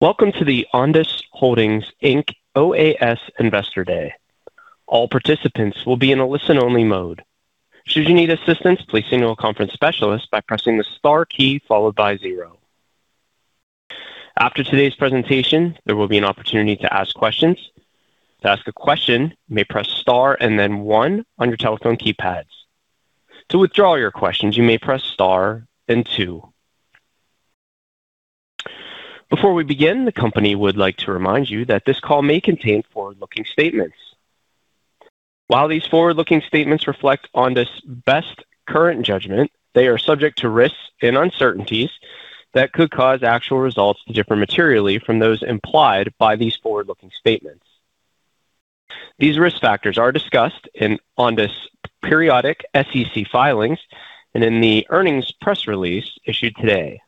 Welcome to the Ondas Holdings, Inc. OAS Investor Day. All participants will be in a listen-only mode. Should you need assistance, please signal a conference specialist by pressing the star key followed by zero. After today's presentation, there will be an opportunity to ask questions. To ask a question, you may press star and then one on your telephone keypads. To withdraw your questions, you may press star and two. Before we begin, the company would like to remind you that this call may contain forward-looking statements. While these forward-looking statements reflect Ondas' best current judgment, they are subject to risks and uncertainties that could cause actual results to differ materially from those implied by these forward-looking statements. These risk factors are discussed in Ondas' periodic SEC filings and in the earnings press release issued today,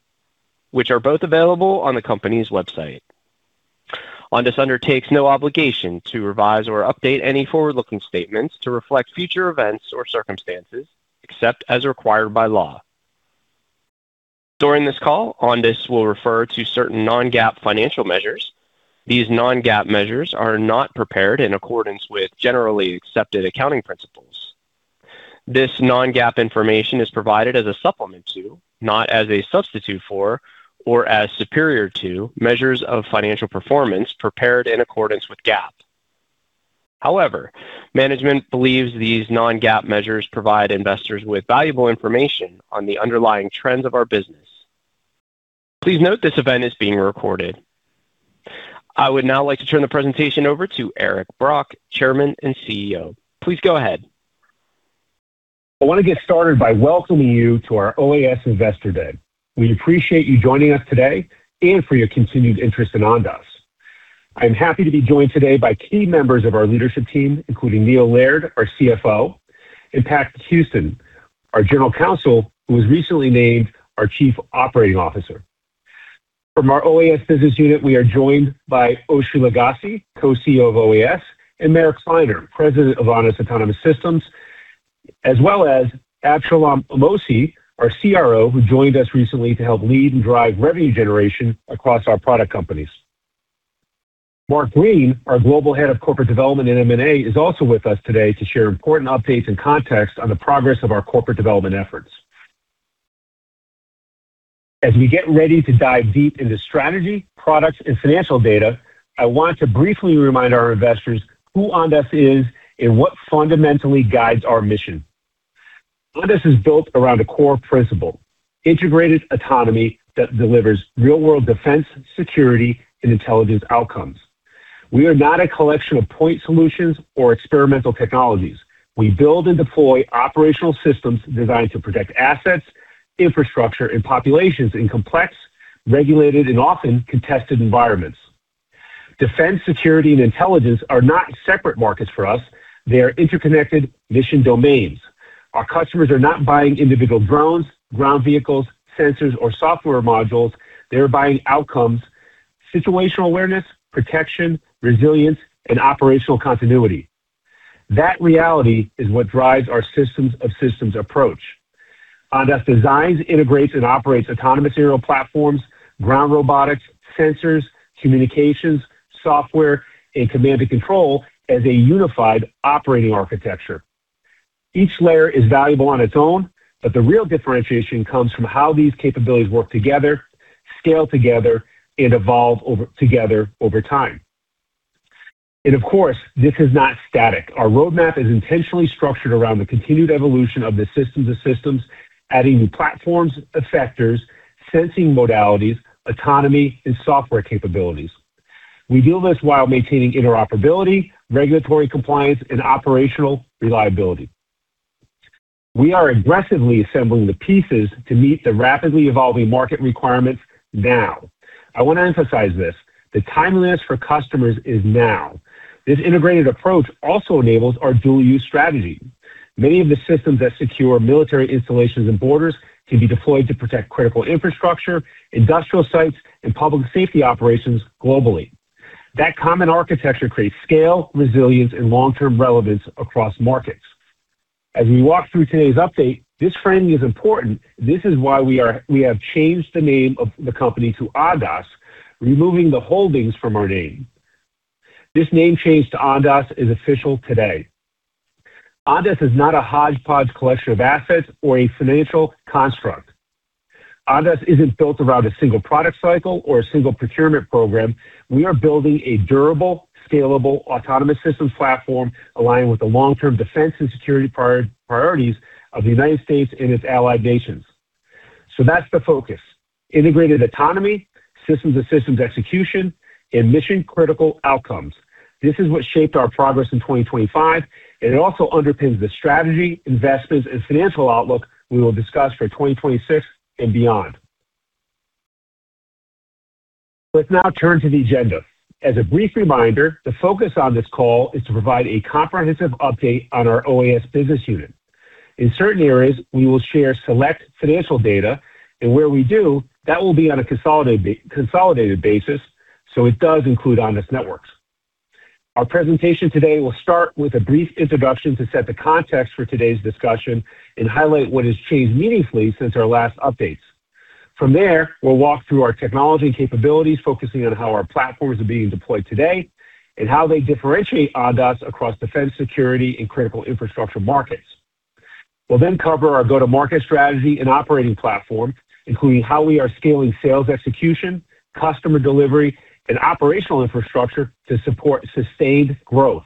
which are both available on the company's website. Ondas undertakes no obligation to revise or update any forward-looking statements to reflect future events or circumstances except as required by law. During this call, Ondas will refer to certain non-GAAP financial measures. These non-GAAP measures are not prepared in accordance with generally accepted accounting principles. This non-GAAP information is provided as a supplement to, not as a substitute for, or as superior to measures of financial performance prepared in accordance with GAAP. However, management believes these non-GAAP measures provide investors with valuable information on the underlying trends of our business. Please note this event is being recorded. I would now like to turn the presentation over to Eric Brock, Chairman and CEO. Please go ahead. I want to get started by welcoming you to our OAS Investor Day. We appreciate you joining us today and for your continued interest in Ondas. I'm happy to be joined today by key members of our leadership team, including Neil Laird, our CFO, and Pat Houston, our General Counsel, who was recently named our Chief Operating Officer. From our OAS business unit, we are joined by Oshri Lugassy, co-CEO of OAS, and Meir Kliner, President of Ondas Autonomous Systems, as well as Avshalom Amossi, our CRO, who joined us recently to help lead and drive revenue generation across our product companies. Mark Green, our Global Head of Corporate Development and M&A, is also with us today to share important updates and context on the progress of our corporate development efforts. As we get ready to dive deep into strategy, products, and financial data, I want to briefly remind our investors who Ondas is and what fundamentally guides our mission. Ondas is built around a core principle: integrated autonomy that delivers real-world defense, security, and intelligence outcomes. We are not a collection of point solutions or experimental technologies. We build and deploy operational systems designed to protect assets, infrastructure, and populations in complex, regulated, and often contested environments. Defense, security, and intelligence are not separate markets for us. They are interconnected mission domains. Our customers are not buying individual drones, ground vehicles, sensors, or software modules. They are buying outcomes: situational awareness, protection, resilience, and operational continuity. That reality is what drives our systems-of-systems approach. Ondas designs, integrates, and operates autonomous aerial platforms, ground robotics, sensors, communications, software, and command and control as a unified operating architecture. Each layer is valuable on its own, but the real differentiation comes from how these capabilities work together, scale together, and evolve together over time, and of course, this is not static. Our roadmap is intentionally structured around the continued evolution of the systems of systems, adding new platforms, effectors, sensing modalities, autonomy, and software capabilities. We do this while maintaining interoperability, regulatory compliance, and operational reliability. We are aggressively assembling the pieces to meet the rapidly evolving market requirements now. I want to emphasize this: the timeliness for customers is now. This integrated approach also enables our dual-use strategy. Many of the systems that secure military installations and borders can be deployed to protect critical infrastructure, industrial sites, and public safety operations globally. That common architecture creates scale, resilience, and long-term relevance across markets. As we walk through today's update, this framing is important. This is why we have changed the name of the company to Ondas, removing the holdings from our name. This name change to Ondas is official today. Ondas is not a hodgepodge collection of assets or a financial construct. Ondas isn't built around a single product cycle or a single procurement program. We are building a durable, scalable, autonomous systems platform aligned with the long-term defense and security priorities of the United States and its allied nations. So that's the focus: integrated autonomy, systems-of-systems execution, and mission-critical outcomes. This is what shaped our progress in 2025, and it also underpins the strategy, investments, and financial outlook we will discuss for 2026 and beyond. Let's now turn to the agenda. As a brief reminder, the focus on this call is to provide a comprehensive update on our OAS business unit. In certain areas, we will share select financial data, and where we do, that will be on a consolidated basis, so it does include Ondas Networks. Our presentation today will start with a brief introduction to set the context for today's discussion and highlight what has changed meaningfully since our last updates. From there, we'll walk through our technology and capabilities, focusing on how our platforms are being deployed today and how they differentiate Ondas across defense, security, and critical infrastructure markets. We'll then cover our go-to-market strategy and operating platform, including how we are scaling sales execution, customer delivery, and operational infrastructure to support sustained growth.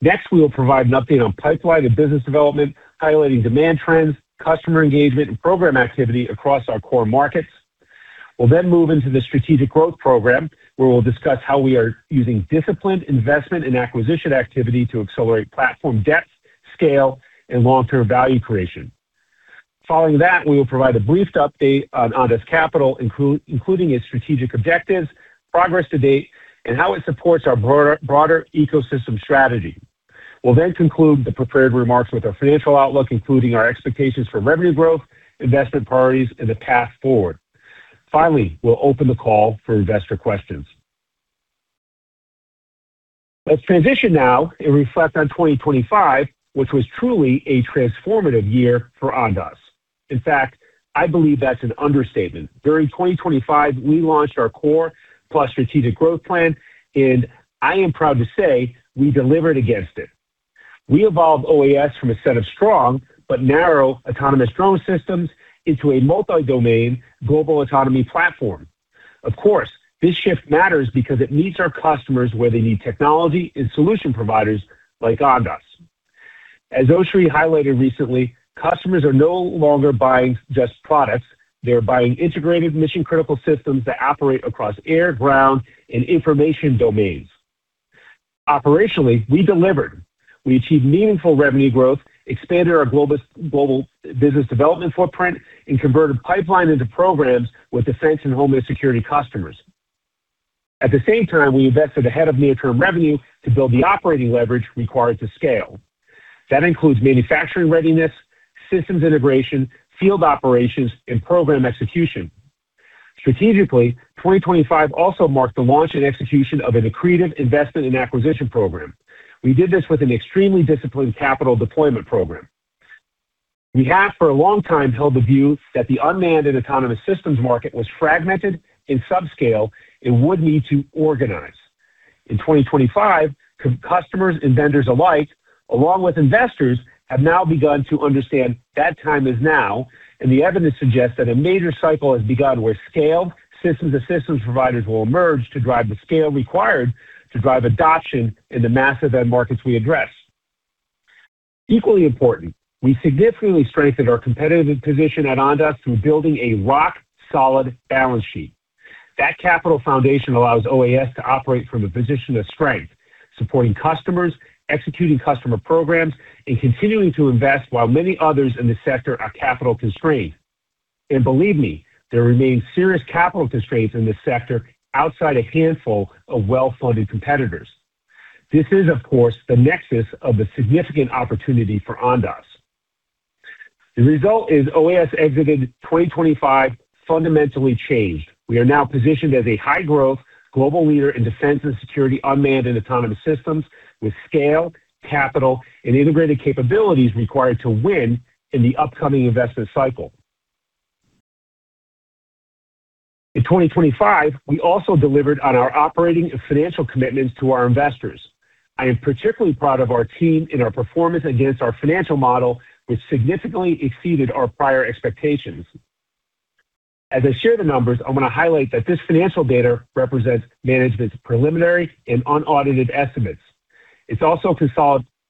Next, we will provide an update on pipeline and business development, highlighting demand trends, customer engagement, and program activity across our core markets. We'll then move into the strategic growth program, where we'll discuss how we are using disciplined investment and acquisition activity to accelerate platform depth, scale, and long-term value creation. Following that, we will provide a brief update on Ondas Capital, including its strategic objectives, progress to date, and how it supports our broader ecosystem strategy. We'll then conclude the prepared remarks with our financial outlook, including our expectations for revenue growth, investment priorities, and the path forward. Finally, we'll open the call for investor questions. Let's transition now and reflect on 2025, which was truly a transformative year for Ondas. In fact, I believe that's an understatement. During 2025, we launched our Core Plus strategic growth plan, and I am proud to say we delivered against it. We evolved OAS from a set of strong but narrow autonomous drone systems into a multi-domain global autonomy platform. Of course, this shift matters because it meets our customers where they need technology and solution providers like Ondas. As Oshri highlighted recently, customers are no longer buying just products. They're buying integrated mission-critical systems that operate across air, ground, and information domains. Operationally, we delivered. We achieved meaningful revenue growth, expanded our global business development footprint, and converted pipeline into programs with defense and homeland security customers. At the same time, we invested ahead of near-term revenue to build the operating leverage required to scale. That includes manufacturing readiness, systems integration, field operations, and program execution. Strategically, 2025 also marked the launch and execution of a creative investment and acquisition program. We did this with an extremely disciplined capital deployment program. We have for a long time held the view that the unmanned and autonomous systems market was fragmented and subscale and would need to organize. In 2025, customers and vendors alike, along with investors, have now begun to understand that time is now, and the evidence suggests that a major cycle has begun where scaled systems of systems providers will emerge to drive the scale required to drive adoption in the massive end markets we address. Equally important, we significantly strengthened our competitive position at Ondas through building a rock-solid balance sheet. That capital foundation allows OAS to operate from a position of strength, supporting customers, executing customer programs, and continuing to invest while many others in the sector are capital constrained. And believe me, there remain serious capital constraints in this sector outside a handful of well-funded competitors. This is, of course, the nexus of the significant opportunity for Ondas. The result is OAS exited 2025 fundamentally changed. We are now positioned as a high-growth global leader in defense and security, unmanned and autonomous systems, with scale, capital, and integrated capabilities required to win in the upcoming investment cycle. In 2025, we also delivered on our operating and financial commitments to our investors. I am particularly proud of our team and our performance against our financial model, which significantly exceeded our prior expectations. As I share the numbers, I want to highlight that this financial data represents management's preliminary and unaudited estimates. It's also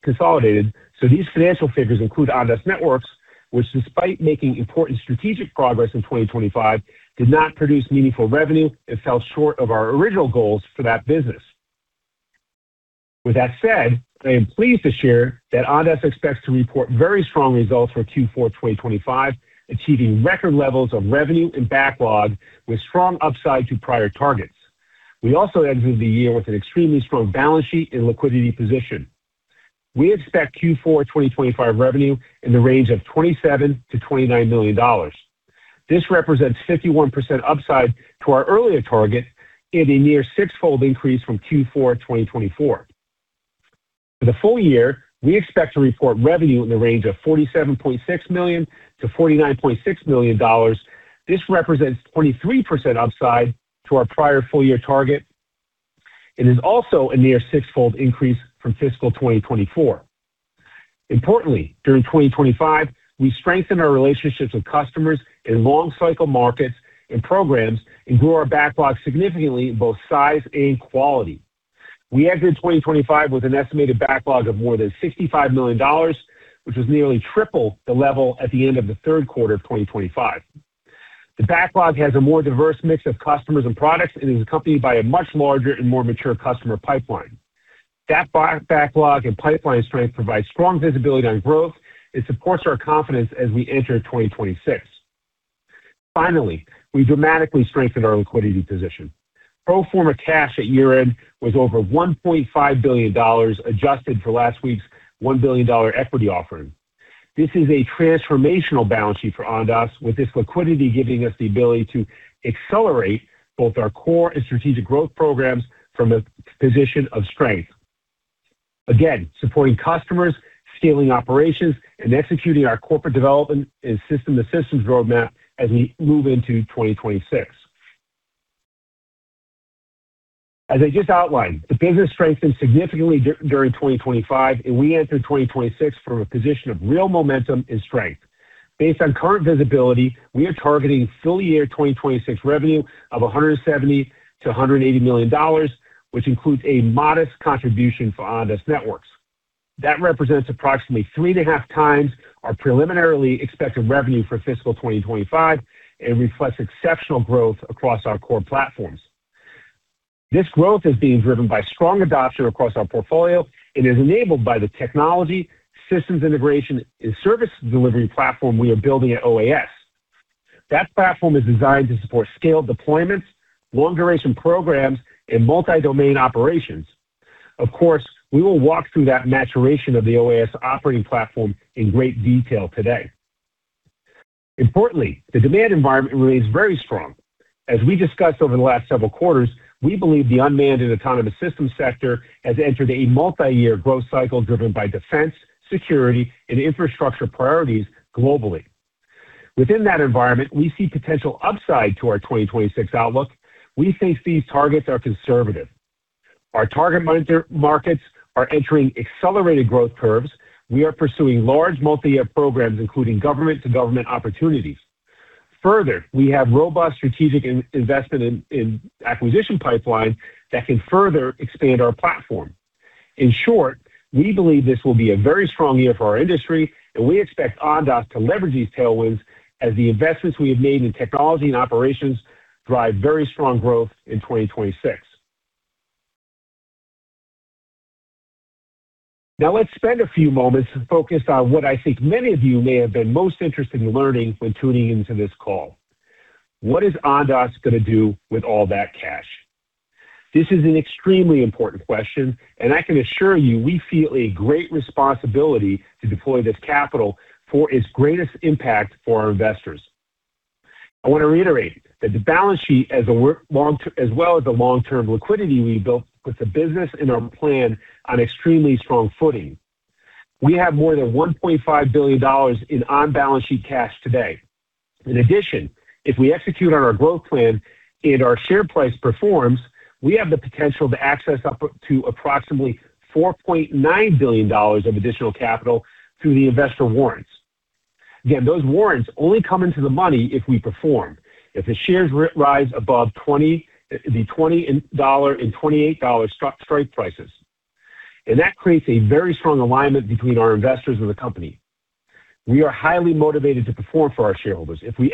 consolidated, so these financial figures include Ondas Networks, which, despite making important strategic progress in 2025, did not produce meaningful revenue and fell short of our original goals for that business. With that said, I am pleased to share that Ondas expects to report very strong results for Q4 2025, achieving record levels of revenue and backlog, with strong upside to prior targets. We also exited the year with an extremely strong balance sheet and liquidity position. We expect Q4 2025 revenue in the range of $27 million-$29 million. This represents 51% upside to our earlier target and a near six-fold increase from Q4 2024. For the full year, we expect to report revenue in the range of $47.6 million-$49.6 million. This represents 23% upside to our prior full-year target and is also a near six-fold increase from fiscal 2024. Importantly, during 2025, we strengthened our relationships with customers in long-cycle markets and programs and grew our backlog significantly in both size and quality. We exited 2025 with an estimated backlog of more than $65 million, which was nearly triple the level at the end of the third quarter of 2025. The backlog has a more diverse mix of customers and products and is accompanied by a much larger and more mature customer pipeline. That backlog and pipeline strength provides strong visibility on growth and supports our confidence as we enter 2026. Finally, we dramatically strengthened our liquidity position. Pro forma cash at year-end was over $1.5 billion, adjusted for last week's $1 billion equity offering. This is a transformational balance sheet for Ondas, with this liquidity giving us the ability to accelerate both our core and strategic growth programs from a position of strength. Again, supporting customers, scaling operations, and executing our corporate development and system-to-systems roadmap as we move into 2026. As I just outlined, the business strengthened significantly during 2025, and we entered 2026 from a position of real momentum and strength. Based on current visibility, we are targeting full-year 2026 revenue of $170 million-$180 million, which includes a modest contribution for Ondas Networks. That represents approximately three and a half times our preliminarily expected revenue for fiscal 2025 and reflects exceptional growth across our core platforms. This growth is being driven by strong adoption across our portfolio and is enabled by the technology, systems integration, and service delivery platform we are building at OAS. That platform is designed to support scaled deployments, long-duration programs, and multi-domain operations. Of course, we will walk through that maturation of the OAS operating platform in great detail today. Importantly, the demand environment remains very strong. As we discussed over the last several quarters, we believe the unmanned and autonomous systems sector has entered a multi-year growth cycle driven by defense, security, and infrastructure priorities globally. Within that environment, we see potential upside to our 2026 outlook. We think these targets are conservative. Our target markets are entering accelerated growth curves. We are pursuing large multi-year programs, including government-to-government opportunities. Further, we have robust strategic investment and acquisition pipeline that can further expand our platform. In short, we believe this will be a very strong year for our industry, and we expect Ondas to leverage these tailwinds as the investments we have made in technology and operations drive very strong growth in 2026. Now, let's spend a few moments focused on what I think many of you may have been most interested in learning when tuning into this call. What is Ondas going to do with all that cash? This is an extremely important question, and I can assure you we feel a great responsibility to deploy this capital for its greatest impact for our investors. I want to reiterate that the balance sheet, as well as the long-term liquidity we built, puts the business and our plan on extremely strong footing. We have more than $1.5 billion in on-balance sheet cash today. In addition, if we execute on our growth plan and our share price performs, we have the potential to access up to approximately $4.9 billion of additional capital through the investor warrants. Again, those warrants only come into the money if we perform, if the shares rise above the $20 and $28 strike prices, and that creates a very strong alignment between our investors and the company. We are highly motivated to perform for our shareholders. If we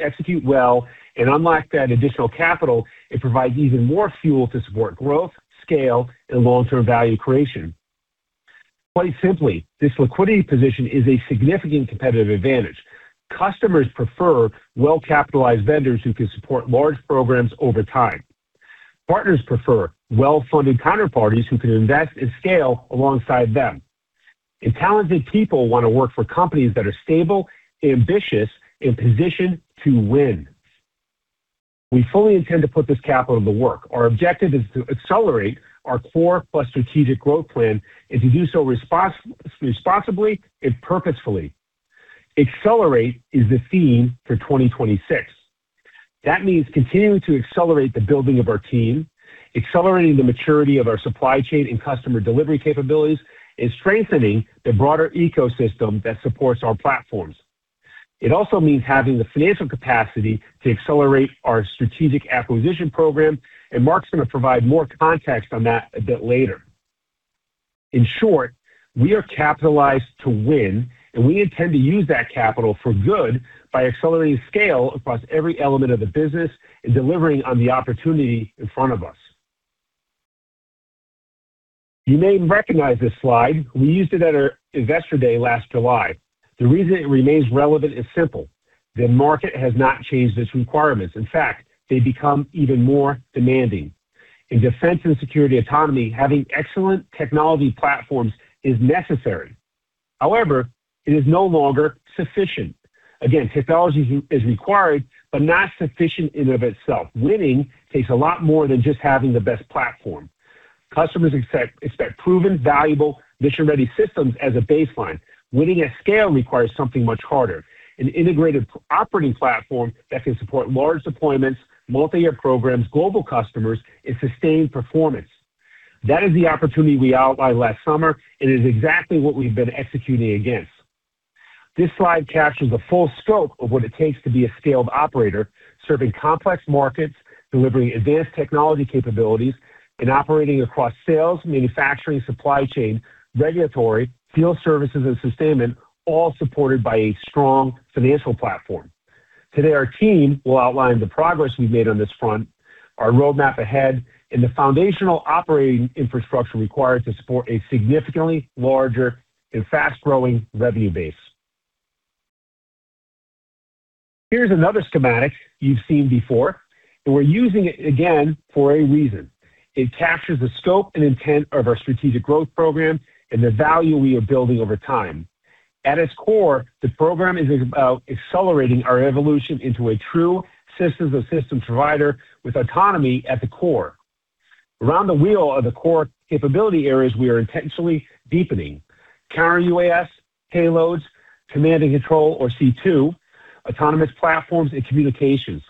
execute well and unlock that additional capital, it provides even more fuel to support growth, scale, and long-term value creation. Quite simply, this liquidity position is a significant competitive advantage. Customers prefer well-capitalized vendors who can support large programs over time. Partners prefer well-funded counterparties who can invest and scale alongside them. And talented people want to work for companies that are stable, ambitious, and positioned to win. We fully intend to put this capital to work. Our objective is to accelerate our Core Plus strategic growth plan and to do so responsibly and purposefully. Accelerate is the theme for 2026. That means continuing to accelerate the building of our team, accelerating the maturity of our supply chain and customer delivery capabilities, and strengthening the broader ecosystem that supports our platforms. It also means having the financial capacity to accelerate our strategic acquisition program, and Mark's going to provide more context on that a bit later. In short, we are capitalized to win, and we intend to use that capital for good by accelerating scale across every element of the business and delivering on the opportunity in front of us. You may recognize this slide. We used it at our investor day last July. The reason it remains relevant is simple. The market has not changed its requirements. In fact, they become even more demanding. In defense and security autonomy, having excellent technology platforms is necessary. However, it is no longer sufficient. Again, technology is required, but not sufficient in and of itself. Winning takes a lot more than just having the best platform. Customers expect proven, valuable, mission-ready systems as a baseline. Winning at scale requires something much harder: an integrated operating platform that can support large deployments, multi-year programs, global customers, and sustained performance. That is the opportunity we outlined last summer, and it is exactly what we've been executing against. This slide captures the full scope of what it takes to be a scaled operator, serving complex markets, delivering advanced technology capabilities, and operating across sales, manufacturing, supply chain, regulatory, field services, and sustainment, all supported by a strong financial platform. Today, our team will outline the progress we've made on this front, our roadmap ahead, and the foundational operating infrastructure required to support a significantly larger and fast-growing revenue base. Here's another schematic you've seen before, and we're using it again for a reason. It captures the scope and intent of our strategic growth program and the value we are building over time. At its core, the program is about accelerating our evolution into a true systems-of-systems provider with autonomy at the core. Around the wheel are the core capability areas we are intentionally deepening: Counter-UAS, payloads, command and control, or C2, autonomous platforms, and communications.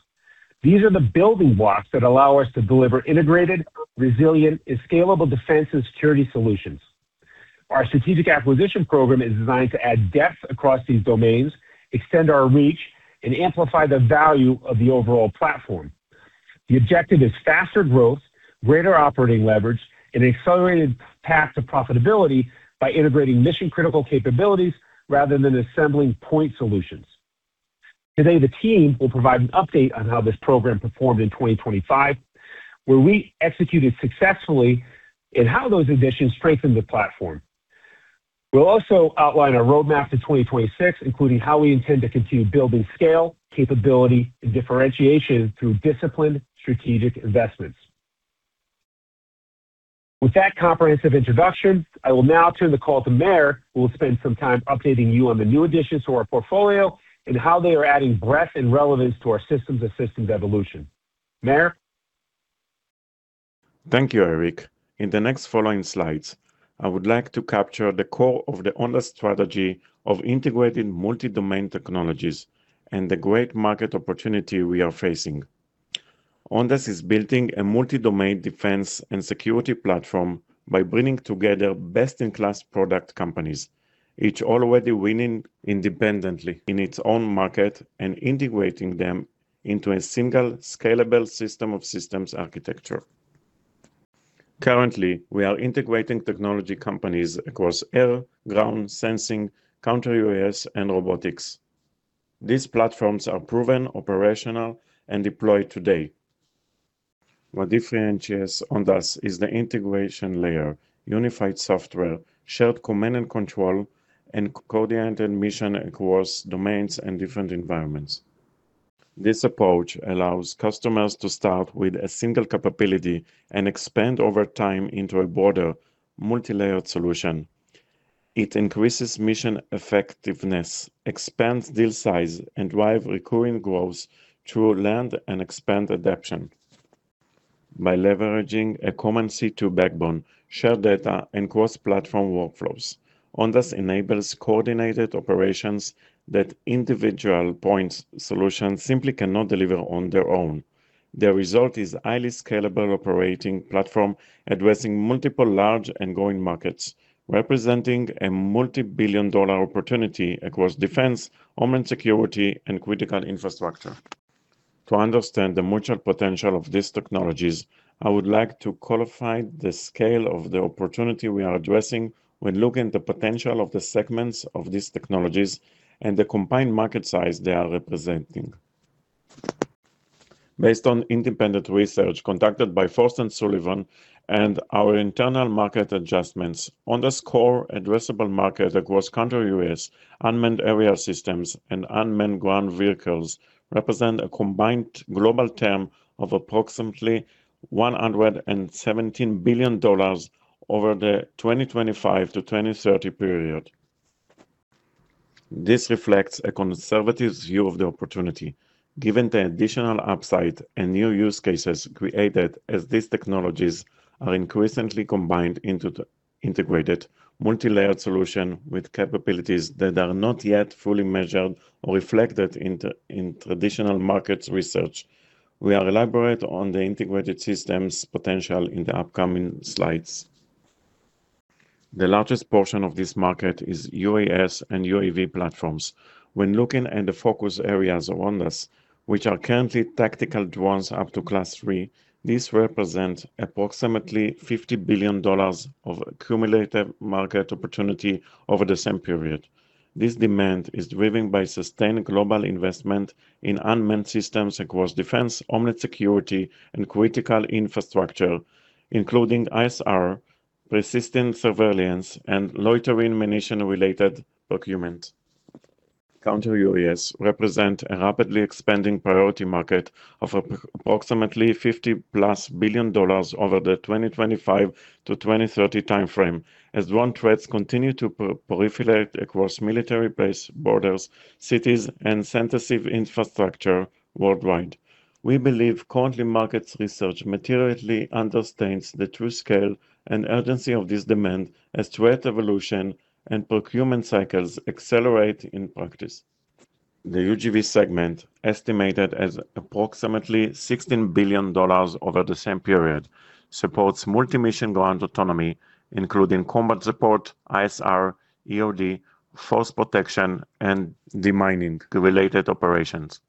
These are the building blocks that allow us to deliver integrated, resilient, and scalable defense and security solutions. Our strategic acquisition program is designed to add depth across these domains, extend our reach, and amplify the value of the overall platform. The objective is faster growth, greater operating leverage, and an accelerated path to profitability by integrating mission-critical capabilities rather than assembling point solutions. Today, the team will provide an update on how this program performed in 2025, where we executed successfully, and how those additions strengthened the platform. We'll also outline our roadmap to 2026, including how we intend to continue building scale, capability, and differentiation through disciplined strategic investments. With that comprehensive introduction, I will now turn the call to Meir, who will spend some time updating you on the new additions to our portfolio and how they are adding breadth and relevance to our systems-of-systems evolution. Meir? Thank you, Eric. In the next following slides, I would like to capture the core of the Ondas strategy of integrating multi-domain technologies and the great market opportunity we are facing. Ondas is building a multi-domain defense and security platform by bringing together best-in-class product companies, each already winning independently in its own market and integrating them into a single scalable system-of-systems architecture. Currently, we are integrating technology companies across air, ground, sensing, counter-UAS, and robotics. These platforms are proven, operational, and deployed today. What differentiates Ondas is the integration layer: unified software, shared command and control, and code-oriented mission across domains and different environments. This approach allows customers to start with a single capability and expand over time into a broader, multi-layered solution. It increases mission effectiveness, expands deal size, and drives recurring growth through land and expand adoption. By leveraging a common C2 backbone, shared data, and cross-platform workflows, Ondas enables coordinated operations that individual point solutions simply cannot deliver on their own. The result is a highly scalable operating platform addressing multiple large and growing markets, representing a multi-billion-dollar opportunity across defense, homeland security, and critical infrastructure. To understand the mutual potential of these technologies, I would like to qualify the scale of the opportunity we are addressing when looking at the potential of the segments of these technologies and the combined market size they are representing. Based on independent research conducted by Frost & Sullivan and our internal market adjustments, Ondas' core addressable market across counter UAS, unmanned aerial systems, and unmanned ground vehicles represent a combined global TAM of approximately $117 billion over the 2025 to 2030 period. This reflects a conservative view of the opportunity, given the additional upside and new use cases created as these technologies are increasingly combined into integrated, multi-layered solutions with capabilities that are not yet fully measured or reflected in traditional market research. We are elaborating on the integrated systems potential in the upcoming slides. The largest portion of this market is UAS and UAV platforms. When looking at the focus areas of Ondas, which are currently tactical drones up to class three, these represent approximately $50 billion of accumulated market opportunity over the same period. This demand is driven by sustained global investment in unmanned systems across defense, homeland security, and critical infrastructure, including ISR, persistent surveillance, and loitering munition-related documents. Counter-UAS represent a rapidly expanding priority market of approximately $50+ billion over the 2025-2030 timeframe, as drone threats continue to proliferate across military-based borders, cities, and sensitive infrastructure worldwide. We believe currently market research materially understands the true scale and urgency of this demand as threat evolution and procurement cycles accelerate in practice. The UGV segment, estimated at approximately $16 billion over the same period, supports multi-mission ground autonomy, including combat support, ISR, EOD, force protection, and demining-related operations.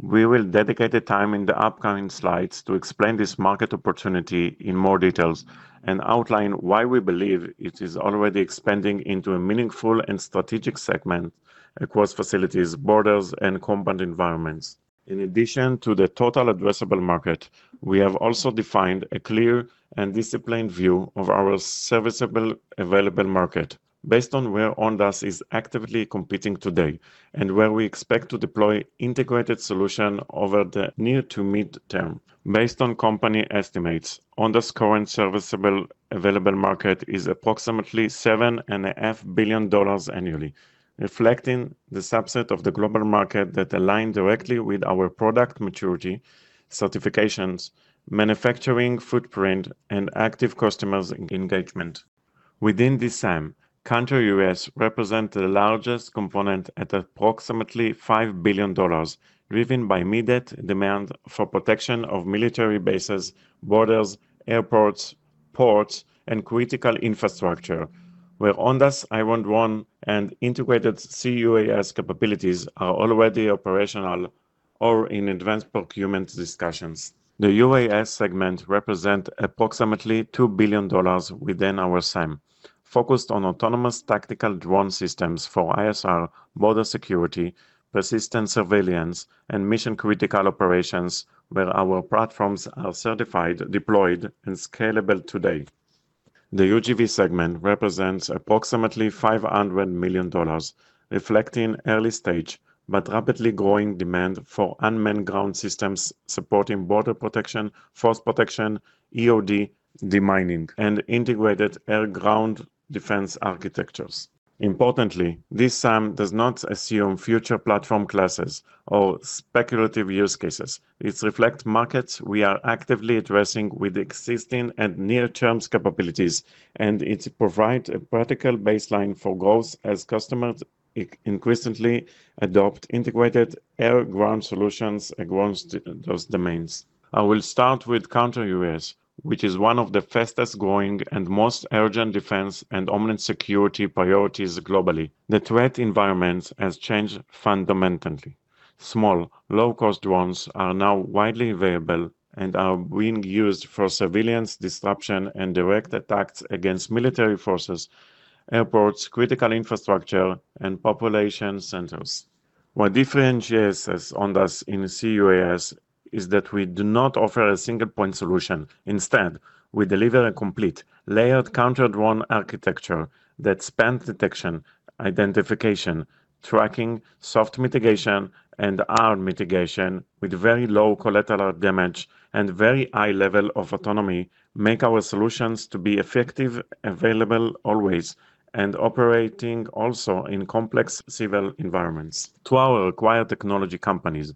We will dedicate time in the upcoming slides to explain this market opportunity in more details and outline why we believe it is already expanding into a meaningful and strategic segment across facilities, borders, and combat environments. In addition to the total addressable market, we have also defined a clear and disciplined view of our serviceable available market based on where Ondas is actively competing today and where we expect to deploy integrated solutions over the near to mid-term. Based on company estimates, Ondas' current serviceable available market is approximately $7.5 billion annually, reflecting the subset of the global market that aligns directly with our product maturity, certifications, manufacturing footprint, and active customer engagement. Within this SAM, counter-UAS represents the largest component at approximately $5 billion, driven by immediate demand for protection of military bases, borders, airports, ports, and critical infrastructure, where Ondas' Iron Drone and integrated CUAS capabilities are already operational or in advanced procurement discussions. The UAS segment represents approximately $2 billion within our SAM, focused on autonomous tactical drone systems for ISR, border security, persistent surveillance, and mission-critical operations, where our platforms are certified, deployed, and scalable today. The UGV segment represents approximately $500 million, reflecting early-stage but rapidly growing demand for unmanned ground systems supporting border protection, force protection, EOD, demining, and integrated air-ground defense architectures. Importantly, this SAM does not assume future platform classes or speculative use cases. It reflects markets we are actively addressing with existing and near-term capabilities, and it provides a practical baseline for growth as customers increasingly adopt integrated air-ground solutions across those domains. I will start with counter-UAS, which is one of the fastest-growing and most urgent defense and homeland security priorities globally. The threat environment has changed fundamentally. Small, low-cost drones are now widely available and are being used for civilian disruption and direct attacks against military forces, airports, critical infrastructure, and population centers. What differentiates Ondas in CUAS is that we do not offer a single-point solution. Instead, we deliver a complete, layered counter-drone architecture that spans detection, identification, tracking, soft mitigation, and hard mitigation with very low collateral damage and very high level of autonomy to make our solutions effective, available always, and operating also in complex civil environments. To our acquired technology companies,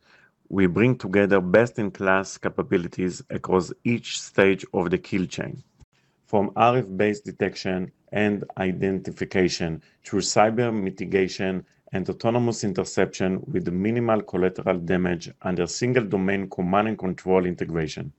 we bring together best-in-class capabilities across each stage of the kill chain, from RF-based detection and identification through cyber mitigation and autonomous interception with minimal collateral damage under single-domain command and control integration.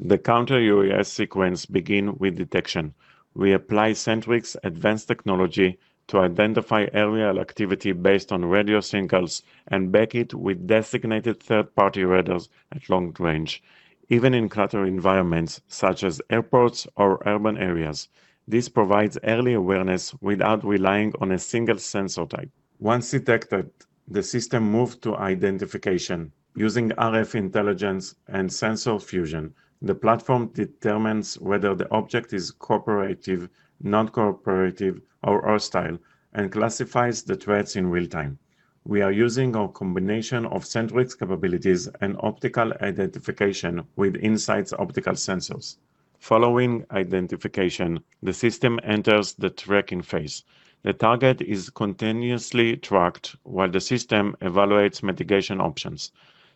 The counter-UAS sequence begins with detection. We apply Sentrycs' advanced technology to identify aerial activity based on radio signals and back it with designated third-party radars at long range, even in cluttered environments such as airports or urban areas. This provides early awareness without relying on a single sensor type. Once detected, the system moves to identification. Using RF intelligence and sensor fusion, the platform determines whether the object is cooperative, non-cooperative, or hostile, and classifies the threats in real time. We are using a combination of Sentrycs' capabilities and optical identification with Insight optical sensors. Following identification, the system enters the tracking phase. The target is continuously tracked while the system evaluates mitigation options.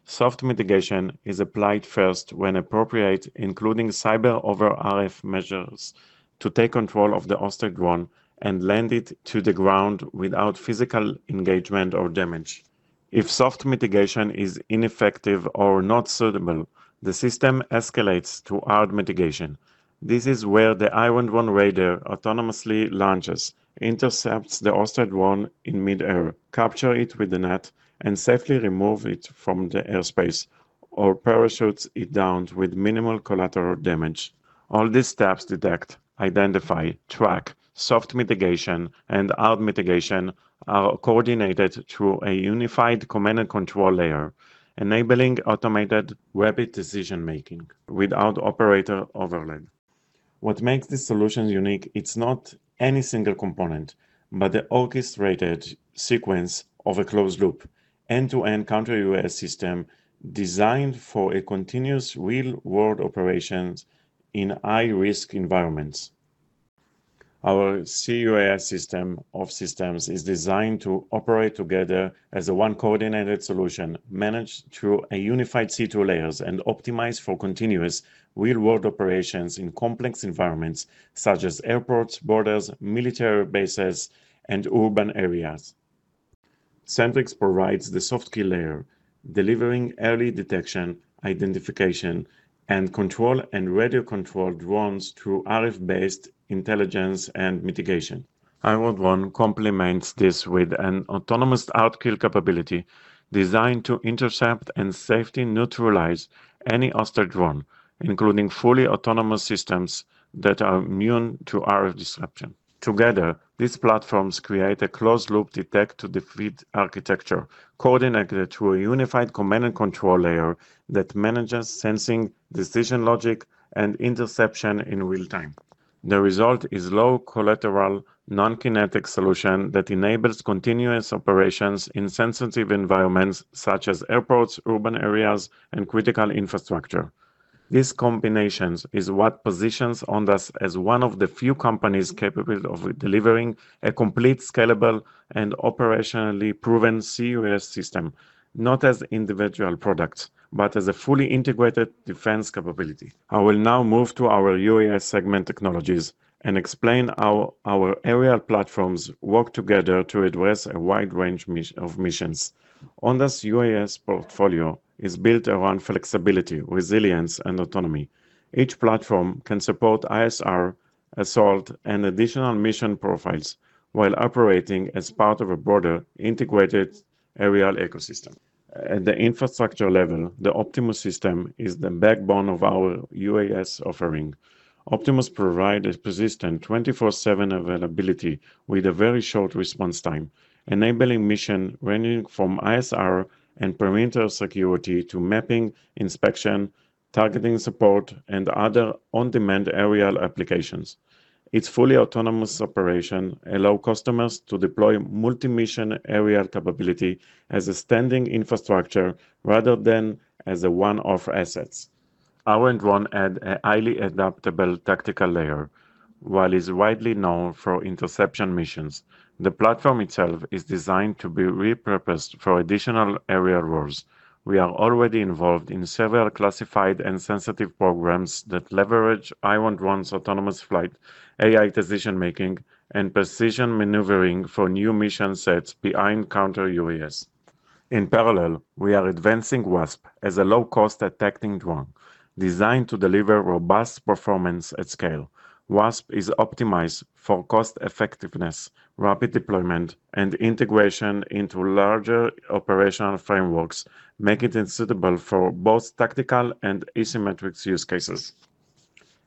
Soft mitigation is applied first when appropriate, including cyber-over-RF measures to take control of the hostile drone and land it to the ground without physical engagement or damage. If soft mitigation is ineffective or not suitable, the system escalates to hard mitigation. This is where the Iron Drone Raider autonomously launches, intercepts the hostile drone in mid-air, captures it with the net, and safely removes it from the airspace or parachutes it down with minimal collateral damage. All these steps: detect, identify, track, soft mitigation, and hard mitigation are coordinated through a unified command and control layer, enabling automated, rapid decision-making without operator overlay. What makes this solution unique is not any single component, but the orchestrated sequence of a closed-loop, end-to-end counter-UAS system designed for continuous real-world operations in high-risk environments. Our CUAS system of systems is designed to operate together as a one-coordinated solution managed through a unified C2 layer and optimized for continuous real-world operations in complex environments such as airports, borders, military bases, and urban areas. Sentrycs provides the soft kill layer, delivering early detection, identification, and control of radio-controlled drones through RF-based intelligence and mitigation. Iron Drone complements this with an autonomous hard-kill capability designed to intercept and safely neutralize any hostile drone, including fully autonomous systems that are immune to RF disruption. Together, these platforms create a closed-loop detect-to-deflect architecture coordinated through a unified command and control layer that manages sensing, decision logic, and interception in real time. The result is a low-collateral, non-kinetic solution that enables continuous operations in sensitive environments such as airports, urban areas, and critical infrastructure. This combination is what positions Ondas as one of the few companies capable of delivering a complete, scalable, and operationally proven CUAS system, not as individual products, but as a fully integrated defense capability. I will now move to our UAS segment technologies and explain how our aerial platforms work together to address a wide range of missions. Ondas' UAS portfolio is built around flexibility, resilience, and autonomy. Each platform can support ISR, assault, and additional mission profiles while operating as part of a broader integrated aerial ecosystem. At the infrastructure level, the Optimus system is the backbone of our UAS offering. Optimus provides persistent 24/7 availability with a very short response time, enabling missions ranging from ISR and perimeter security to mapping, inspection, targeting support, and other on-demand aerial applications. Its fully autonomous operation allows customers to deploy multi-mission aerial capability as a standing infrastructure rather than as one-off assets. Iron Drone adds a highly adaptable tactical layer. While it is widely known for interception missions, the platform itself is designed to be repurposed for additional aerial roles. We are already involved in several classified and sensitive programs that leverage Iron Drone's autonomous flight, AI decision-making, and precision maneuvering for new mission sets behind counter-UAS. In parallel, we are advancing Wasp as a low-cost attacking drone designed to deliver robust performance at scale. Wasp is optimized for cost-effectiveness, rapid deployment, and integration into larger operational frameworks, making it suitable for both tactical and asymmetric use cases.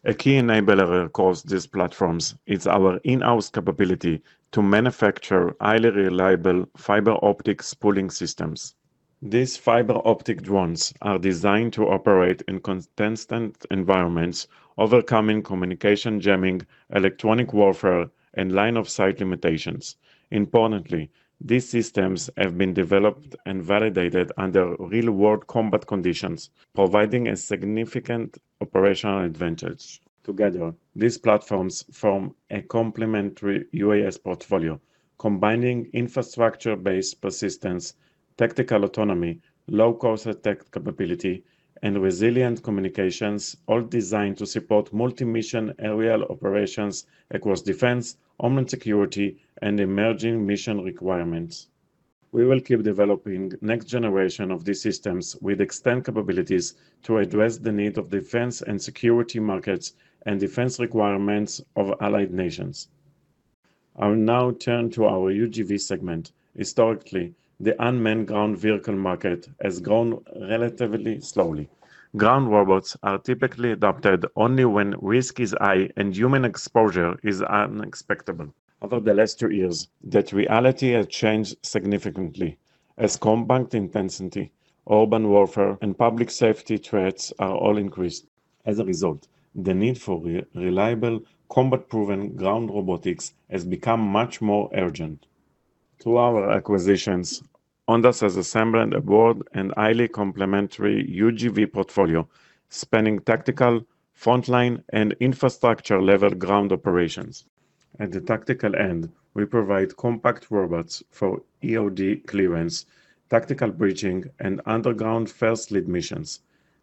A key enabler across these platforms is our in-house capability to manufacture highly reliable fiber optic spooling systems. These fiber optic drones are designed to operate in contested environments, overcoming communication jamming, electronic warfare, and line-of-sight limitations. Importantly, these systems have been developed and validated under real-world combat conditions, providing a significant operational advantage. Together, these platforms form a complementary UAS portfolio, combining infrastructure-based persistence, tactical autonomy, low-cost attack capability, and resilient communications, all designed to support multi-mission aerial operations across defense, homeland security, and emerging mission requirements. We will keep developing the next generation of these systems with extended capabilities to address the needs of defense and security markets and defense requirements of allied nations. I will now turn to our UGV segment. Historically, the unmanned ground vehicle market has grown relatively slowly. Ground robots are typically adopted only when risk is high and human exposure is unexpected. Over the last two years, that reality has changed significantly, as combat intensity, urban warfare, and public safety threats have all increased. As a result, the need for reliable, combat-proven ground robotics has become much more urgent. Through our acquisitions, Ondas has assembled a broad and highly complementary UGV portfolio, spanning tactical, frontline, and infrastructure-level ground operations. At the tactical end, we provide compact robots for EOD clearance, tactical bridging, and underground first-aid missions.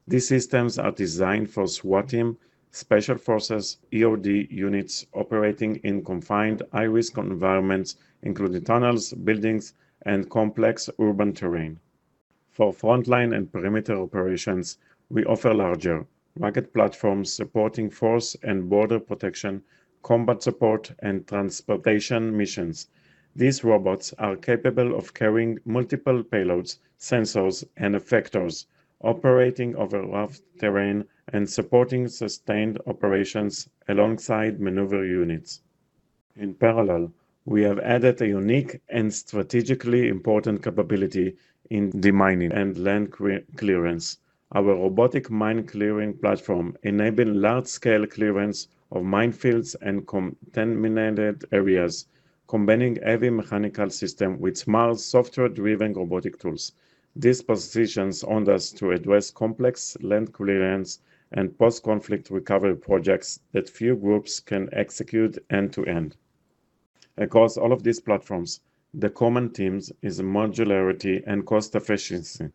These systems are designed for SWAT team, special forces, EOD units operating in confined, high-risk environments, including tunnels, buildings, and complex urban terrain. For frontline and perimeter operations, we offer larger robotic platforms supporting force and border protection, combat support, and transportation missions. These robots are capable of carrying multiple payloads, sensors, and effectors, operating over rough terrain and supporting sustained operations alongside maneuver units. In parallel, we have added a unique and strategically important capability in demining and land clearance. Our robotic mine clearing platform enables large-scale clearance of minefields and contaminated areas, combining heavy mechanical systems with small, software-driven robotic tools. This positions Ondas to address complex land clearance and post-conflict recovery projects that few groups can execute end-to-end. Across all of these platforms, the common themes are modularity and cost efficiency.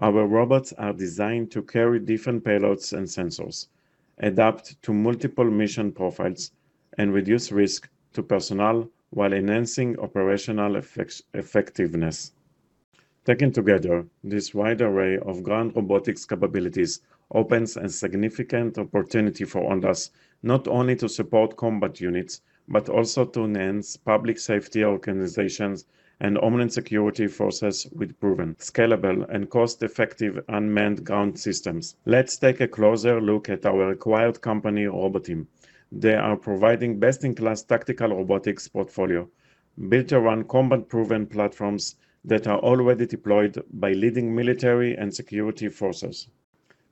Our robots are designed to carry different payloads and sensors, adapt to multiple mission profiles, and reduce risk to personnel while enhancing operational effectiveness. Taken together, this wide array of ground robotics capabilities opens a significant opportunity for Ondas not only to support combat units but also to enhance public safety organizations and homeland security forces with proven, scalable, and cost-effective unmanned ground systems. Let's take a closer look at our acquired company Roboteam. They are providing best-in-class tactical robotics portfolio built around combat-proven platforms that are already deployed by leading military and security forces.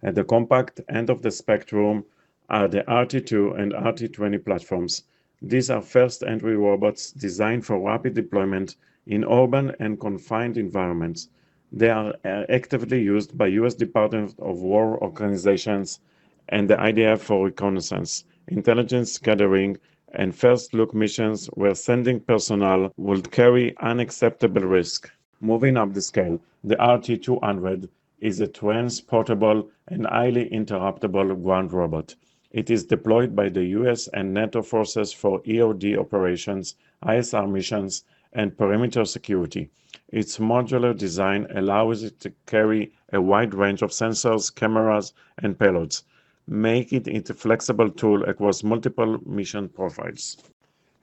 At the compact end of the spectrum are the RT-2 and RT-20 platforms. These are first-entry robots designed for rapid deployment in urban and confined environments. They are actively used by U.S. Department of Defense organizations and the IDF for reconnaissance, intelligence gathering, and first-look missions where sending personnel would carry unacceptable risk. Moving up the scale, the RT-200 is a transportable and highly interoperable ground robot. It is deployed by the U.S. and NATO forces for EOD operations, ISR missions, and perimeter security. Its modular design allows it to carry a wide range of sensors, cameras, and payloads, making it a flexible tool across multiple mission profiles.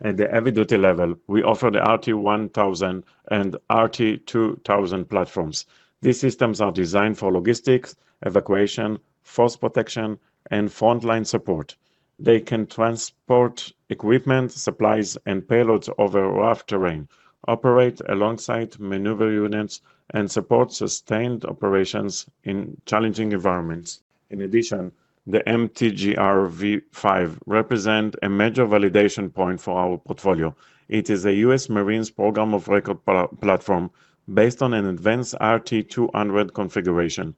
At the heavy-duty level, we offer the RT-1000 and RT-2000 platforms. These systems are designed for logistics, evacuation, force protection, and frontline support. They can transport equipment, supplies, and payloads over rough terrain, operate alongside maneuver units, and support sustained operations in challenging environments. In addition, the MTGR V5 represents a major validation point for our portfolio. It is a U.S. Marines Program of Record platform based on an advanced RT-200 configuration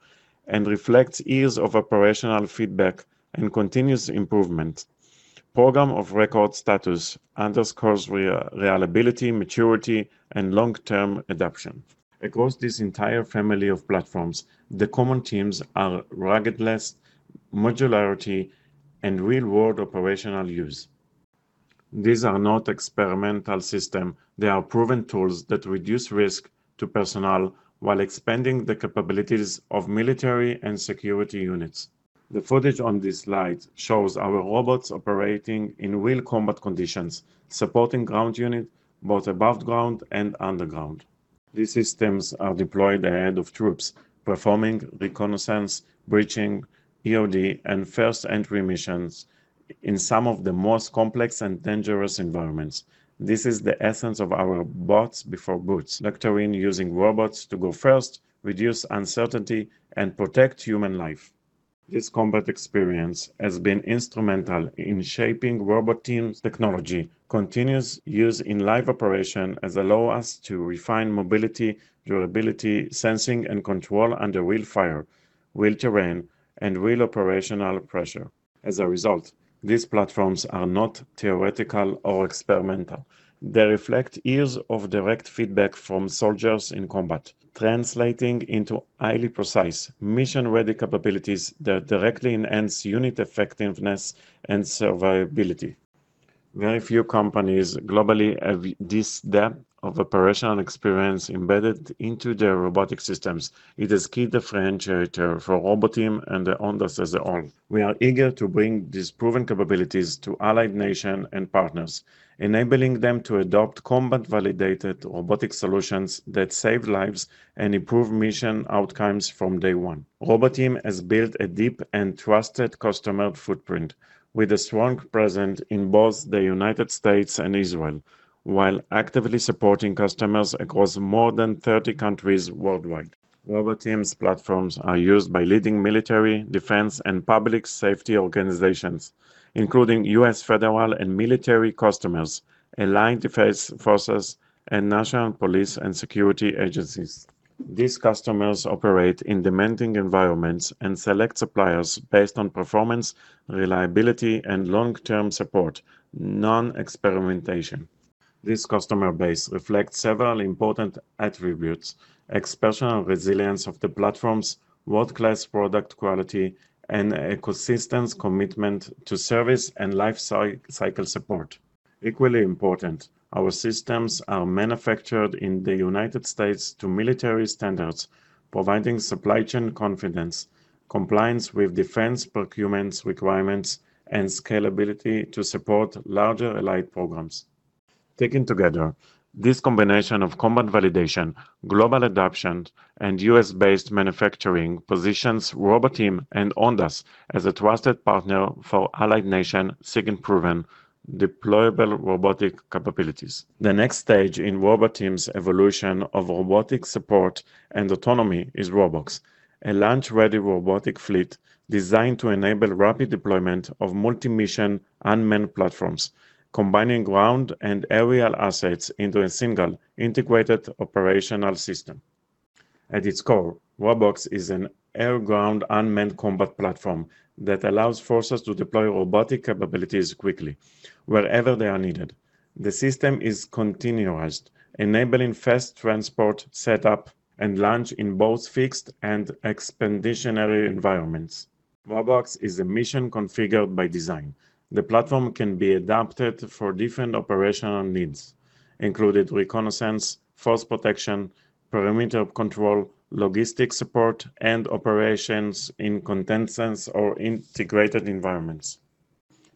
and reflects years of operational feedback and continuous improvement. Program of Record status underscores reliability, maturity, and long-term adoption. Across this entire family of platforms, the common themes are ruggedness, modularity, and real-world operational use. These are not experimental systems. They are proven tools that reduce risk to personnel while expanding the capabilities of military and security units. The footage on this slide shows our robots operating in real combat conditions, supporting ground units both above ground and underground. These systems are deployed ahead of troops, performing reconnaissance, bridging, EOD, and first-entry missions in some of the most complex and dangerous environments. This is the essence of our "bots before boots," leveraging robots to go first, reduce uncertainty, and protect human life. This combat experience has been instrumental in shaping Roboteam technology, continuous use in live operation, allowing us to refine mobility, durability, sensing, and control under real fire, real terrain, and real operational pressure. As a result, these platforms are not theoretical or experimental. They reflect years of direct feedback from soldiers in combat, translating into highly precise, mission-ready capabilities that directly enhance unit effectiveness and survivability. Very few companies globally have this depth of operational experience embedded into their robotic systems. It has pushed the frontier for Roboteam and Ondas as a whole. We are eager to bring these proven capabilities to allied nations and partners, enabling them to adopt combat-validated robotic solutions that save lives and improve mission outcomes from day one. Roboteam has built a deep and trusted customer footprint with a strong presence in both the United States and Israel, while actively supporting customers across more than 30 countries worldwide. Roboteam platforms are used by leading military, defense, and public safety organizations, including U.S. federal and military customers, Allied Defense Forces, and national police and security agencies. These customers operate in demanding environments and select suppliers based on performance, reliability, and long-term support, not experimentation. This customer base reflects several important attributes: exceptional resilience of the platforms, world-class product quality, and a consistent commitment to service and lifecycle support. Equally important, our systems are manufactured in the United States to military standards, providing supply chain confidence, compliance with defense procurement requirements, and scalability to support larger allied programs. Taken together, this combination of combat validation, global adoption, and U.S.-based manufacturing positions Roboteam and Ondas as a trusted partner for allied nations seeking proven, deployable robotic capabilities. The next stage in Roboteam's evolution of robotic support and autonomy is Robox, a launch-ready robotic fleet designed to enable rapid deployment of multi-mission unmanned platforms, combining ground and aerial assets into a single, integrated operational system. At its core, Robox is an air-ground unmanned combat platform that allows forces to deploy robotic capabilities quickly, wherever they are needed. The system is continuous, enabling fast transport setup and launch in both fixed and expeditionary environments. Robox is a mission configured by design. The platform can be adapted for different operational needs, including reconnaissance, force protection, perimeter control, logistics support, and operations in contentious or integrated environments.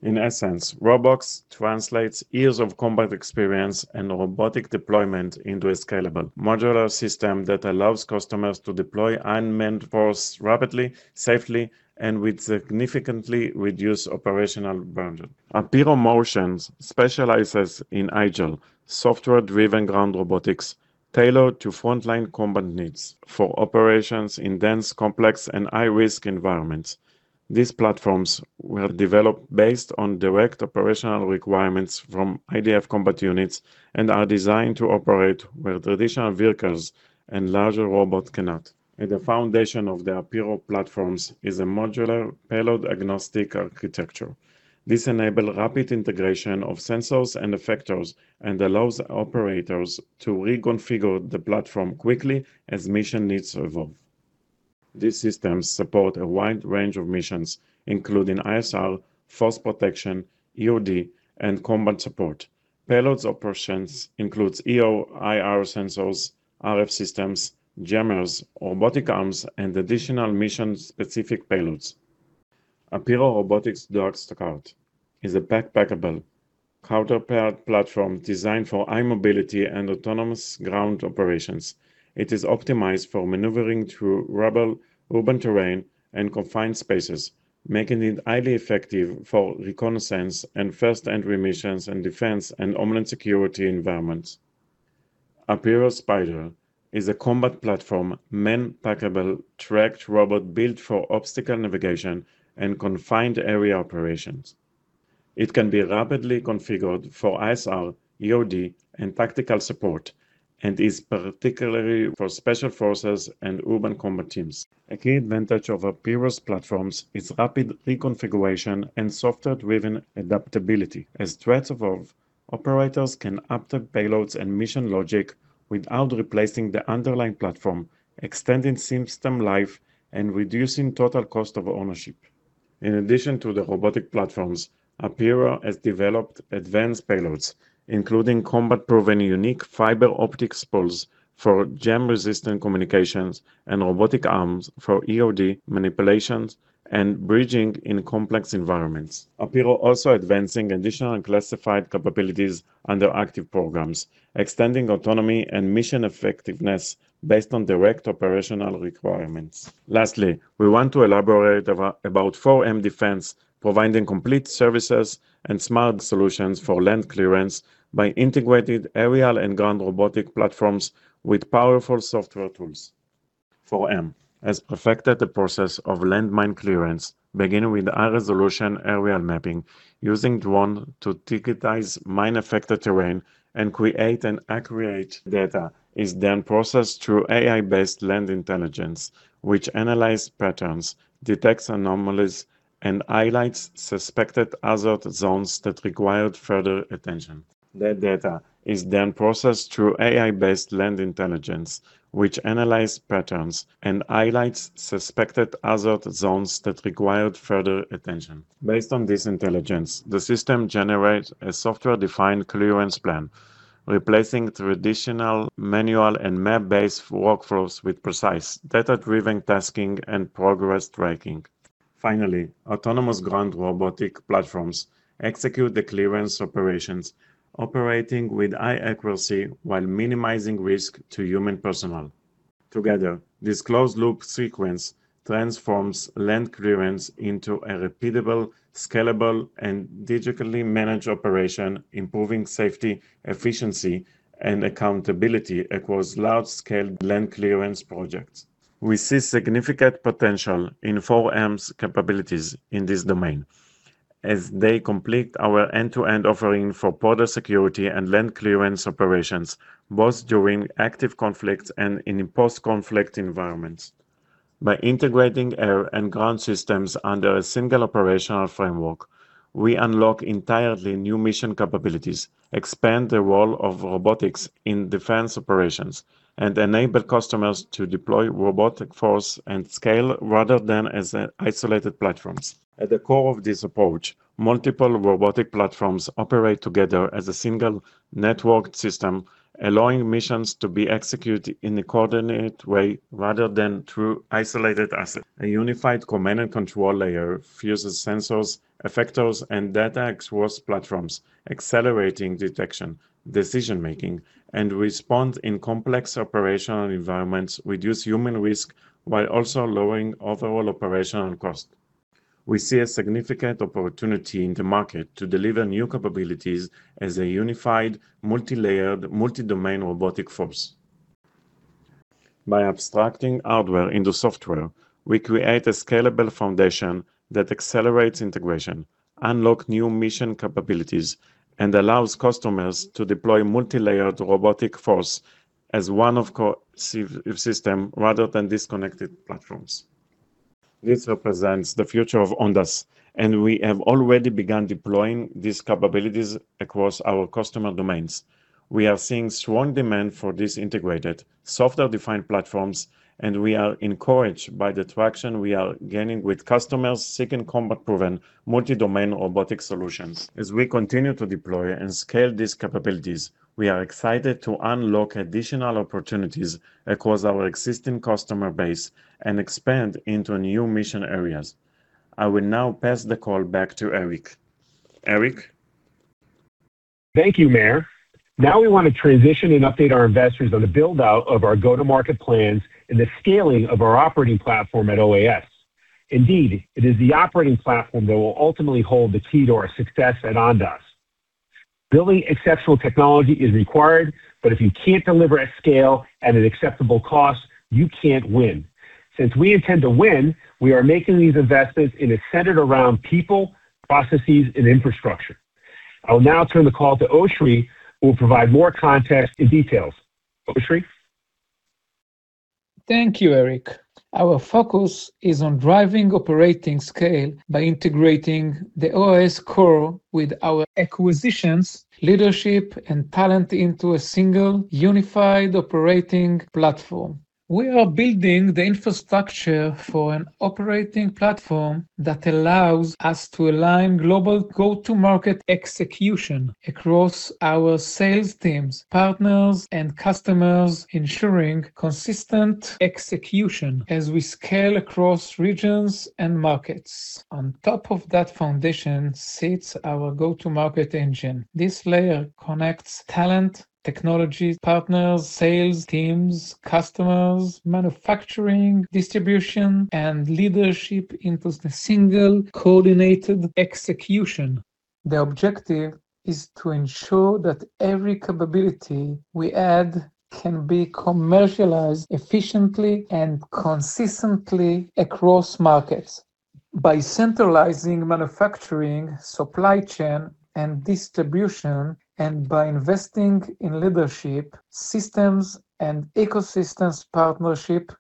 In essence, Robox translates years of combat experience and robotic deployment into a scalable, modular system that allows customers to deploy unmanned force rapidly, safely, and with significantly reduced operational burden. Apeiro Motion specializes in agile, software-driven ground robotics tailored to frontline combat needs for operations in dense, complex, and high-risk environments. These platforms were developed based on direct operational requirements from IDF combat units and are designed to operate where traditional vehicles and larger robots cannot. At the foundation of the Apeiro platforms is a modular payload-agnostic architecture. This enables rapid integration of sensors and effectors and allows operators to reconfigure the platform quickly as mission needs evolve. These systems support a wide range of missions, including ISR, force protection, EOD, and combat support. Payload operations include EO/IR sensors, RF systems, jammers, robotic arms, and additional mission-specific payloads. Apeiro's DarkStar is a backpackable, counterpart platform designed for high mobility and autonomous ground operations. It is optimized for maneuvering through rubble, urban terrain, and confined spaces, making it highly effective for reconnaissance and first-entry missions and defense and homeland security environments. Apeiro Spider is a combat platform, manpackable, tracked robot built for obstacle navigation and confined area operations. It can be rapidly configured for ISR, EOD, and tactical support and is particularly suitable for special forces and urban combat teams. A key advantage of Apeiro's platforms is rapid reconfiguration and software-driven adaptability. As threats evolve, operators can adapt payloads and mission logic without replacing the underlying platform, extending system life and reducing total cost of ownership. In addition to the robotic platforms, Apeiro has developed advanced payloads, including combat-proven unique fiber optic spools for jam-resistant communications and robotic arms for EOD manipulations and bridging in complex environments. Apeiro is also advancing additional classified capabilities under active programs, extending autonomy and mission effectiveness based on direct operational requirements. Lastly, we want to elaborate about 4M Defense, providing complete services and smart solutions for land clearance by integrating aerial and ground robotic platforms with powerful software tools. 4M has perfected the process of land mine clearance, beginning with high-resolution aerial mapping, using drones to digitize mine-affected terrain and create an accurate data. It is then processed through AI-based land intelligence, which analyzes patterns, detects anomalies, and highlights suspected hazard zones that require further attention. Based on this intelligence, the system generates a software-defined clearance plan, replacing traditional manual and map-based workflows with precise, data-driven tasking and progress tracking. Finally, autonomous ground robotic platforms execute the clearance operations, operating with high accuracy while minimizing risk to human personnel. Together, this closed-loop sequence transforms land clearance into a repeatable, scalable, and digitally managed operation, improving safety, efficiency, and accountability across large-scale land clearance projects. We see significant potential in 4M's capabilities in this domain, as they complete our end-to-end offering for border security and land clearance operations, both during active conflicts and in post-conflict environments. By integrating air and ground systems under a single operational framework, we unlock entirely new mission capabilities, expand the role of robotics in defense operations, and enable customers to deploy robotic force at scale rather than as isolated platforms. At the core of this approach, multiple robotic platforms operate together as a single networked system, allowing missions to be executed in a coordinated way rather than through isolated assets. A unified command and control layer fuses sensors, effectors, and data-expressed platforms, accelerating detection, decision-making, and response in complex operational environments, reducing human risk while also lowering overall operational cost. We see a significant opportunity in the market to deliver new capabilities as a unified, multi-layered, multi-domain robotic force. By abstracting hardware into software, we create a scalable foundation that accelerates integration, unlocks new mission capabilities, and allows customers to deploy multi-layered robotic force as one of core systems rather than disconnected platforms. This represents the future of Ondas, and we have already begun deploying these capabilities across our customer domains. We are seeing strong demand for these integrated, software-defined platforms, and we are encouraged by the traction we are gaining with customers seeking combat-proven multi-domain robotic solutions. As we continue to deploy and scale these capabilities, we are excited to unlock additional opportunities across our existing customer base and expand into new mission areas. I will now pass the call back to Eric. Eric? Thank you, Meir. Now we want to transition and update our investors on the build-out of our go-to-market plans and the scaling of our operating platform at OAS. Indeed, it is the operating platform that will ultimately hold the key to our success at Ondas. Building exceptional technology is required, but if you can't deliver at scale at an acceptable cost, you can't win. Since we intend to win, we are making these investments in a centered around people, processes, and infrastructure. I will now turn the call to Oshri, who will provide more context and details. Oshri? Thank you, Eric. Our focus is on driving operating scale by integrating the OAS core with our acquisitions, leadership, and talent into a single, unified operating platform. We are building the infrastructure for an operating platform that allows us to align global go-to-market execution across our sales teams, partners, and customers, ensuring consistent execution as we scale across regions and markets. On top of that foundation sits our go-to-market engine. This layer connects talent, technology partners, sales teams, customers, manufacturing, distribution, and leadership into a single coordinated execution. The objective is to ensure that every capability we add can be commercialized efficiently and consistently across markets. By centralizing manufacturing, supply chain, and distribution, and by investing in leadership, systems, and ecosystems partnership,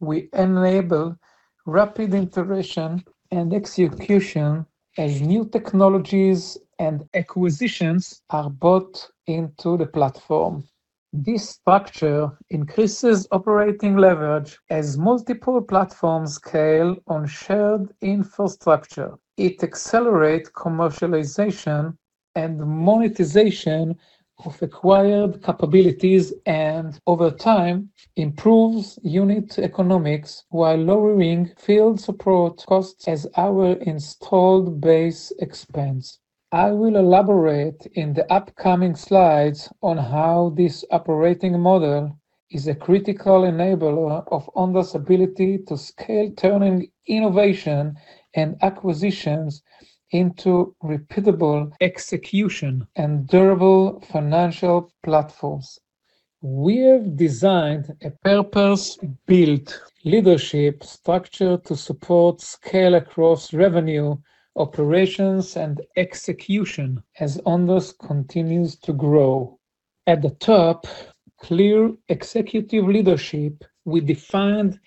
we enable rapid integration and execution as new technologies and acquisitions are brought into the platform. This structure increases operating leverage as multiple platforms scale on shared infrastructure. It accelerates commercialization and monetization of acquired capabilities and, over time, improves unit economics while lowering field support costs as our installed base expense. I will elaborate in the upcoming slides on how this operating model is a critical enabler of Ondas' ability to scale turning innovation and acquisitions into repeatable execution and durable financial platforms. We have designed a purpose-built leadership structure to support scale-across revenue operations and execution as Ondas continues to grow. At the top, clear executive leadership, we define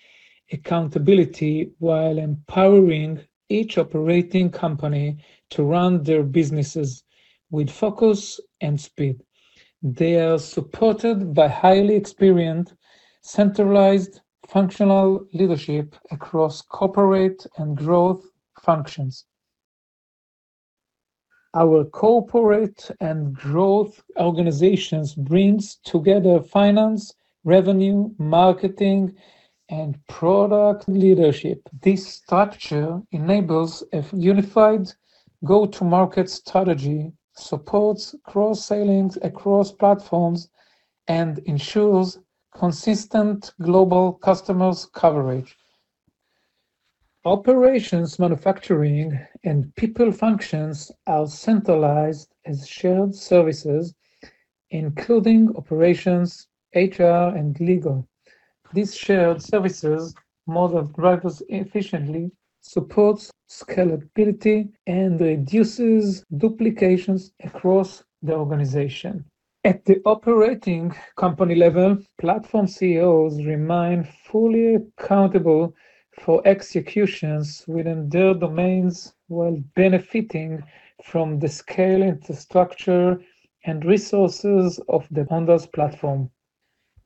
accountability while empowering each operating company to run their businesses with focus and speed. They are supported by highly experienced, centralized, functional leadership across corporate and growth functions. Our corporate and growth organizations bring together finance, revenue, marketing, and product leadership. This structure enables a unified go-to-market strategy, supports cross-selling across platforms, and ensures consistent global customer coverage. Operations, manufacturing, and people functions are centralized as shared services, including operations, HR, and legal. These shared services model drivers efficiently, support scalability, and reduce duplications across the organization. At the operating company level, platform CEOs remain fully accountable for executions within their domains while benefiting from the scaling structure and resources of the Ondas platform.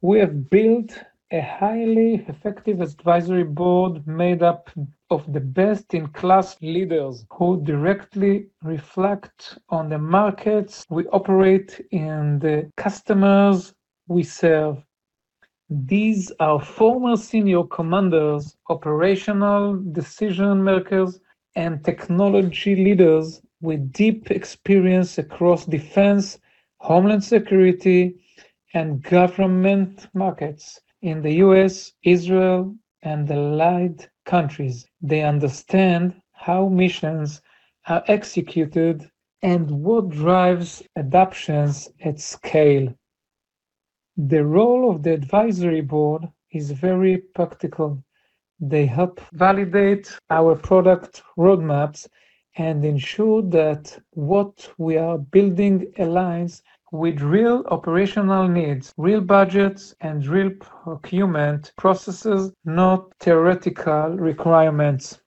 We have built a highly effective advisory board made up of the best-in-class leaders who directly reflect on the markets we operate and the customers we serve. These are former senior commanders, operational decision-makers, and technology leaders with deep experience across defense, homeland security, and government markets in the U.S., Israel, and the Allied countries. They understand how missions are executed and what drives adoptions at scale. The role of the advisory board is very practical. They help validate our product roadmaps and ensure that what we are building aligns with real operational needs, real budgets, and real procurement processes, not theoretical requirements.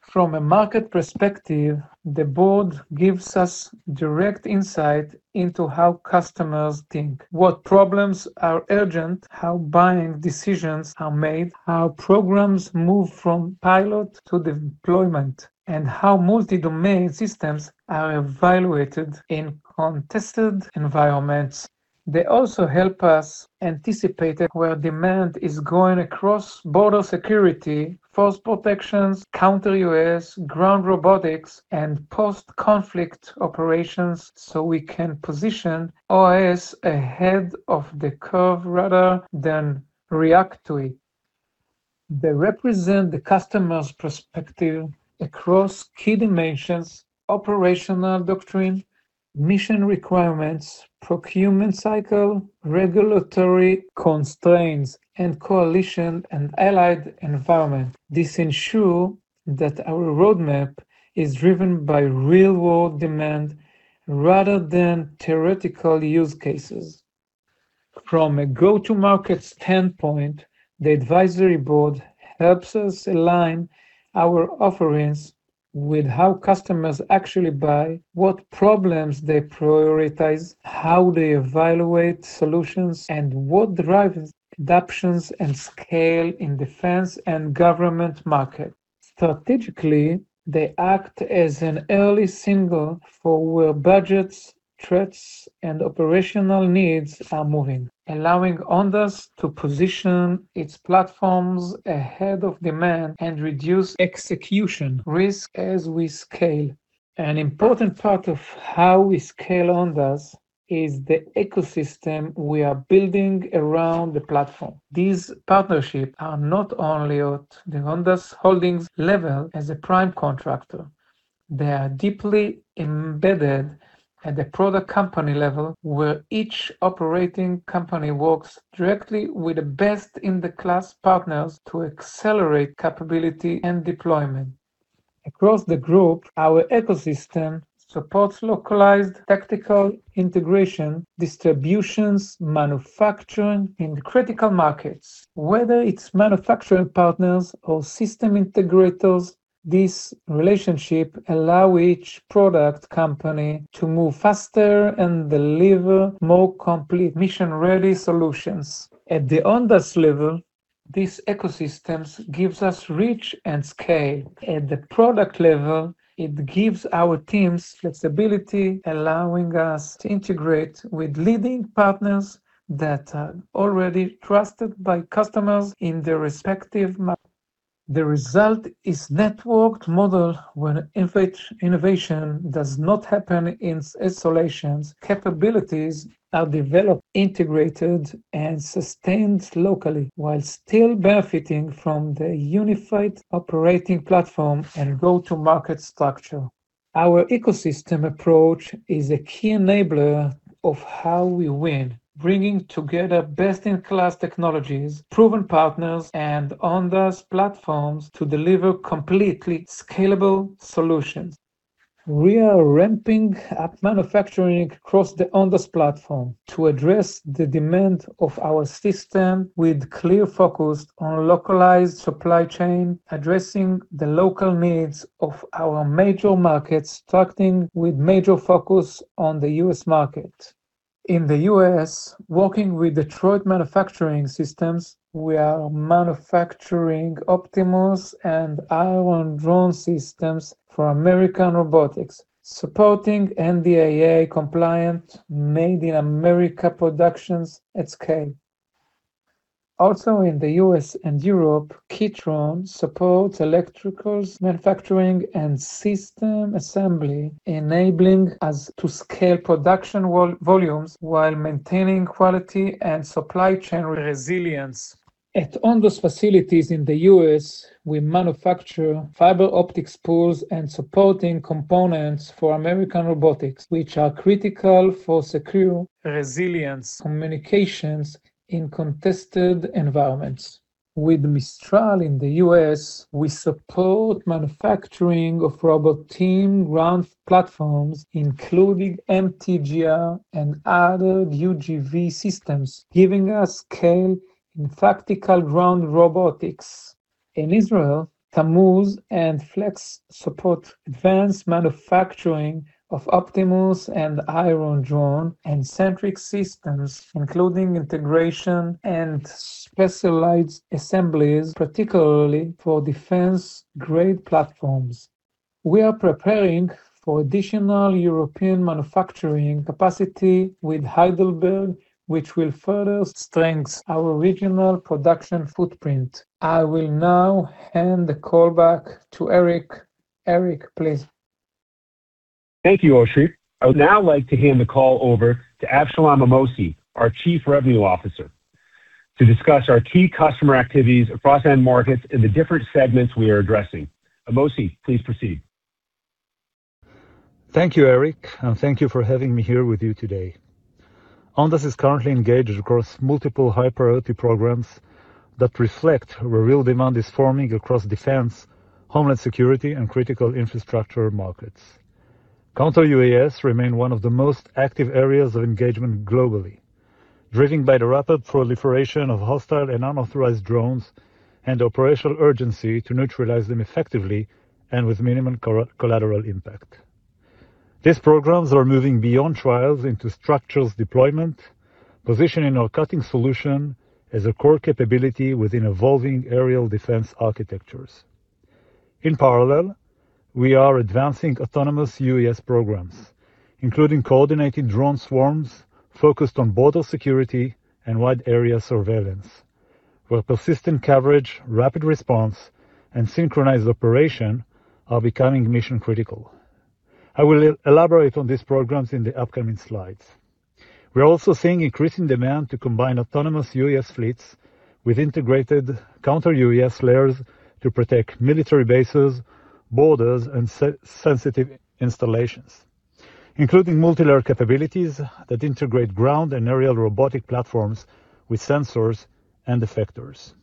From a market perspective, the board gives us direct insight into how customers think, what problems are urgent, how buying decisions are made, how programs move from pilot to deployment, and how multi-domain systems are evaluated in contested environments. They also help us anticipate where demand is going across border security, force protections, counter-UAS, ground robotics, and post-conflict operations so we can position OAS ahead of the curve rather than react to it. They represent the customer's perspective across key dimensions: operational doctrine, mission requirements, procurement cycle, regulatory constraints, and coalition and allied environment. This ensures that our roadmap is driven by real-world demand rather than theoretical use cases. From a go-to-market standpoint, the advisory board helps us align our offerings with how customers actually buy, what problems they prioritize, how they evaluate solutions, and what drives adoptions and scale in defense and government markets. Strategically, they act as an early signal for where budgets, threats, and operational needs are moving, allowing Ondas to position its platforms ahead of demand and reduce execution risk as we scale. An important part of how we scale Ondas is the ecosystem we are building around the platform. These partnerships are not only at the Ondas Holdings level as a prime contractor. They are deeply embedded at the product company level, where each operating company works directly with the best-in-the-class partners to accelerate capability and deployment. Across the group, our ecosystem supports localized tactical integration, distributions, manufacturing, and critical markets. Whether it's manufacturing partners or system integrators, this relationship allows each product company to move faster and deliver more complete mission-ready solutions. At the Ondas level, this ecosystem gives us reach and scale. At the product level, it gives our teams flexibility, allowing us to integrate with leading partners that are already trusted by customers in their respective markets. The result is a networked model where innovation does not happen in isolation. Capabilities are developed, integrated, and sustained locally while still benefiting from the unified operating platform and go-to-market structure. Our ecosystem approach is a key enabler of how we win, bringing together best-in-class technologies, proven partners, and Ondas platforms to deliver completely scalable solutions. We are ramping up manufacturing across the Ondas platform to address the demand of our system with clear focus on localized supply chain, addressing the local needs of our major markets, targeting with major focus on the U.S. market. In the U.S., working with Detroit Manufacturing Systems, we are manufacturing Optimus and Iron Drone systems for American Robotics, supporting NDAA compliant Made in America productions at scale. Also, in the U.S. and Europe, Kitron supports electrical manufacturing and system assembly, enabling us to scale production volumes while maintaining quality and supply chain resilience. At Ondas facilities in the U.S., we manufacture fiber optic spools and supporting components for American Robotics, which are critical for secure resilience communications in contested environments. With Mistral in the U.S., we support manufacturing of Roboteam ground platforms, including MTGR and other UGV systems, giving us scale in tactical ground robotics. In Israel, Tamuz and Flex support advanced manufacturing of Optimus and Iron Drone and Sentrycs systems, including integration and specialized assemblies, particularly for defense-grade platforms. We are preparing for additional European manufacturing capacity with Heidelberg, which will further strengthen our regional production footprint. I will now hand the call back to Eric. Eric, please. Thank you, Oshri. I would now like to hand the call over to Avshalom Amossi, our Chief Revenue Officer, to discuss our key customer activities across end markets in the different segments we are addressing. Amossi, please proceed. Thank you, Eric, and thank you for having me here with you today. Ondas is currently engaged across multiple high-priority programs that reflect where real demand is forming across defense, homeland security, and critical infrastructure markets. Counter-UAS remain one of the most active areas of engagement globally, driven by the rapid proliferation of hostile and unauthorized drones and operational urgency to neutralize them effectively and with minimal collateral impact. These programs are moving beyond trials into structural deployment, positioning our cutting-edge solution as a core capability within evolving aerial defense architectures. In parallel, we are advancing autonomous UAS programs, including coordinating drone swarms focused on border security and wide-area surveillance, where persistent coverage, rapid response, and synchronized operation are becoming mission-critical. I will elaborate on these programs in the upcoming slides. We are also seeing increasing demand to combine autonomous UAS fleets with integrated counter-UAS layers to protect military bases, borders, and sensitive installations, including multi-layer capabilities that integrate ground and aerial robotic platforms with sensors and detectors.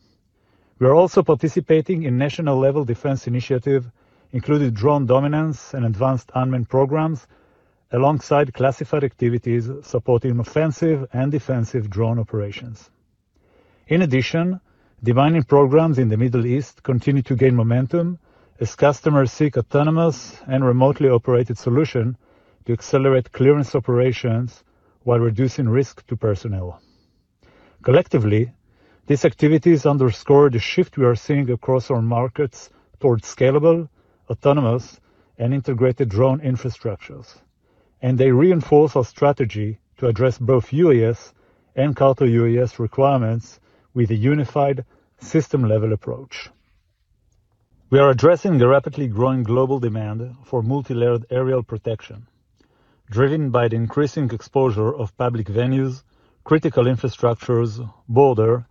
We are also participating in national-level defense initiatives including drone dominance and advanced unmanned programs, alongside classified activities supporting offensive and defensive drone operations. In addition, demanding programs in the Middle East continue to gain momentum as customers seek autonomous and remotely operated solutions to accelerate clearance operations while reducing risk to personnel. Collectively, these activities underscore the shift we are seeing across our markets towards scalable, autonomous, and integrated drone infrastructures, and they reinforce our strategy to address both UAS and counter-UAS requirements with a unified system-level approach. We are addressing the rapidly growing global demand for multi-layered aerial protection, driven by the increasing exposure of public venues, critical infrastructures, border,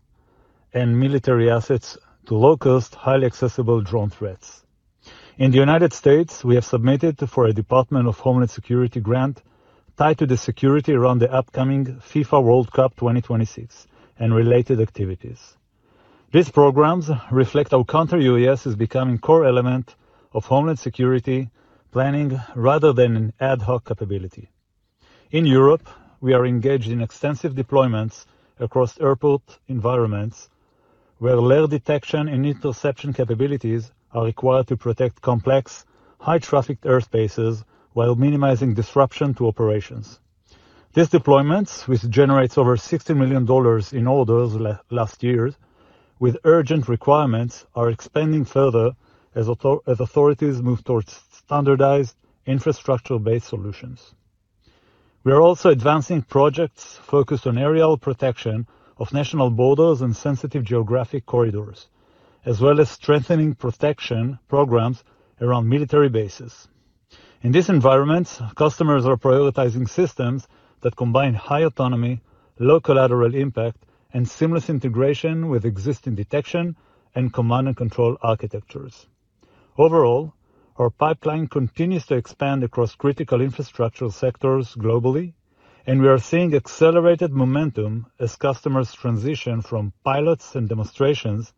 and military assets to low-cost, highly accessible drone threats. In the United States, we have submitted for a Department of Homeland Security grant tied to the security around the upcoming FIFA World Cup 2026 and related activities. These programs reflect how counter-UAS is becoming a core element of homeland security planning rather than an ad hoc capability. In Europe, we are engaged in extensive deployments across airport environments where layer detection and interception capabilities are required to protect complex, high-traffic airspaces while minimizing disruption to operations. These deployments, which generated over $60 million in orders last year, with urgent requirements, are expanding further as authorities move towards standardized infrastructure-based solutions. We are also advancing projects focused on aerial protection of national borders and sensitive geographic corridors, as well as strengthening protection programs around military bases. In these environments, customers are prioritizing systems that combine high autonomy, low collateral impact, and seamless integration with existing detection and command-and-control architectures. Overall, our pipeline continues to expand across critical infrastructure sectors globally, and we are seeing accelerated momentum as customers transition from pilots and demonstrations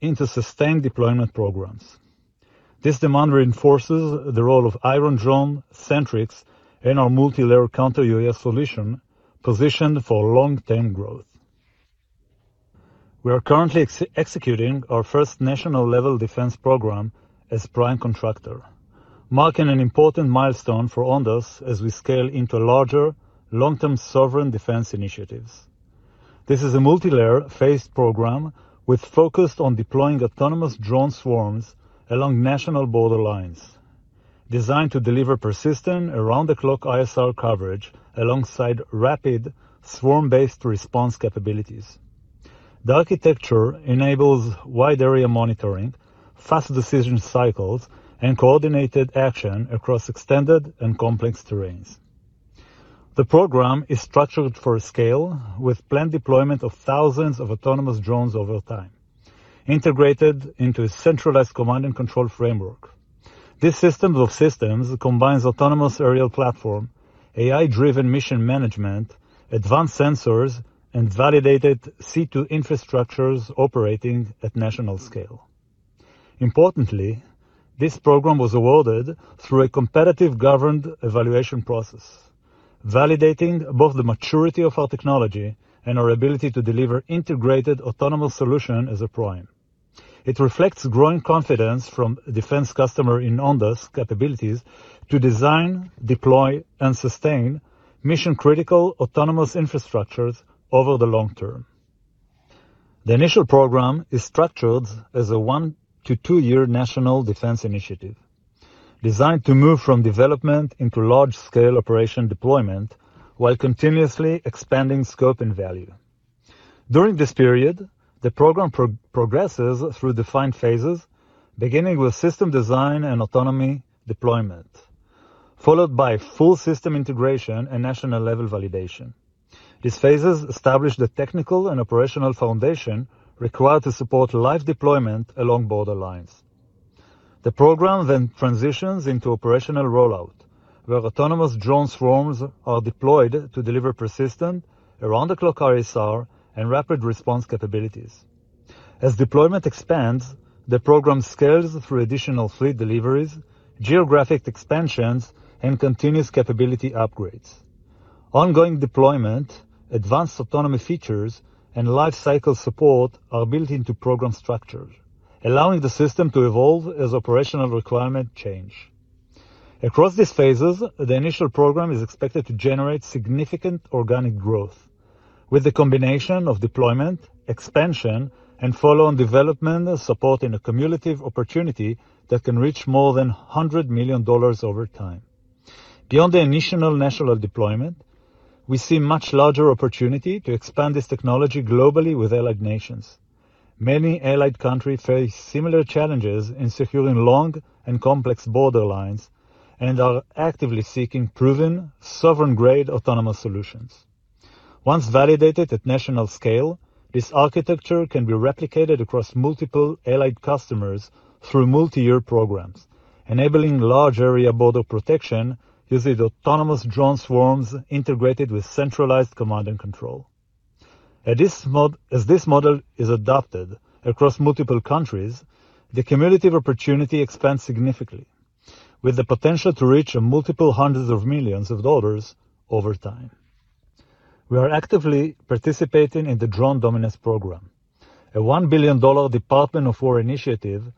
into sustained deployment programs. This demand reinforces the role of Iron Drone Sentrycs and our multi-layer Counter-UAS solution positioned for long-term growth. We are currently executing our first national-level defense program as prime contractor, marking an important milestone for Ondas as we scale into larger, long-term sovereign defense initiatives. This is a multi-layer phased program with focus on deploying autonomous drone swarms along national border lines, designed to deliver persistent around-the-clock ISR coverage alongside rapid swarm-based response capabilities. The architecture enables wide-area monitoring, fast decision cycles, and coordinated action across extended and complex terrains. The program is structured for scale with planned deployment of thousands of autonomous drones over time, integrated into a centralized command-and-control framework. This system of systems combines autonomous aerial platform, AI-driven mission management, advanced sensors, and validated C2 infrastructures operating at national scale. Importantly, this program was awarded through a competitive governed evaluation process, validating both the maturity of our technology and our ability to deliver integrated autonomous solutions as a prime. It reflects growing confidence from defense customers in Ondas capabilities to design, deploy, and sustain mission-critical autonomous infrastructures over the long term. The initial program is structured as a one-to-two-year national defense initiative, designed to move from development into large-scale operation deployment while continuously expanding scope and value. During this period, the program progresses through defined phases, beginning with system design and autonomy deployment, followed by full system integration and national-level validation. These phases establish the technical and operational foundation required to support live deployment along border lines. The program then transitions into operational rollout, where autonomous drone swarms are deployed to deliver persistent around-the-clock ISR and rapid response capabilities. As deployment expands, the program scales through additional fleet deliveries, geographic expansions, and continuous capability upgrades. Ongoing deployment, advanced autonomy features, and life cycle support are built into program structures, allowing the system to evolve as operational requirements change. Across these phases, the initial program is expected to generate significant organic growth, with the combination of deployment, expansion, and follow-on development supporting a cumulative opportunity that can reach more than $100 million over time. Beyond the initial national deployment, we see much larger opportunity to expand this technology globally with allied nations. Many allied countries face similar challenges in securing long and complex border lines and are actively seeking proven sovereign-grade autonomous solutions. Once validated at national scale, this architecture can be replicated across multiple allied customers through multi-year programs, enabling large-area border protection using autonomous drone swarms integrated with centralized command and control. As this model is adopted across multiple countries, the cumulative opportunity expands significantly, with the potential to reach multiple hundreds of millions of dollars over time. We are actively participating in the Drone Dominance Program, a $1 billion Department of War initiative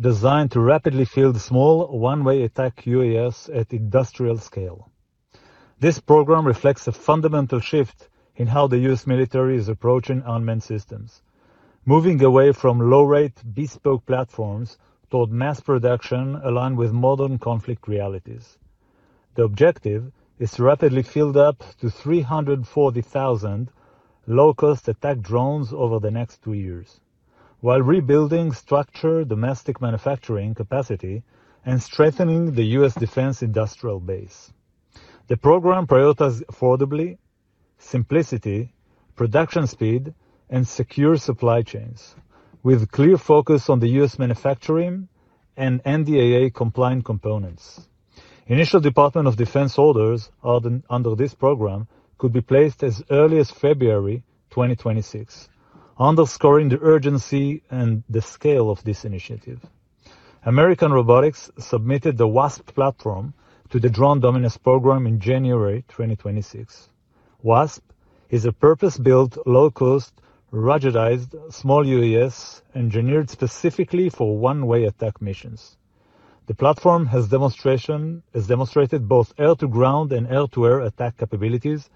designed to rapidly field small one-way attack UAS at industrial scale. This program reflects a fundamental shift in how the U.S. military is approaching unmanned systems, moving away from low-rate, bespoke platforms toward mass production aligned with modern conflict realities. The objective is to rapidly field up to 340,000 low-cost attack drones over the next two years, while rebuilding structured domestic manufacturing capacity and strengthening the U.S. defense industrial base. The program prioritizes affordability, simplicity, production speed, and secure supply chains, with clear focus on the U.S. manufacturing and NDAA compliant components. Initial Department of Defense orders under this program could be placed as early as February 2026, underscoring the urgency and the scale of this initiative. American Robotics submitted the Wasp platform to the Drone Dominance Program in January 2026. Wasp is a purpose-built, low-cost, ruggedized small UAS engineered specifically for one-way attack missions. The platform has demonstrated both air-to-ground and air-to-air attack capabilities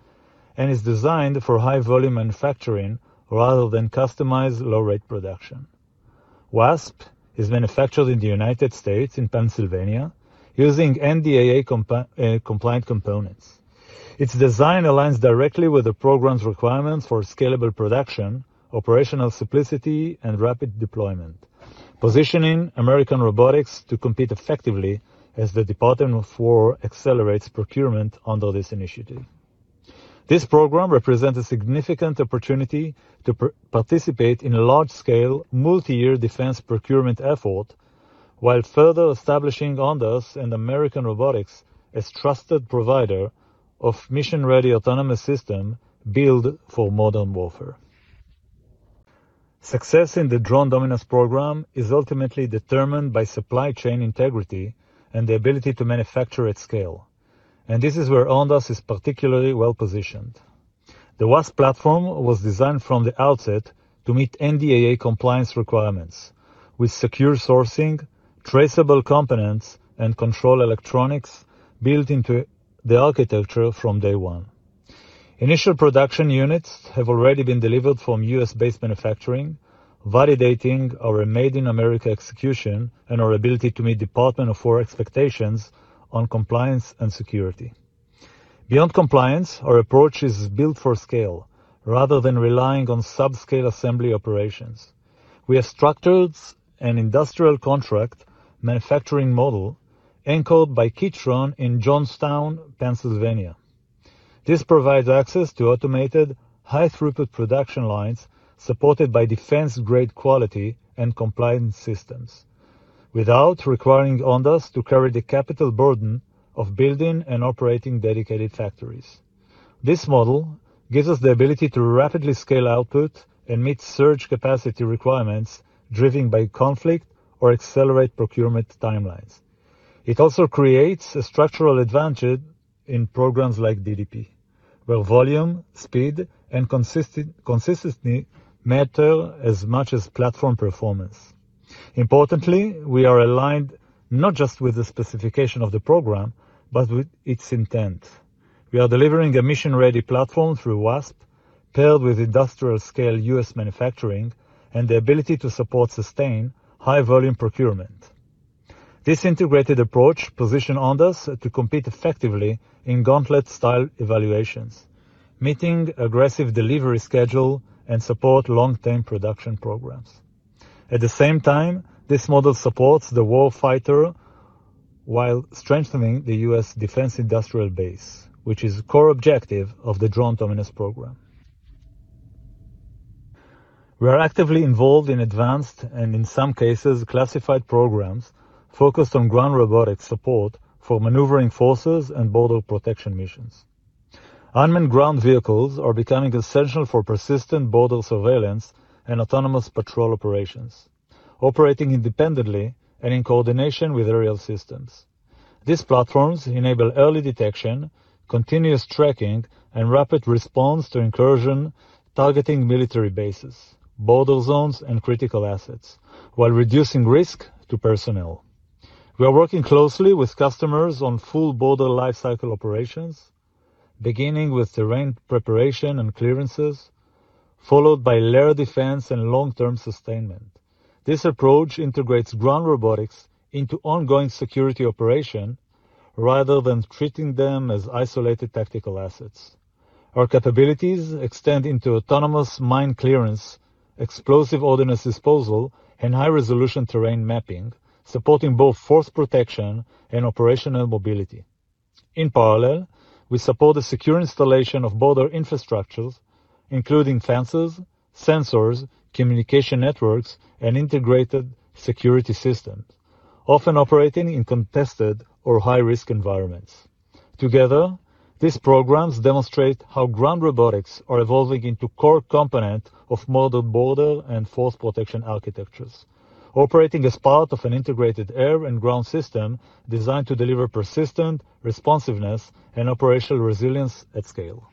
and is designed for high-volume manufacturing rather than customized low-rate production. Wasp is manufactured in the United States in Pennsylvania using NDAA compliant components. Its design aligns directly with the program's requirements for scalable production, operational simplicity, and rapid deployment, positioning American Robotics to compete effectively as the Department of War accelerates procurement under this initiative. This program represents a significant opportunity to participate in a large-scale multi-year defense procurement effort while further establishing Ondas and American Robotics as trusted providers of mission-ready autonomous systems built for modern warfare. Success in the Drone Dominance Program is ultimately determined by supply chain integrity and the ability to manufacture at scale, and this is where Ondas is particularly well positioned. The Wasp platform was designed from the outset to meet NDAA compliance requirements, with secure sourcing, traceable components, and control electronics built into the architecture from day one. Initial production units have already been delivered from U.S.-based manufacturing, validating our made-in-America execution and our ability to meet Department of War expectations on compliance and security. Beyond compliance, our approach is built for scale rather than relying on subscale assembly operations. We have structured an industrial contract manufacturing model enabled by Kitron in Johnstown, Pennsylvania. This provides access to automated, high-throughput production lines supported by defense-grade quality and compliance systems, without requiring Ondas to carry the capital burden of building and operating dedicated factories. This model gives us the ability to rapidly scale output and meet surge capacity requirements driven by conflict or accelerate procurement timelines. It also creates a structural advantage in programs like DDP, where volume, speed, and consistency matter as much as platform performance. Importantly, we are aligned not just with the specification of the program, but with its intent. We are delivering a mission-ready platform through Wasp, paired with industrial-scale U.S. manufacturing and the ability to support sustained high-volume procurement. This integrated approach positions Ondas to compete effectively in gauntlet-style evaluations, meeting aggressive delivery schedules and supporting long-term production programs. At the same time, this model supports the warfighter while strengthening the U.S. defense industrial base, which is a core objective of the Drone Dominance Program. We are actively involved in advanced and, in some cases, classified programs focused on ground robotics support for maneuvering forces and border protection missions. Unmanned ground vehicles are becoming essential for persistent border surveillance and autonomous patrol operations, operating independently and in coordination with aerial systems. These platforms enable early detection, continuous tracking, and rapid response to incursion targeting military bases, border zones, and critical assets, while reducing risk to personnel. We are working closely with customers on full border life cycle operations, beginning with terrain preparation and clearances, followed by layered defense and long-term sustainment. This approach integrates ground robotics into ongoing security operations rather than treating them as isolated tactical assets. Our capabilities extend into autonomous mine clearance, explosive ordnance disposal, and high-resolution terrain mapping, supporting both force protection and operational mobility. In parallel, we support the secure installation of border infrastructures, including fences, sensors, communication networks, and integrated security systems, often operating in contested or high-risk environments. Together, these programs demonstrate how ground robotics are evolving into core components of modern border and force protection architectures, operating as part of an integrated air and ground system designed to deliver persistent responsiveness and operational resilience at scale.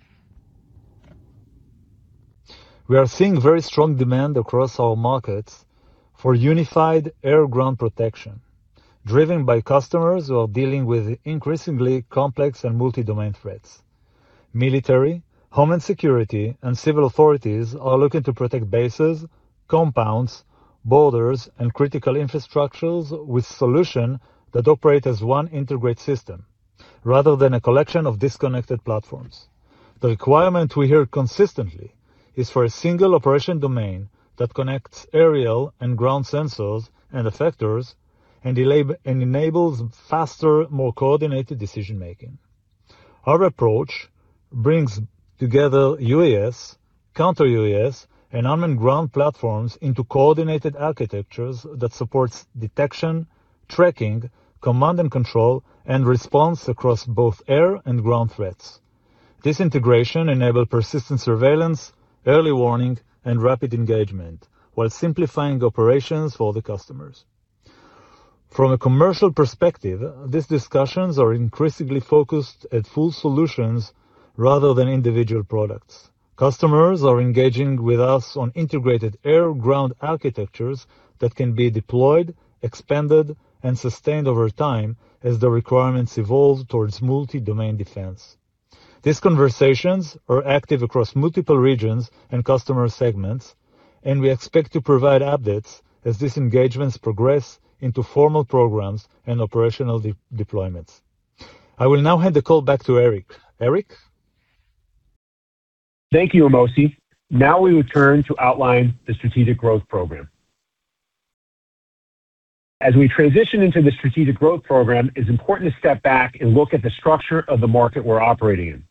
We are seeing very strong demand across our markets for unified air-ground protection, driven by customers who are dealing with increasingly complex and multi-domain threats. Military, Homeland Security, and civil authorities are looking to protect bases, compounds, borders, and critical infrastructures with solutions that operate as one integrated system rather than a collection of disconnected platforms. The requirement we hear consistently is for a single operation domain that connects aerial and ground sensors and effectors and enables faster, more coordinated decision-making. Our approach brings together UAS, counter-UAS, and unmanned ground platforms into coordinated architectures that support detection, tracking, command and control, and response across both air and ground threats. This integration enables persistent surveillance, early warning, and rapid engagement while simplifying operations for the customers. From a commercial perspective, these discussions are increasingly focused on full solutions rather than individual products. Customers are engaging with us on integrated air-ground architectures that can be deployed, expanded, and sustained over time as the requirements evolve towards multi-domain defense. These conversations are active across multiple regions and customer segments, and we expect to provide updates as these engagements progress into formal programs and operational deployments. I will now hand the call back to Eric. Eric? Thank you, Amossi. Now we will turn to outline the Strategic Growth Program. As we transition into the Strategic Growth Program, it is important to step back and look at the structure of the market we're operating in.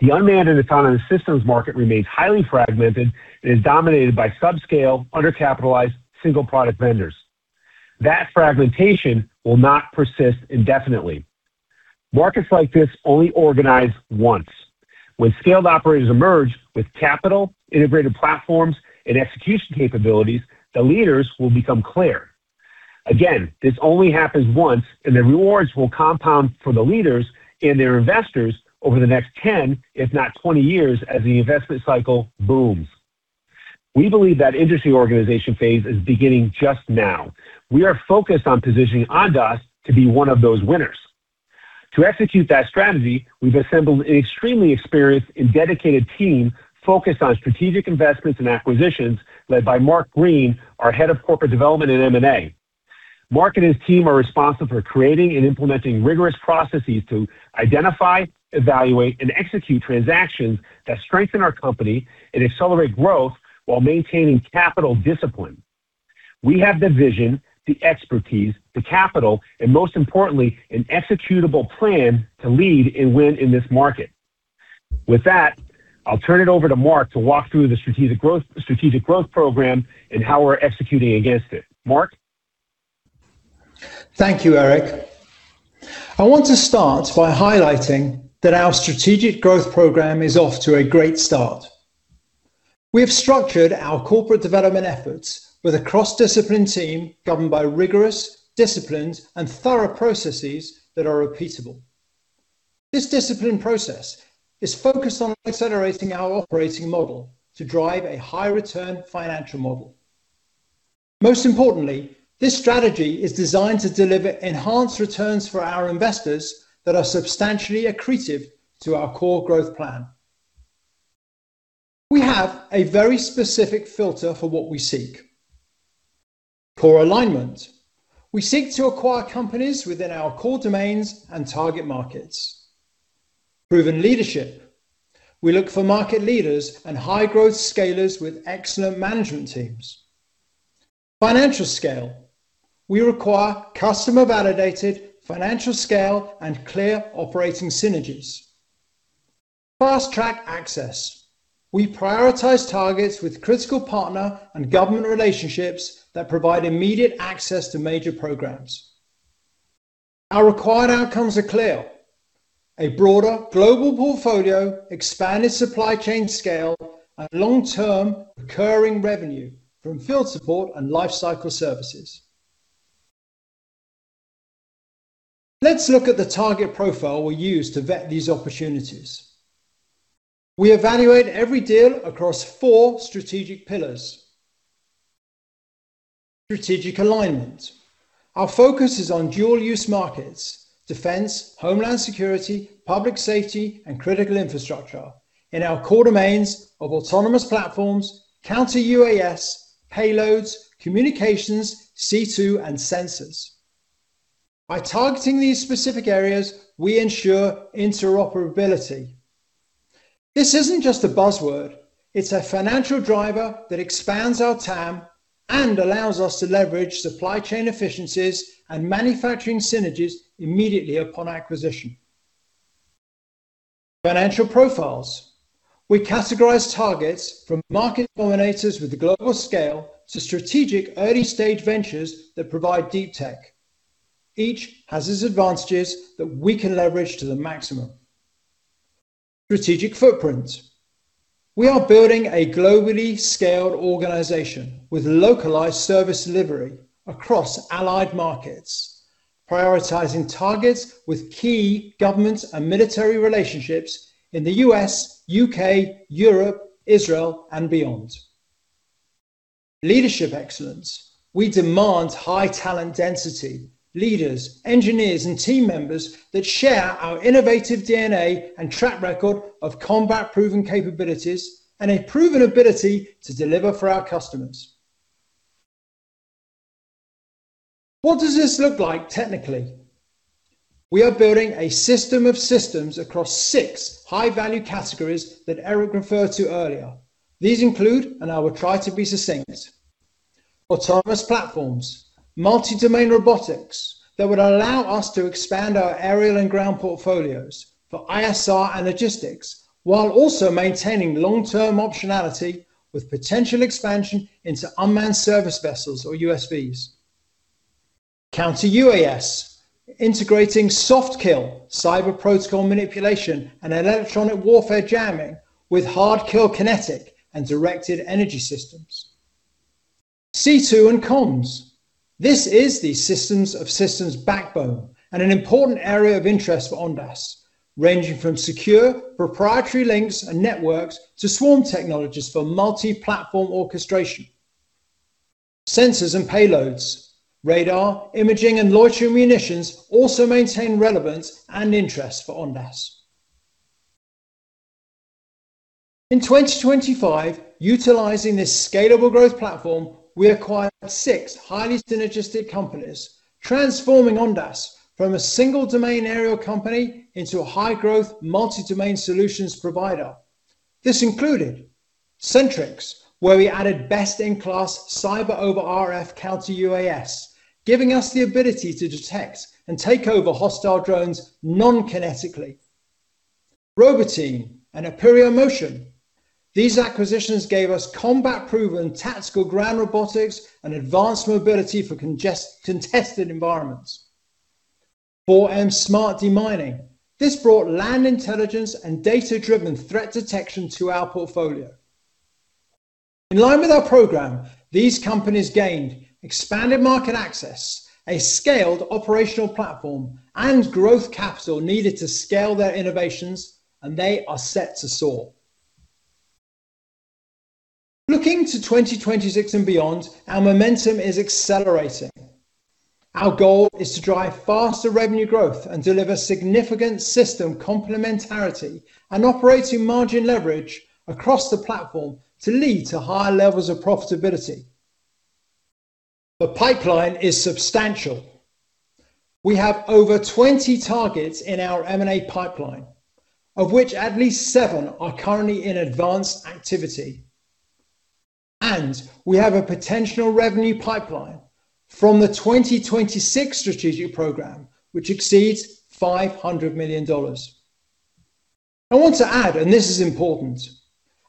The unmanned and autonomous systems market remains highly fragmented and is dominated by subscale, undercapitalized, single-product vendors. That fragmentation will not persist indefinitely. Markets like this only organize once. When scaled operators emerge with capital, integrated platforms, and execution capabilities, the leaders will become clear. Again, this only happens once, and the rewards will compound for the leaders and their investors over the next 10, if not 20 years, as the investment cycle booms. We believe that industry organization phase is beginning just now. We are focused on positioning Ondas to be one of those winners. To execute that strategy, we've assembled an extremely experienced and dedicated team focused on strategic investments and acquisitions led by Mark Green, our head of corporate development and M&A. Mark and his team are responsible for creating and implementing rigorous processes to identify, evaluate, and execute transactions that strengthen our company and accelerate growth while maintaining capital discipline. We have the vision, the expertise, the capital, and most importantly, an executable plan to lead and win in this market. With that, I'll turn it over to Mark to walk through the Strategic Growth Program and how we're executing against it. Mark? Thank you, Eric. I want to start by highlighting that our Strategic Growth Program is off to a great start. We have structured our corporate development efforts with a cross-discipline team governed by rigorous, disciplined, and thorough processes that are repeatable. This discipline process is focused on accelerating our operating model to drive a high-return financial model. Most importantly, this strategy is designed to deliver enhanced returns for our investors that are substantially accretive to our core growth plan. We have a very specific filter for what we seek: core alignment. We seek to acquire companies within our core domains and target markets. Proven leadership. We look for market leaders and high-growth scalers with excellent management teams. Financial scale. We require customer-validated financial scale and clear operating synergies. Fast-track access. We prioritize targets with critical partner and government relationships that provide immediate access to major programs. Our required outcomes are clear: a broader global portfolio, expanded supply chain scale, and long-term recurring revenue from field support and life cycle services. Let's look at the target profile we use to vet these opportunities. We evaluate every deal across four strategic pillars. Strategic alignment. Our focus is on dual-use markets: defense, homeland security, public safety, and critical infrastructure in our core domains of autonomous platforms, counter-UAS, payloads, communications, C2, and sensors. By targeting these specific areas, we ensure interoperability. This isn't just a buzzword. It's a financial driver that expands our TAM and allows us to leverage supply chain efficiencies and manufacturing synergies immediately upon acquisition. Financial profiles. We categorize targets from market dominators with global scale to strategic early-stage ventures that provide deep tech. Each has its advantages that we can leverage to the maximum. Strategic footprint. We are building a globally scaled organization with localized service delivery across allied markets, prioritizing targets with key government and military relationships in the U.S., U.K., Europe, Israel, and beyond. Leadership excellence. We demand high talent density, leaders, engineers, and team members that share our innovative DNA and track record of combat-proven capabilities and a proven ability to deliver for our customers. What does this look like technically? We are building a system of systems across six high-value categories that Eric referred to earlier. These include, and I will try to be succinct, autonomous platforms, multi-domain robotics that would allow us to expand our aerial and ground portfolios for ISR and logistics while also maintaining long-term optionality with potential expansion into unmanned surface vessels or USVs. Counter-UAS, integrating soft kill, cyber protocol manipulation, and electronic warfare jamming with hard kill kinetic and directed energy systems. C2 and comms. This is the systems of systems backbone and an important area of interest for Ondas, ranging from secure proprietary links and networks to swarm technologies for multi-platform orchestration. Sensors and payloads, radar, imaging, and loitering munitions also maintain relevance and interest for Ondas. In 2025, utilizing this scalable growth platform, we acquired six highly synergistic companies, transforming Ondas from a single-domain aerial company into a high-growth multi-domain solutions provider. This included Sentrycs, where we added best-in-class Cyber-over-RF counter-UAS, giving us the ability to detect and take over hostile drones non-kinetically. Roboteam and Apeiro Motion. These acquisitions gave us combat-proven tactical ground robotics and advanced mobility for contested environments. 4M's smart-demining. This brought land intelligence and data-driven threat detection to our portfolio. In line with our program, these companies gained expanded market access, a scaled operational platform, and growth capital needed to scale their innovations, and they are set to soar. Looking to 2026 and beyond, our momentum is accelerating. Our goal is to drive faster revenue growth and deliver significant system complementarity and operating margin leverage across the platform to lead to higher levels of profitability. The pipeline is substantial. We have over 20 targets in our M&A pipeline, of which at least seven are currently in advanced activity. And we have a potential revenue pipeline from the 2026 Strategic Program, which exceeds $500 million. I want to add, and this is important,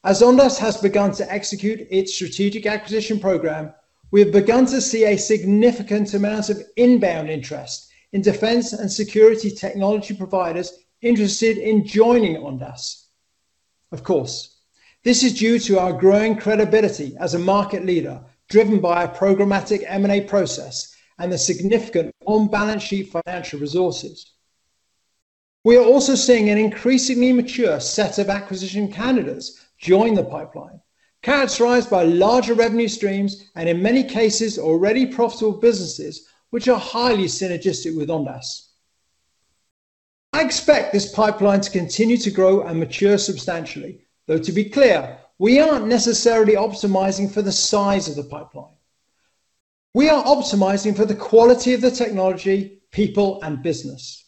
as Ondas has begun to execute its Strategic Acquisition Program, we have begun to see a significant amount of inbound interest in defense and security technology providers interested in joining Ondas. Of course, this is due to our growing credibility as a market leader driven by our programmatic M&A process and the significant on-balance sheet financial resources. We are also seeing an increasingly mature set of acquisition candidates join the pipeline, characterized by larger revenue streams and, in many cases, already profitable businesses, which are highly synergistic with Ondas. I expect this pipeline to continue to grow and mature substantially, though to be clear, we aren't necessarily optimizing for the size of the pipeline. We are optimizing for the quality of the technology, people, and business.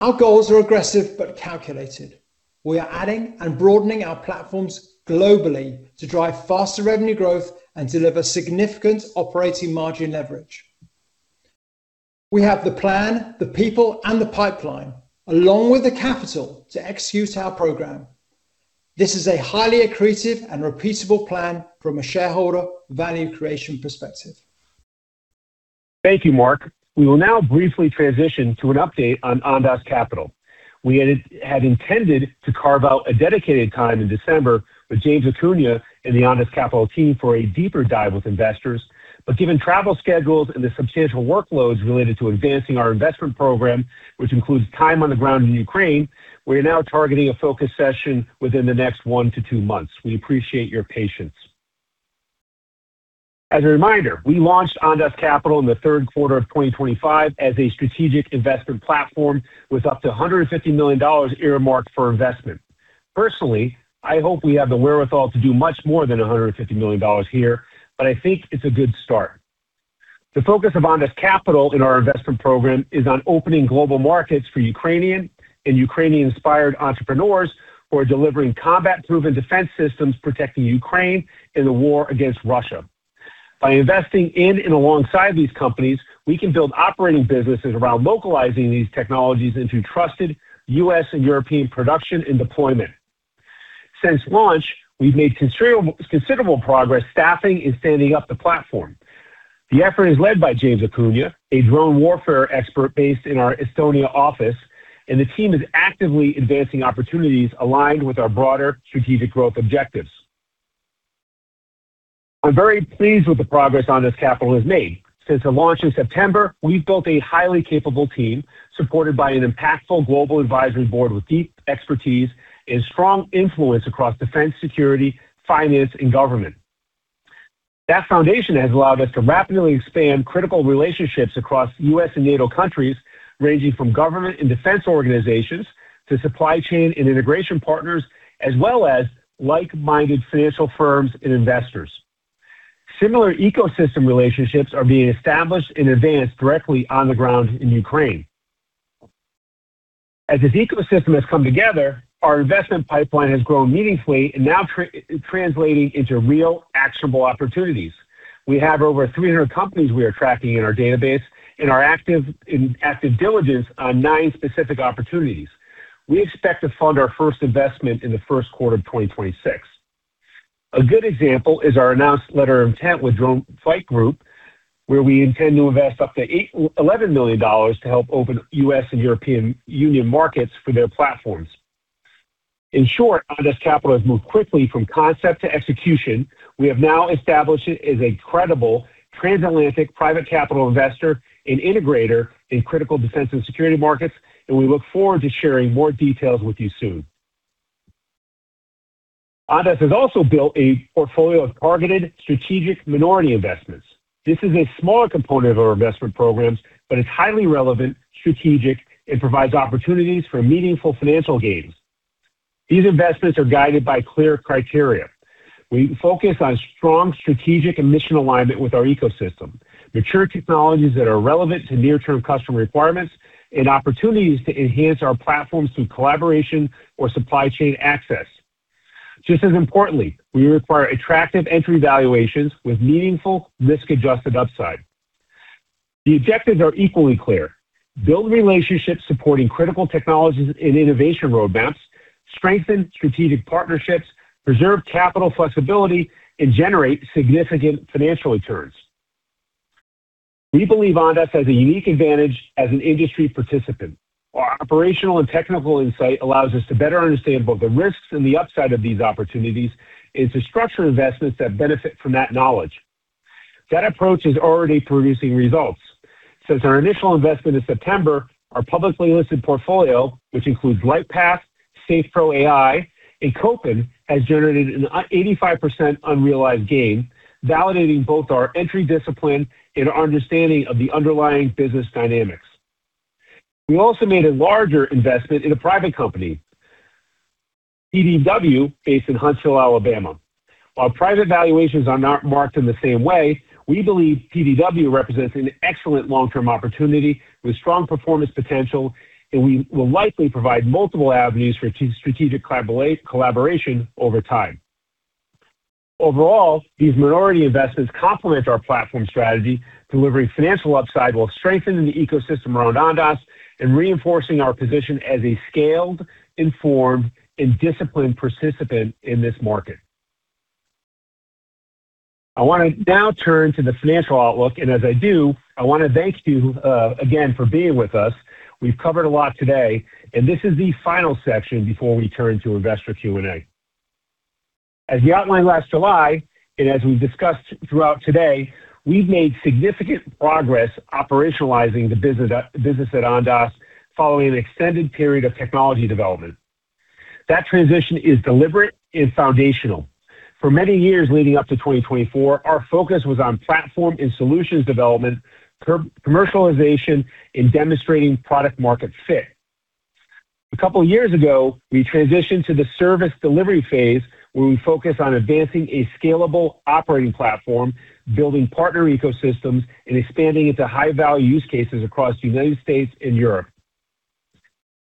Our goals are aggressive but calculated. We are adding and broadening our platforms globally to drive faster revenue growth and deliver significant operating margin leverage. We have the plan, the people, and the pipeline, along with the capital to execute our program. This is a highly accretive and repeatable plan from a shareholder value creation perspective. Thank you, Mark. We will now briefly transition to an update on Ondas Capital. We had intended to carve out a dedicated time in December with James Acuna and the Ondas Capital team for a deeper dive with investors, but given travel schedules and the substantial workloads related to advancing our investment program, which includes time on the ground in Ukraine, we are now targeting a focus session within the next one to two months. We appreciate your patience. As a reminder, we launched Ondas Capital in the third quarter of 2025 as a strategic investment platform with up to $150 million earmarked for investment. Personally, I hope we have the wherewithal to do much more than $150 million here, but I think it's a good start. The focus of Ondas Capital in our investment program is on opening global markets for Ukrainian and Ukrainian-inspired entrepreneurs who are delivering combat-proven defense systems protecting Ukraine in the war against Russia. By investing in and alongside these companies, we can build operating businesses around localizing these technologies into trusted U.S. and European production and deployment. Since launch, we've made considerable progress staffing and standing up the platform. The effort is led by James Acuna, a drone warfare expert based in our Estonia office, and the team is actively advancing opportunities aligned with our broader strategic growth objectives. I'm very pleased with the progress Ondas Capital has made. Since the launch in September, we've built a highly capable team supported by an impactful global advisory board with deep expertise and strong influence across defense, security, finance, and government. That foundation has allowed us to rapidly expand critical relationships across U.S. and NATO countries, ranging from government and defense organizations to supply chain and integration partners, as well as like-minded financial firms and investors. Similar ecosystem relationships are being established and advanced directly on the ground in Ukraine. As this ecosystem has come together, our investment pipeline has grown meaningfully and now translating into real, actionable opportunities. We have over 300 companies we are tracking in our database and our active diligence on nine specific opportunities. We expect to fund our first investment in the first quarter of 2026. A good example is our announced letter of intent with Drone Flight Group, where we intend to invest up to $11 million to help open U.S. and European Union markets for their platforms. In short, Ondas Capital has moved quickly from concept to execution. We have now established it as a credible transatlantic private capital investor and integrator in critical defense and security markets, and we look forward to sharing more details with you soon. Ondas has also built a portfolio of targeted strategic minority investments. This is a smaller component of our investment programs, but it's highly relevant, strategic, and provides opportunities for meaningful financial gains. These investments are guided by clear criteria. We focus on strong strategic and mission alignment with our ecosystem, mature technologies that are relevant to near-term customer requirements, and opportunities to enhance our platforms through collaboration or supply chain access. Just as importantly, we require attractive entry valuations with meaningful risk-adjusted upside. The objectives are equally clear: build relationships supporting critical technologies and innovation roadmaps, strengthen strategic partnerships, preserve capital flexibility, and generate significant financial returns. We believe Ondas has a unique advantage as an industry participant. Our operational and technical insight allows us to better understand both the risks and the upside of these opportunities and to structure investments that benefit from that knowledge. That approach is already producing results. Since our initial investment in September, our publicly listed portfolio, which includes LightPath, Safe Pro Group AI, and Kopin, has generated an 85% unrealized gain, validating both our entry discipline and our understanding of the underlying business dynamics. We also made a larger investment in a private company, PDW, based in Huntsville, Alabama. While private valuations are not marked in the same way, we believe PDW represents an excellent long-term opportunity with strong performance potential, and we will likely provide multiple avenues for strategic collaboration over time. Overall, these minority investments complement our platform strategy, delivering financial upside while strengthening the ecosystem around Ondas and reinforcing our position as a scaled, informed, and disciplined participant in this market. I want to now turn to the financial outlook, and as I do, I want to thank you again for being with us. We've covered a lot today, and this is the final section before we turn to investor Q&A. As we outlined last July and as we've discussed throughout today, we've made significant progress operationalizing the business at Ondas following an extended period of technology development. That transition is deliberate and foundational. For many years leading up to 2024, our focus was on platform and solutions development, commercialization, and demonstrating product-market fit. A couple of years ago, we transitioned to the service delivery phase where we focus on advancing a scalable operating platform, building partner ecosystems, and expanding into high-value use cases across the United States and Europe.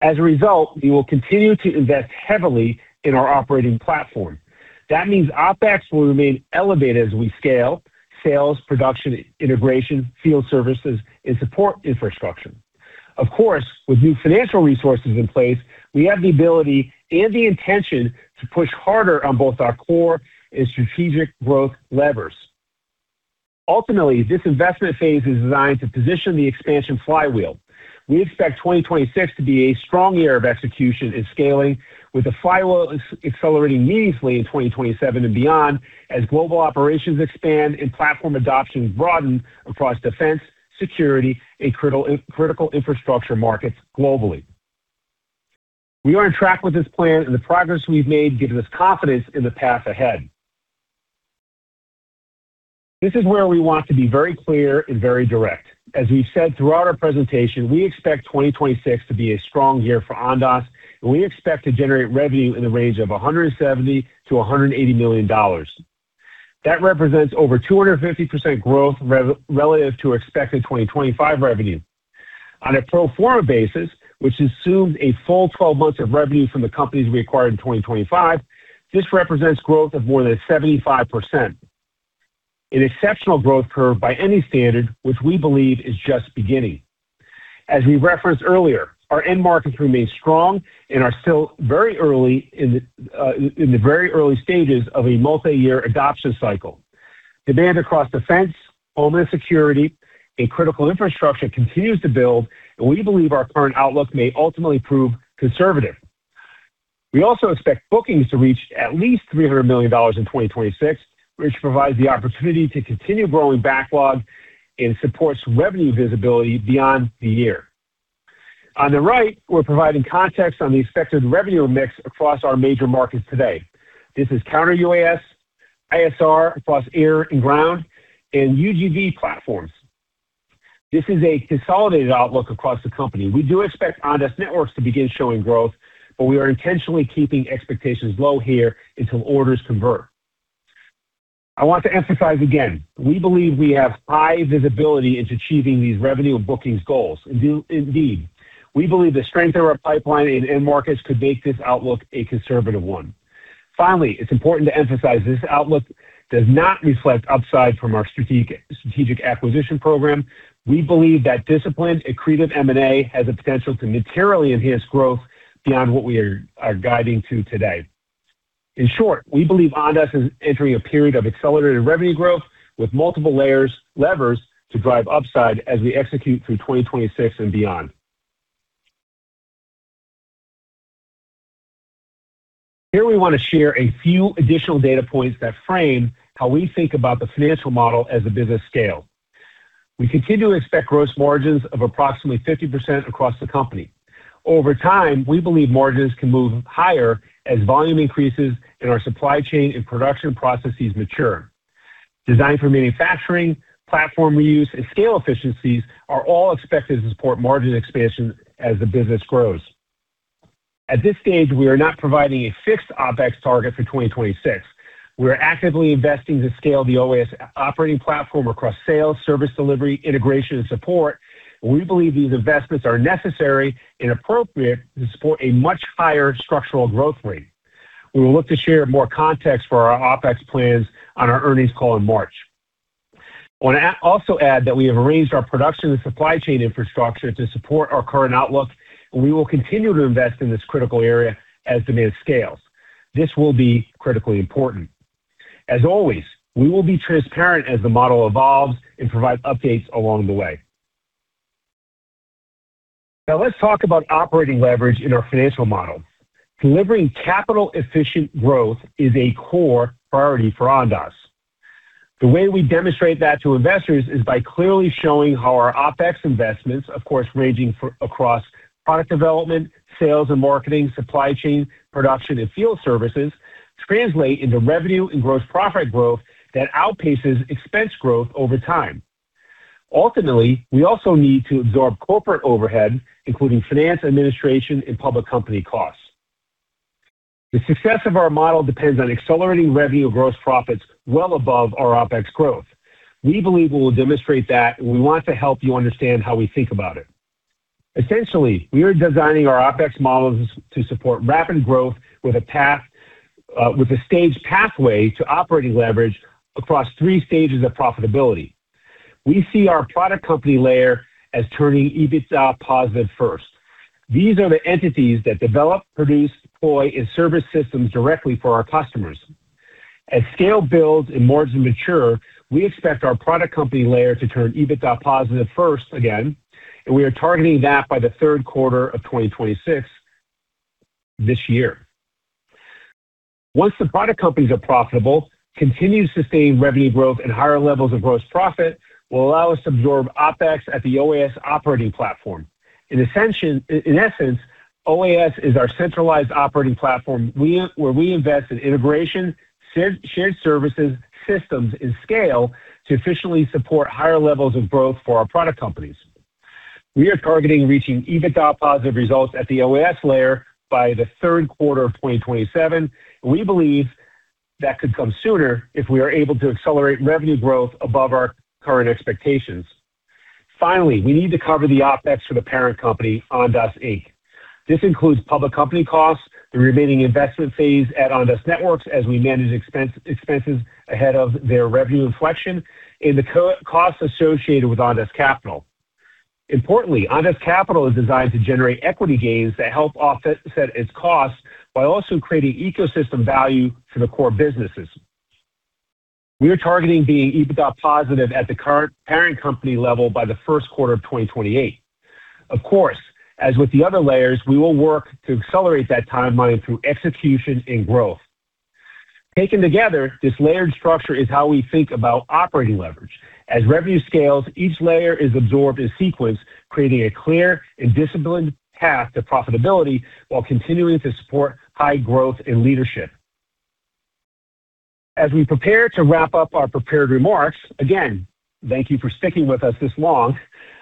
As a result, we will continue to invest heavily in our operating platform. That means OpEx will remain elevated as we scale sales, production, integration, field services, and support infrastructure. Of course, with new financial resources in place, we have the ability and the intention to push harder on both our core and strategic growth levers. Ultimately, this investment phase is designed to position the expansion flywheel. We expect 2026 to be a strong year of execution and scaling, with the flywheel accelerating meaningfully in 2027 and beyond as global operations expand and platform adoption broaden across defense, security, and critical infrastructure markets globally. We are on track with this plan, and the progress we've made gives us confidence in the path ahead. This is where we want to be very clear and very direct. As we've said throughout our presentation, we expect 2026 to be a strong year for Ondas, and we expect to generate revenue in the range of $170 million-$180 million. That represents over 250% growth relative to expected 2025 revenue. On a pro forma basis, which assumes a full 12 months of revenue from the companies we acquired in 2025, this represents growth of more than 75%. An exceptional growth curve by any standard, which we believe is just beginning. As we referenced earlier, our end markets remain strong and are still very early in the very early stages of a multi-year adoption cycle. Demand across defense, homeland security, and critical infrastructure continues to build, and we believe our current outlook may ultimately prove conservative. We also expect bookings to reach at least $300 million in 2026, which provides the opportunity to continue growing backlog and supports revenue visibility beyond the year. On the right, we're providing context on the expected revenue mix across our major markets today. This is counter-UAS, ISR across air and ground, and UGV platforms. This is a consolidated outlook across the company. We do expect Ondas Networks to begin showing growth, but we are intentionally keeping expectations low here until orders convert. I want to emphasize again, we believe we have high visibility into achieving these revenue and bookings goals. Indeed, we believe the strength of our pipeline and end markets could make this outlook a conservative one. Finally, it's important to emphasize this outlook does not reflect upside from our strategic acquisition program. We believe that disciplined and creative M&A has the potential to materially enhance growth beyond what we are guiding to today. In short, we believe Ondas is entering a period of accelerated revenue growth with multiple levers to drive upside as we execute through 2026 and beyond. Here we want to share a few additional data points that frame how we think about the financial model as a business scale. We continue to expect gross margins of approximately 50% across the company. Over time, we believe margins can move higher as volume increases in our supply chain and production processes mature. Design for manufacturing, platform reuse, and scale efficiencies are all expected to support margin expansion as the business grows. At this stage, we are not providing a fixed OpEx target for 2026. We are actively investing to scale the OAS operating platform across sales, service delivery, integration, and support, and we believe these investments are necessary and appropriate to support a much higher structural growth rate. We will look to share more context for our OpEx plans on our earnings call in March. I want to also add that we have arranged our production and supply chain infrastructure to support our current outlook, and we will continue to invest in this critical area as demand scales. This will be critically important. As always, we will be transparent as the model evolves and provide updates along the way. Now let's talk about operating leverage in our financial model. Delivering capital-efficient growth is a core priority for Ondas. The way we demonstrate that to investors is by clearly showing how our OpEx investments, of course ranging across product development, sales and marketing, supply chain, production, and field services, translate into revenue and gross profit growth that outpaces expense growth over time. Ultimately, we also need to absorb corporate overhead, including finance administration and public company costs. The success of our model depends on accelerating revenue and gross profits well above our OpEx growth. We believe we will demonstrate that, and we want to help you understand how we think about it. Essentially, we are designing our OpEx models to support rapid growth with a staged pathway to operating leverage across three stages of profitability. We see our product company layer as turning EBITDA positive first. These are the entities that develop, produce, deploy, and service systems directly for our customers. As scale builds and margins mature, we expect our product company layer to turn EBITDA positive first again, and we are targeting that by the third quarter of 2026 this year. Once the product companies are profitable, continued sustained revenue growth and higher levels of gross profit will allow us to absorb OpEx at the OAS operating platform. In essence, OAS is our centralized operating platform where we invest in integration, shared services, systems, and scale to efficiently support higher levels of growth for our product companies. We are targeting reaching EBITDA positive results at the OAS layer by the third quarter of 2027, and we believe that could come sooner if we are able to accelerate revenue growth above our current expectations. Finally, we need to cover the OpEx for the parent company, Ondas Inc. This includes public company costs, the remaining investment phase at Ondas Networks as we manage expenses ahead of their revenue inflection, and the costs associated with Ondas Capital. Importantly, Ondas Capital is designed to generate equity gains that help offset its costs by also creating ecosystem value for the core businesses. We are targeting being EBITDA positive at the current parent company level by the first quarter of 2028. Of course, as with the other layers, we will work to accelerate that timeline through execution and growth. Taken together, this layered structure is how we think about operating leverage. As revenue scales, each layer is absorbed in sequence, creating a clear and disciplined path to profitability while continuing to support high growth and leadership. As we prepare to wrap up our prepared remarks, again, thank you for sticking with us this long.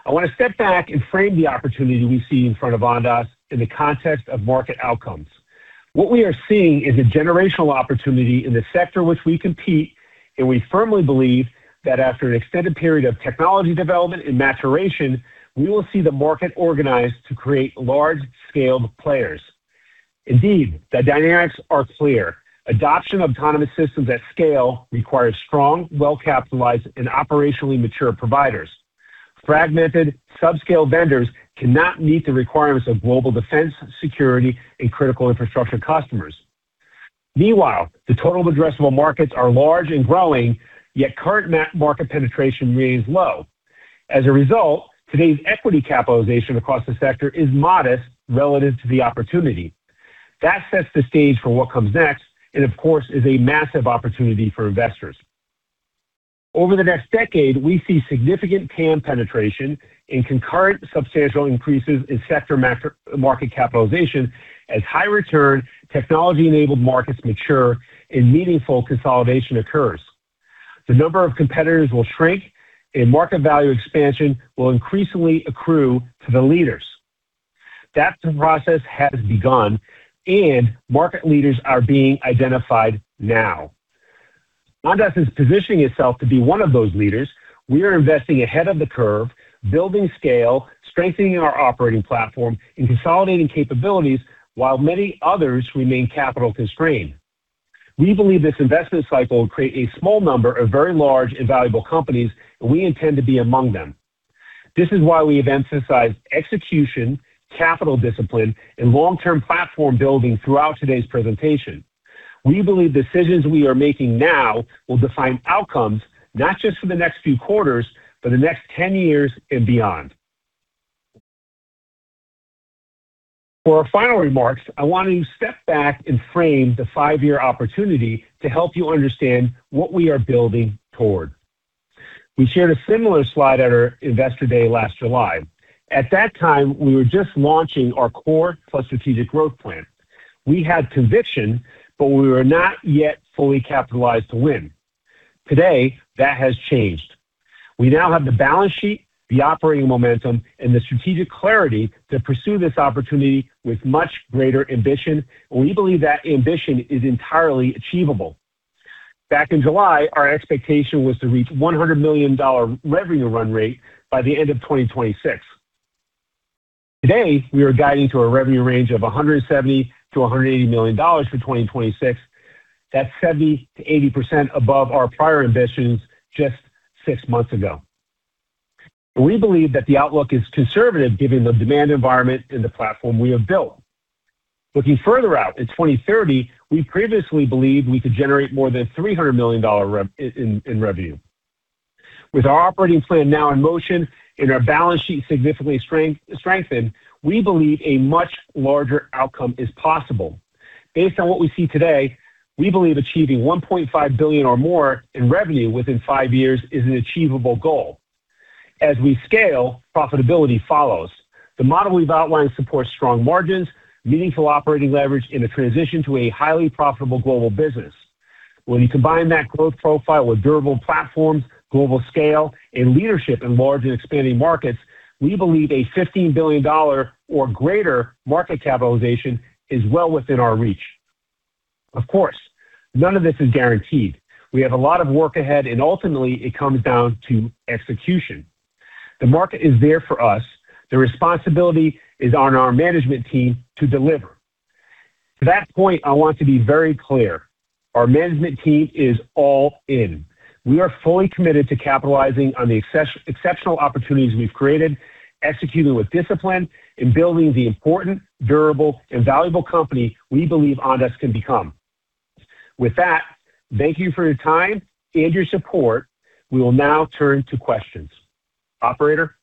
I want to step back and frame the opportunity we see in front of Ondas in the context of market outcomes. What we are seeing is a generational opportunity in the sector which we compete, and we firmly believe that after an extended period of technology development and maturation, we will see the market organized to create large-scale players. Indeed, the dynamics are clear. Adoption of autonomous systems at scale requires strong, well-capitalized, and operationally mature providers. Fragmented, subscale vendors cannot meet the requirements of global defense, security, and critical infrastructure customers. Meanwhile, the total addressable markets are large and growing, yet current market penetration remains low. As a result, today's equity capitalization across the sector is modest relative to the opportunity. That sets the stage for what comes next and, of course, is a massive opportunity for investors. Over the next decade, we see significant TAM penetration and concurrent substantial increases in sector market capitalization as high-return, technology-enabled markets mature and meaningful consolidation occurs. The number of competitors will shrink, and market value expansion will increasingly accrue to the leaders. That process has begun, and market leaders are being identified now. Ondas is positioning itself to be one of those leaders. We are investing ahead of the curve, building scale, strengthening our operating platform, and consolidating capabilities while many others remain capital constrained. We believe this investment cycle will create a small number of very large and valuable companies, and we intend to be among them. This is why we have emphasized execution, capital discipline, and long-term platform building throughout today's presentation. We believe decisions we are making now will define outcomes not just for the next few quarters, but the next 10 years and beyond. For our final remarks, I want to step back and frame the five-year opportunity to help you understand what we are building toward. We shared a similar slide at our investor day last July. At that time, we were just launching our Core Plus strategic growth plan. We had conviction, but we were not yet fully capitalized to win. Today, that has changed. We now have the balance sheet, the operating momentum, and the strategic clarity to pursue this opportunity with much greater ambition, and we believe that ambition is entirely achievable. Back in July, our expectation was to reach $100 million revenue run rate by the end of 2026. Today, we are guiding to a revenue range of $170 million-$180 million for 2026. That's 70%-80% above our prior ambitions just six months ago. We believe that the outlook is conservative given the demand environment and the platform we have built. Looking further out in 2030, we previously believed we could generate more than $300 million in revenue. With our operating plan now in motion and our balance sheet significantly strengthened, we believe a much larger outcome is possible. Based on what we see today, we believe achieving $1.5 billion or more in revenue within five years is an achievable goal. As we scale, profitability follows. The model we've outlined supports strong margins, meaningful operating leverage, and a transition to a highly profitable global business. When you combine that growth profile with durable platforms, global scale, and leadership in large and expanding markets, we believe a $15 billion or greater market capitalization is well within our reach. Of course, none of this is guaranteed. We have a lot of work ahead, and ultimately, it comes down to execution. The market is there for us. The responsibility is on our management team to deliver. To that point, I want to be very clear. Our management team is all in. We are fully committed to capitalizing on the exceptional opportunities we've created, executing with discipline, and building the important, durable, and valuable company we believe Ondas can become. With that, thank you for your time and your support. We will now turn to questions. Operator.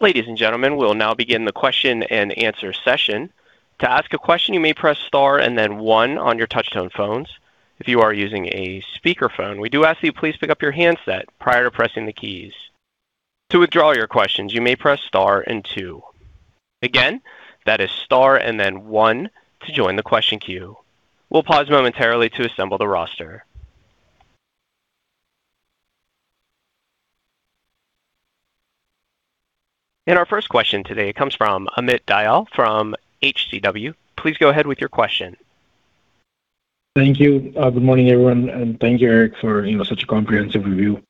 Ladies and gentlemen, we'll now begin the question and answer session. To ask a question, you may press Star and then One on your touch-tone phones. If you are using a speakerphone, we do ask that you please pick up your handset prior to pressing the keys. To withdraw your questions, you may press Star and Two. Again, that is Star and then One to join the question queue. We'll pause momentarily to assemble the roster, and our first question today comes from Amit Dayal from HCW. Please go ahead with your question. Thank you. Good morning, everyone, and thank you, Eric, for such a comprehensive review.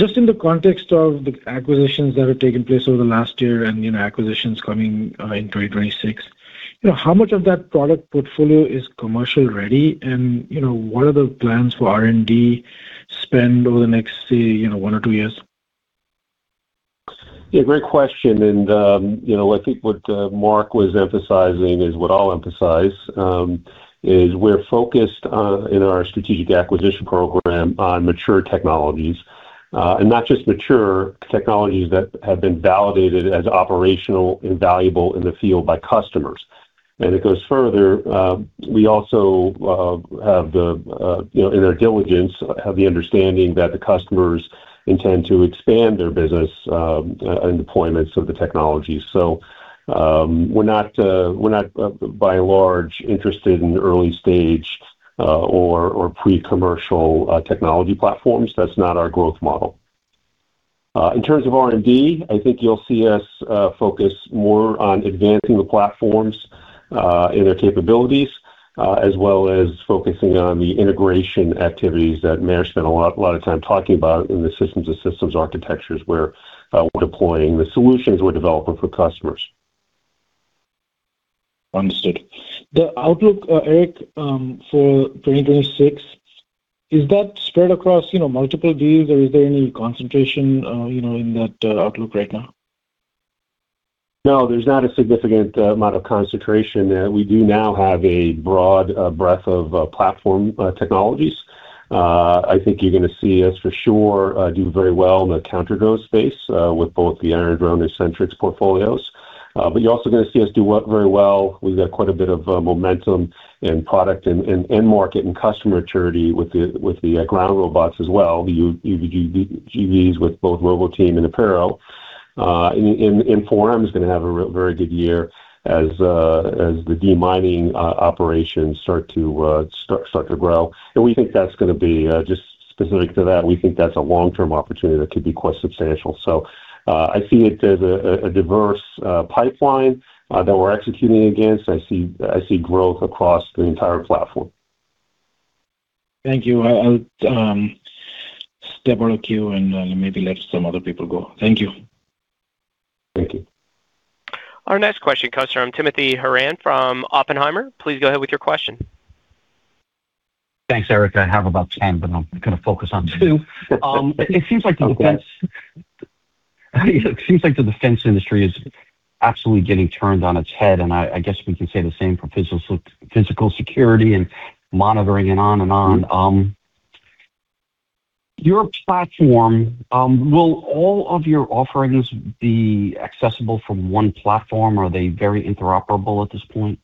Just in the context of the acquisitions that have taken place over the last year and acquisitions coming in 2026, how much of that product portfolio is commercial-ready, and what are the plans for R&D spend over the next one or two years? Yeah, great question. I think what Mark was emphasizing is what I'll emphasize is we're focused in our strategic acquisition program on mature technologies, and not just mature technologies that have been validated as operational and valuable in the field by customers. It goes further. We also have, in our diligence, the understanding that the customers intend to expand their business and deployments of the technology. We're not, by and large, interested in early-stage or pre-commercial technology platforms. That's not our growth model. In terms of R&D, I think you'll see us focus more on advancing the platforms and their capabilities, as well as focusing on the integration activities that Meir spent a lot of time talking about in the system of systems architectures where we're deploying the solutions we're developing for customers. Understood. The outlook, Eric, for 2026, is that spread across multiple deals, or is there any concentration in that outlook right now? No, there's not a significant amount of concentration. We do now have a broad breadth of platform technologies. I think you're going to see us, for sure, do very well in the counter-drone space with both the Iron Drone and Sentrycs portfolios. But you're also going to see us do very well. We've got quite a bit of momentum in product and market and customer maturity with the ground robots as well, the UGVs with both Roboteam and Apeiro. And 4M is going to have a very good year as the demining operations start to grow. And we think that's going to be just specific to that. We think that's a long-term opportunity that could be quite substantial. So I see it as a diverse pipeline that we're executing against. I see growth across the entire platform. Thank you. I'll step out of queue and maybe let some other people go. Thank you. Thank you. Our next question comes from Timothy Horan from Oppenheimer. Please go ahead with your question. Thanks, Eric. I have about 10, but I'm going to focus on two. It seems like the defense industry is absolutely getting turned on its head, and I guess we can say the same for physical security and monitoring and on and on. Your platform, will all of your offerings be accessible from one platform? Are they very interoperable at this point?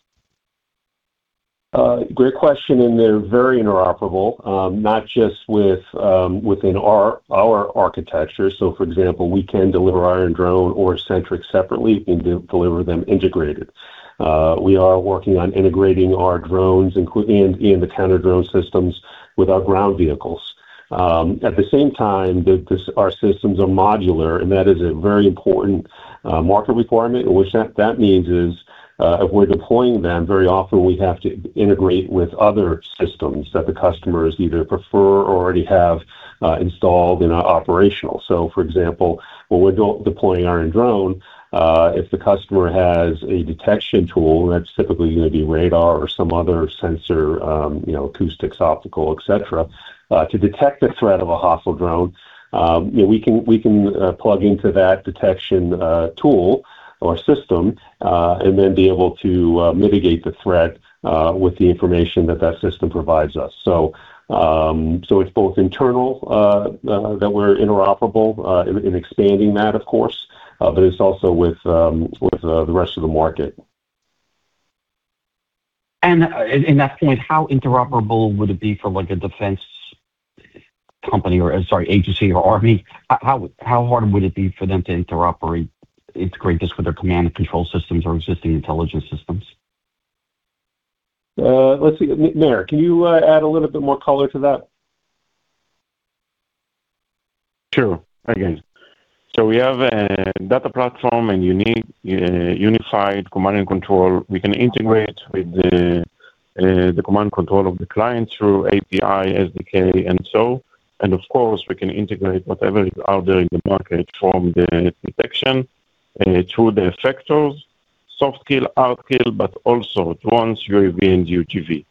Great question, and they're very interoperable, not just within our architecture. So, for example, we can deliver Iron Drone or Sentrycs separately and deliver them integrated. We are working on integrating our drones and the counter-drone systems with our ground vehicles. At the same time, our systems are modular, and that is a very important market requirement. What that means is, if we're deploying them, very often we have to integrate with other systems that the customers either prefer or already have installed and are operational. So, for example, when we're deploying Iron Drone, if the customer has a detection tool, that's typically going to be radar or some other sensor, acoustics, optical, etc., to detect the threat of a hostile drone, we can plug into that detection tool or system and then be able to mitigate the threat with the information that that system provides us. So it's both internal that we're interoperable in expanding that, of course, but it's also with the rest of the market. At that point, how interoperable would it be for a defense company or, sorry, agency or army? How hard would it be for them to integrate this with their command and control systems or existing intelligence systems? Meir, can you add a little bit more color to that? Sure. Again, so we have a data platform and unified command and control. We can integrate with the command and control of the client through API, SDK, and so. And of course, we can integrate whatever is out there in the market from the detection through the effectors, soft kill, hard kill, but also drones, UAV, and UGV.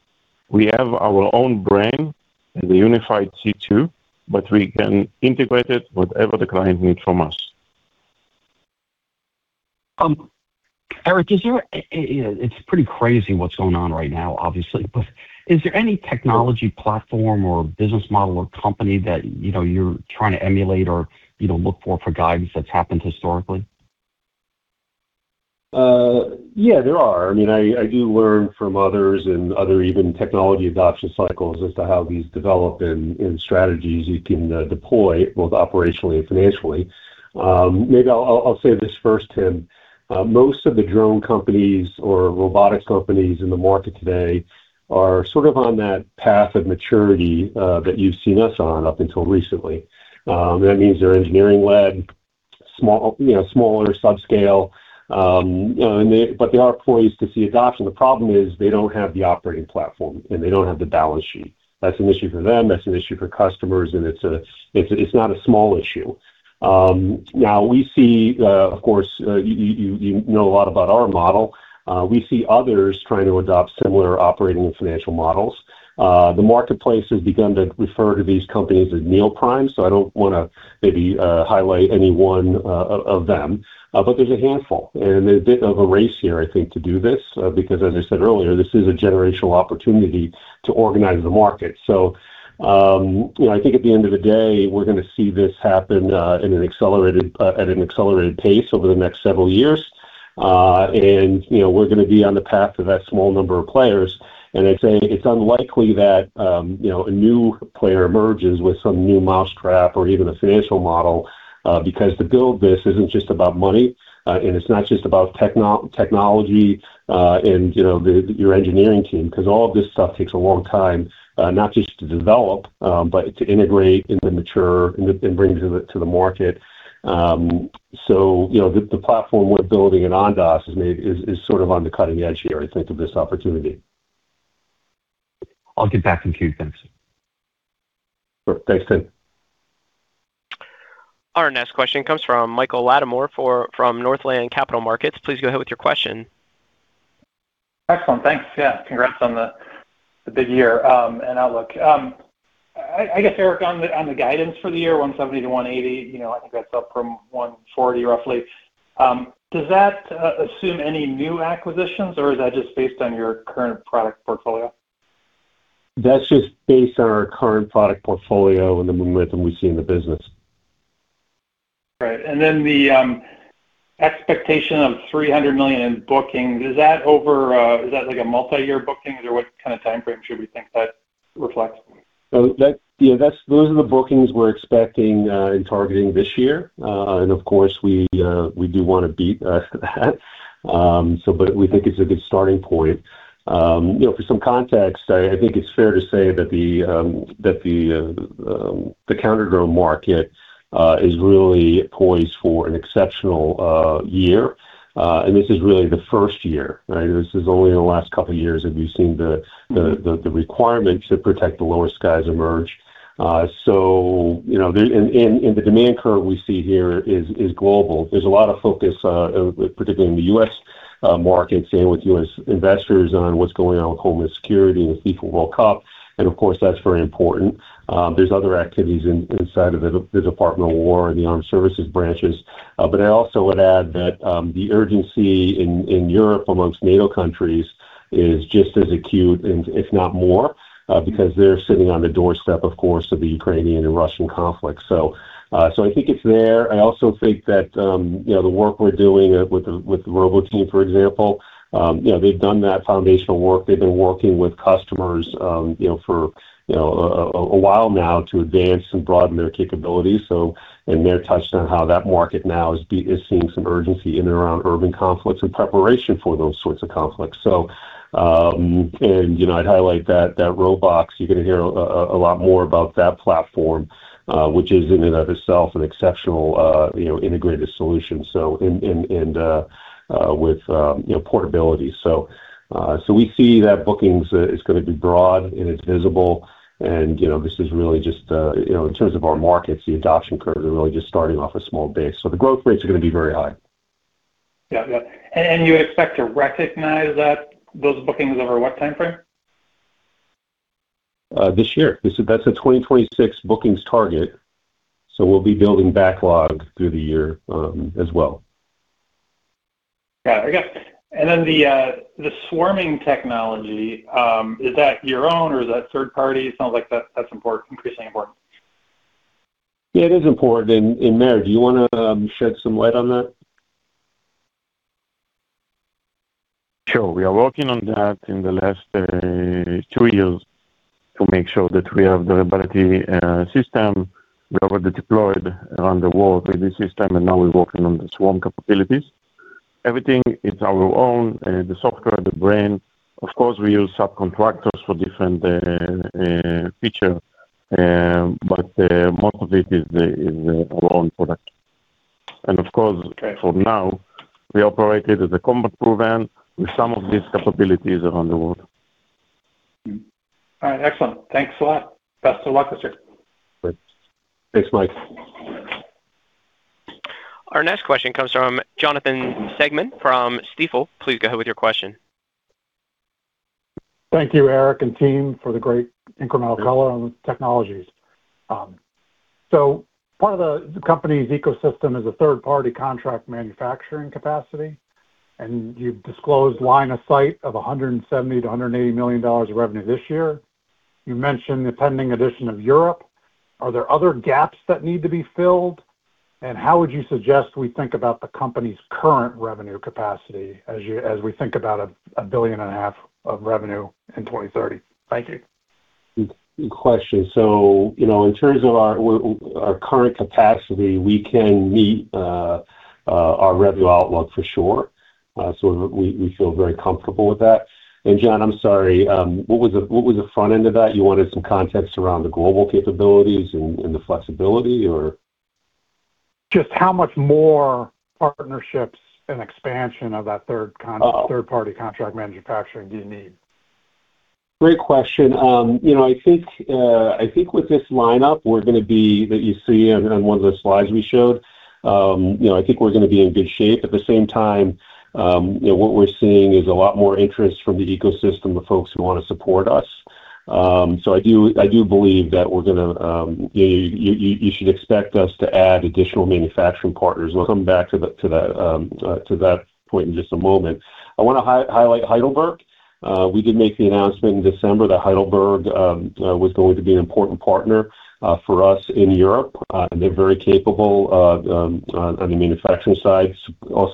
We have our own brain and the unified C2, but we can integrate it with whatever the client needs from us. Eric, it's pretty crazy what's going on right now, obviously, but is there any technology platform or business model or company that you're trying to emulate or look for guidance that's happened historically? Yeah, there are. I mean, I do learn from others and other even technology adoption cycles as to how these develop and strategies you can deploy both operationally and financially. Maybe I'll say this first, Tim. Most of the drone companies or robotics companies in the market today are sort of on that path of maturity that you've seen us on up until recently. That means they're engineering-led, smaller, subscale, but they are poised to see adoption. The problem is they don't have the operating platform, and they don't have the balance sheet. That's an issue for them. That's an issue for customers, and it's not a small issue. Now, we see, of course, you know a lot about our model. We see others trying to adopt similar operating and financial models. The marketplace has begun to refer to these companies as multi-prime, so I don't want to maybe highlight any one of them, but there's a handful. And there's a bit of a race here, I think, to do this because, as I said earlier, this is a generational opportunity to organize the market. So I think at the end of the day, we're going to see this happen at an accelerated pace over the next several years, and we're going to be on the path of that small number of players. I'd say it's unlikely that a new player emerges with some new mousetrap or even a financial model because to build this isn't just about money, and it's not just about technology and your engineering team because all of this stuff takes a long time, not just to develop, but to integrate and to mature and bring to the market. So the platform we're building at Ondas is sort of on the cutting edge here, I think, of this opportunity. I'll get back in queue. Thanks. Thanks, Tim. Our next question comes from Michael Latimore from Northland Capital Markets. Please go ahead with your question. Excellent. Thanks. Yeah. Congrats on the big year and outlook. I guess, Eric, on the guidance for the year, 170-180, I think that's up from 140 roughly. Does that assume any new acquisitions, or is that just based on your current product portfolio? That's just based on our current product portfolio and the momentum we see in the business. Right. And then the expectation of $300 million in bookings, is that over? Is that like a multi-year booking, or what kind of timeframe should we think that reflects? Yeah, those are the bookings we're expecting and targeting this year. And of course, we do want to beat that, but we think it's a good starting point. For some context, I think it's fair to say that the counter-drone market is really poised for an exceptional year. And this is really the first year. This is only in the last couple of years that we've seen the requirement to protect the lower skies emerge. So the demand curve we see here is global. There's a lot of focus, particularly in the U.S. market, staying with U.S. investors on what's going on with Homeland Security and the FIFA World Cup, and of course, that's very important. There's other activities inside of the Department of Defense and the Armed Services branches, but I also would add that the urgency in Europe amongst NATO countries is just as acute, if not more, because they're sitting on the doorstep, of course, of the Ukrainian and Russian conflict. I think it's there. I also think that the work we're doing with the Roboteam, for example, they've done that foundational work. They've been working with customers for a while now to advance and broaden their capabilities, and they're touched on how that market now is seeing some urgency in and around urban conflicts in preparation for those sorts of conflicts. And I'd highlight that Robox, you're going to hear a lot more about that platform, which is in and of itself an exceptional integrated solution, and with portability. So we see that bookings is going to be broad and it's visible. And this is really just, in terms of our markets, the adoption curve is really just starting off a small base. So the growth rates are going to be very high. Yeah. And you expect to recognize those bookings over what timeframe? This year. That's a 2026 bookings target. So we'll be building backlog through the year as well. Got it. I guess. And then the swarming technology, is that your own or is that third-party? It sounds like that's increasingly important. Yeah, it is important. And Meir, do you want to shed some light on that? Sure. We are working on that in the last two years to make sure that we have the Optimus system. We already deployed around the world with this system, and now we're working on the swarm capabilities. Everything is our own, the software, the brain. Of course, we use subcontractors for different features, but most of it is our own product. And of course, for now, we operate it as a combat-proven with some of these capabilities around the world. All right. Excellent. Thanks a lot. Best of luck, Meir. Thanks, Mike. Our next question comes from Jonathan Siegmann from Stifel. Please go ahead with your question. Thank you, Eric and team, for the great incremental color on the technologies. So part of the company's ecosystem is a third-party contract manufacturing capacity, and you've disclosed line of sight of $170 million-$180 million of revenue this year. You mentioned the pending addition of Europe. Are there other gaps that need to be filled? And how would you suggest we think about the company's current revenue capacity as we think about $1.5 billion of revenue in 2030? Thank you. Good question. So in terms of our current capacity, we can meet our revenue outlook for sure. So we feel very comfortable with that. And John, I'm sorry, what was the front end of that? You wanted some context around the global capabilities and the flexibility, or? Just how much more partnerships and expansion of that third-party contract manufacturing do you need? Great question. I think with this lineup, we're going to be that you see on one of the slides we showed. I think we're going to be in good shape. At the same time, what we're seeing is a lot more interest from the ecosystem of folks who want to support us. So I do believe that we're going to. You should expect us to add additional manufacturing partners. Come back to that point in just a moment. I want to highlight Heidelberg. We did make the announcement in December that Heidelberg was going to be an important partner for us in Europe. They're very capable on the manufacturing side,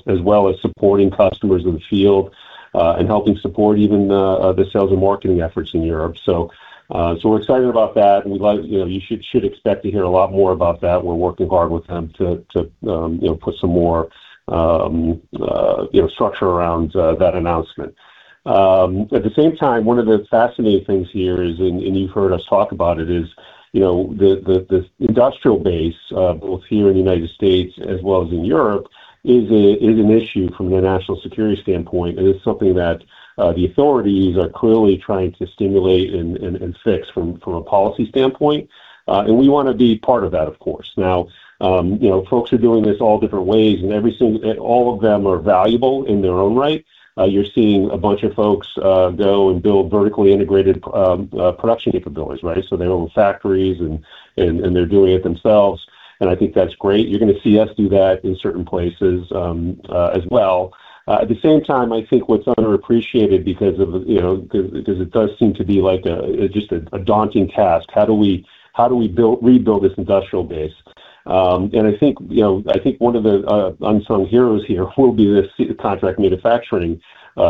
as well as supporting customers in the field and helping support even the sales and marketing efforts in Europe. So we're excited about that. You should expect to hear a lot more about that. We're working hard with them to put some more structure around that announcement. At the same time, one of the fascinating things here, and you've heard us talk about it, is the industrial base, both here in the United States as well as in Europe, is an issue from the national security standpoint, and we want to be part of that, of course. Now, folks are doing this all different ways, and all of them are valuable in their own right. You're seeing a bunch of folks go and build vertically integrated production capabilities, right? So they own factories, and they're doing it themselves, and I think that's great. You're going to see us do that in certain places as well. At the same time, I think what's underappreciated because it does seem to be just a daunting task, how do we rebuild this industrial base? I think one of the unsung heroes here will be the contract manufacturing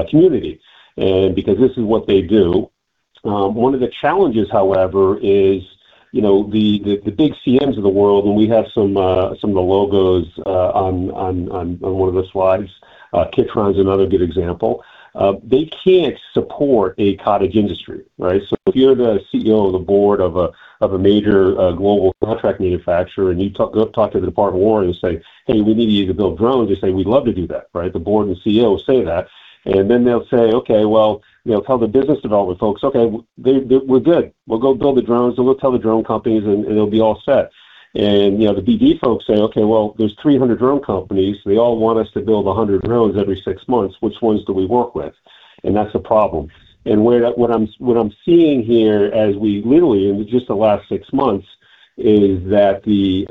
community because this is what they do. One of the challenges, however, is the big CMs of the world, and we have some of the logos on one of the slides. Kitron is another good example. They can't support a cottage industry, right? So if you're the CEO of the board of a major global contract manufacturer and you talk to the Department of War and say, "Hey, we need you to build drones," they say, "We'd love to do that," right? The board and CEO will say that. And then they'll say, "Okay, well, tell the business development folks, okay, we're good. We'll go build the drones. We'll go tell the drone companies, and it'll be all set." And the BD folks say, "Okay, well, there's 300 drone companies. They all want us to build 100 drones every six months. Which ones do we work with?" And that's a problem. And what I'm seeing here as we literally, in just the last six months, is that the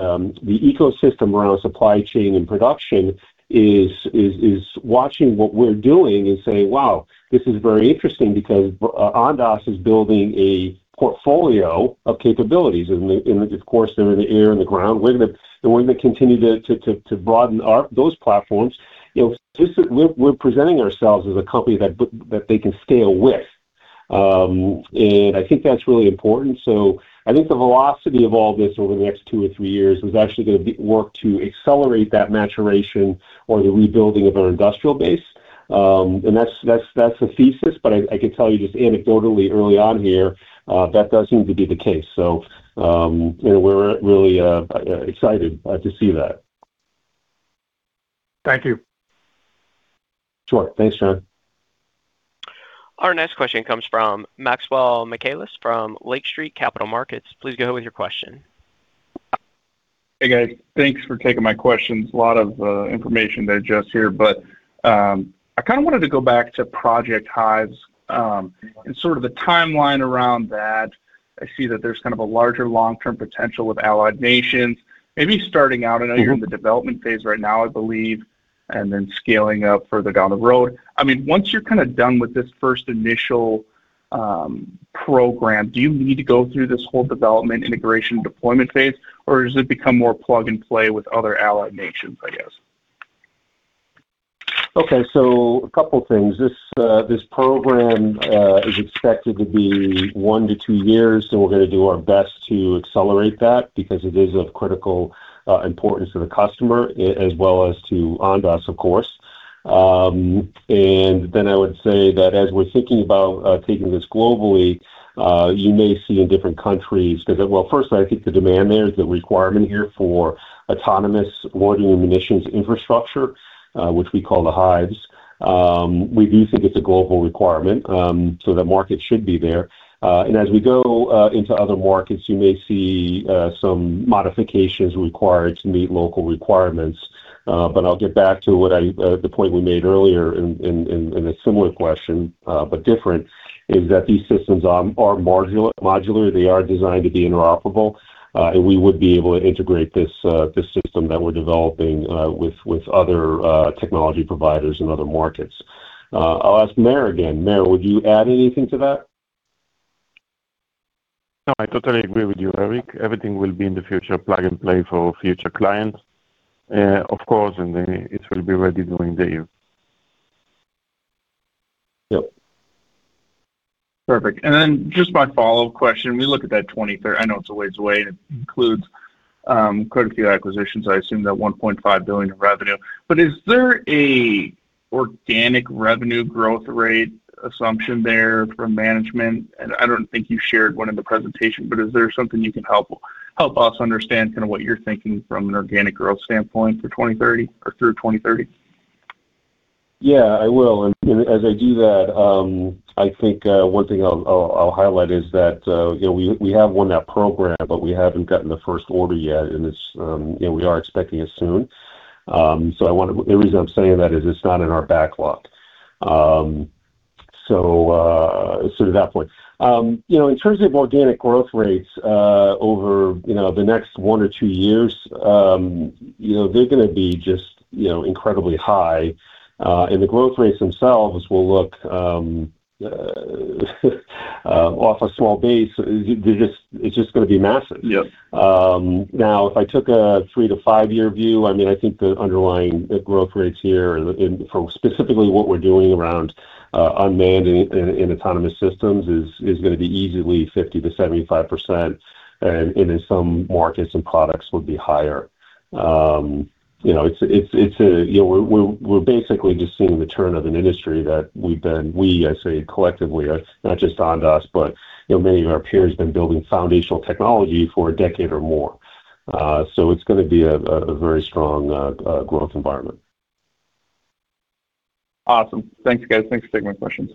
ecosystem around supply chain and production is watching what we're doing and saying, "Wow, this is very interesting because Ondas is building a portfolio of capabilities." And of course, they're in the air and the ground. We're going to continue to broaden those platforms. We're presenting ourselves as a company that they can scale with. And I think that's really important. So I think the velocity of all this over the next two or three years is actually going to work to accelerate that maturation or the rebuilding of our industrial base. And that's the thesis. But I can tell you just anecdotally early on here, that does seem to be the case. So we're really excited to see that. Thank you. Sure. Thanks, Jon. Our next question comes from Maxwell Michaelis from Lake Street Capital Markets. Please go ahead with your question. Hey, guys. Thanks for taking my questions. A lot of information to address here. But I kind of wanted to go back to Project Hives and sort of the timeline around that. I see that there's kind of a larger long-term potential with allied nations. Maybe starting out, I know you're in the development phase right now, I believe, and then scaling up further down the road. I mean, once you're kind of done with this first initial program, do you need to go through this whole development, integration, deployment phase, or does it become more plug and play with other allied nations, I guess? Okay. So a couple of things. This program is expected to be one to two years, so we're going to do our best to accelerate that because it is of critical importance to the customer as well as to Ondas, of course, and then I would say that as we're thinking about taking this globally, you may see in different countries because, well, first, I think the demand there is the requirement here for autonomous loading and munitions infrastructure, which we call the Hives. We do think it's a global requirement, so that market should be there. And as we go into other markets, you may see some modifications required to meet local requirements. But I'll get back to the point we made earlier in a similar question, but different, is that these systems are modular. They are designed to be interoperable, and we would be able to integrate this system that we're developing with other technology providers in other markets. I'll ask Meir again. Meir, would you add anything to that? No, I totally agree with you, Eric. Everything will be in the future plug and play for future clients, of course, and it will be ready during the year. Yep. Perfect. And then just my follow-up question. We look at that 2030. I know it's a ways away, and it includes quite a few acquisitions. I assume that $1.5 billion of revenue. But is there an organic revenue growth rate assumption there from management? I don't think you shared one in the presentation, but is there something you can help us understand kind of what you're thinking from an organic growth standpoint for 2030 or through 2030? Yeah, I will. As I do that, I think one thing I'll highlight is that we have won that program, but we haven't gotten the first order yet, and we are expecting it soon. The reason I'm saying that is it's not in our backlog. To that point, in terms of organic growth rates over the next one or two years, they're going to be just incredibly high. The growth rates themselves will look off a small base. It's just going to be massive. Now, if I took a three to five-year view, I mean, I think the underlying growth rates here for specifically what we're doing around unmanned and autonomous systems is going to be easily 50%-75%, and in some markets and products would be higher. It's that we're basically just seeing the turn of an industry that we've been. We, I say, collectively, not just Ondas, but many of our peers have been building foundational technology for a decade or more. So it's going to be a very strong growth environment. Awesome. Thanks, guys. Thanks for taking my questions.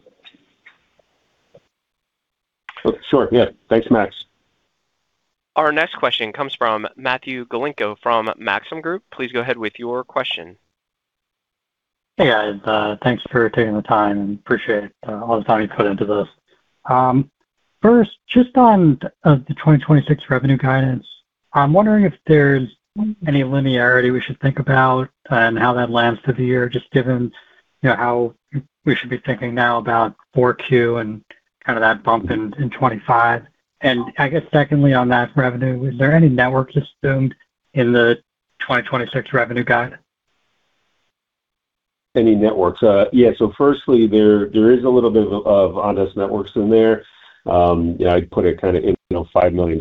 Sure. Yeah. Thanks, Max. Our next question comes from Matthew Galinko from Maxim Group. Please go ahead with your question. Hey, guys. Thanks for taking the time, and appreciate all the time you put into this. First, just on the 2026 revenue guidance, I'm wondering if there's any linearity we should think about and how that lands through the year, just given how we should be thinking now about 4Q and kind of that bump in 2025. And I guess secondly on that revenue, is there any network assumed in the 2026 revenue guide? Any networks? Yeah. So firstly, there is a little bit of Ondas Networks in there. I'd put it kind of $5 million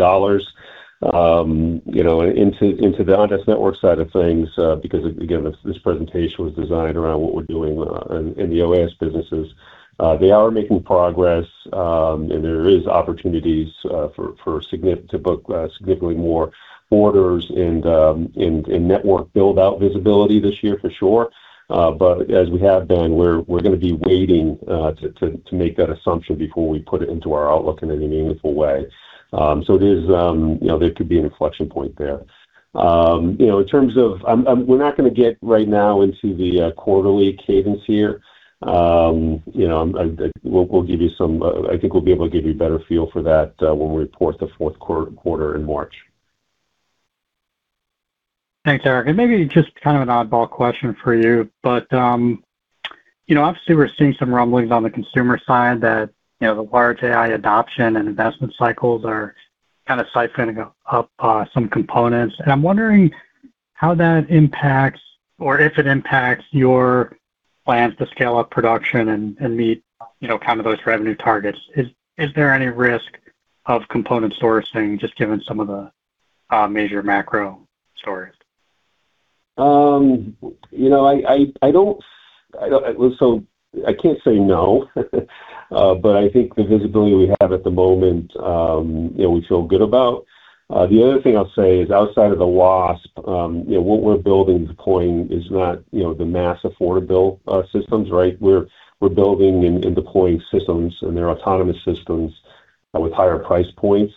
into the Ondas Networks side of things because, again, this presentation was designed around what we're doing in the OAS businesses. They are making progress, and there are opportunities to book significantly more orders and network build-out visibility this year, for sure. But as we have been, we're going to be waiting to make that assumption before we put it into our outlook in any meaningful way. So there could be an inflection point there. In terms of, we're not going to get right now into the quarterly cadence here. We'll give you some. I think we'll be able to give you a better feel for that when we report the fourth quarter in March. Thanks, Eric. And maybe just kind of an oddball question for you, but obviously, we're seeing some rumblings on the consumer side that the large AI adoption and investment cycles are kind of siphoning up some components. And I'm wondering how that impacts or if it impacts your plans to scale up production and meet kind of those revenue targets. Is there any risk of component sourcing just given some of the major macro stories? I don't, so I can't say no, but I think the visibility we have at the moment, we feel good about. The other thing I'll say is outside of the Wasp, what we're building and deploying is not the mass affordable systems, right? We're building and deploying systems, and they're autonomous systems with higher price points.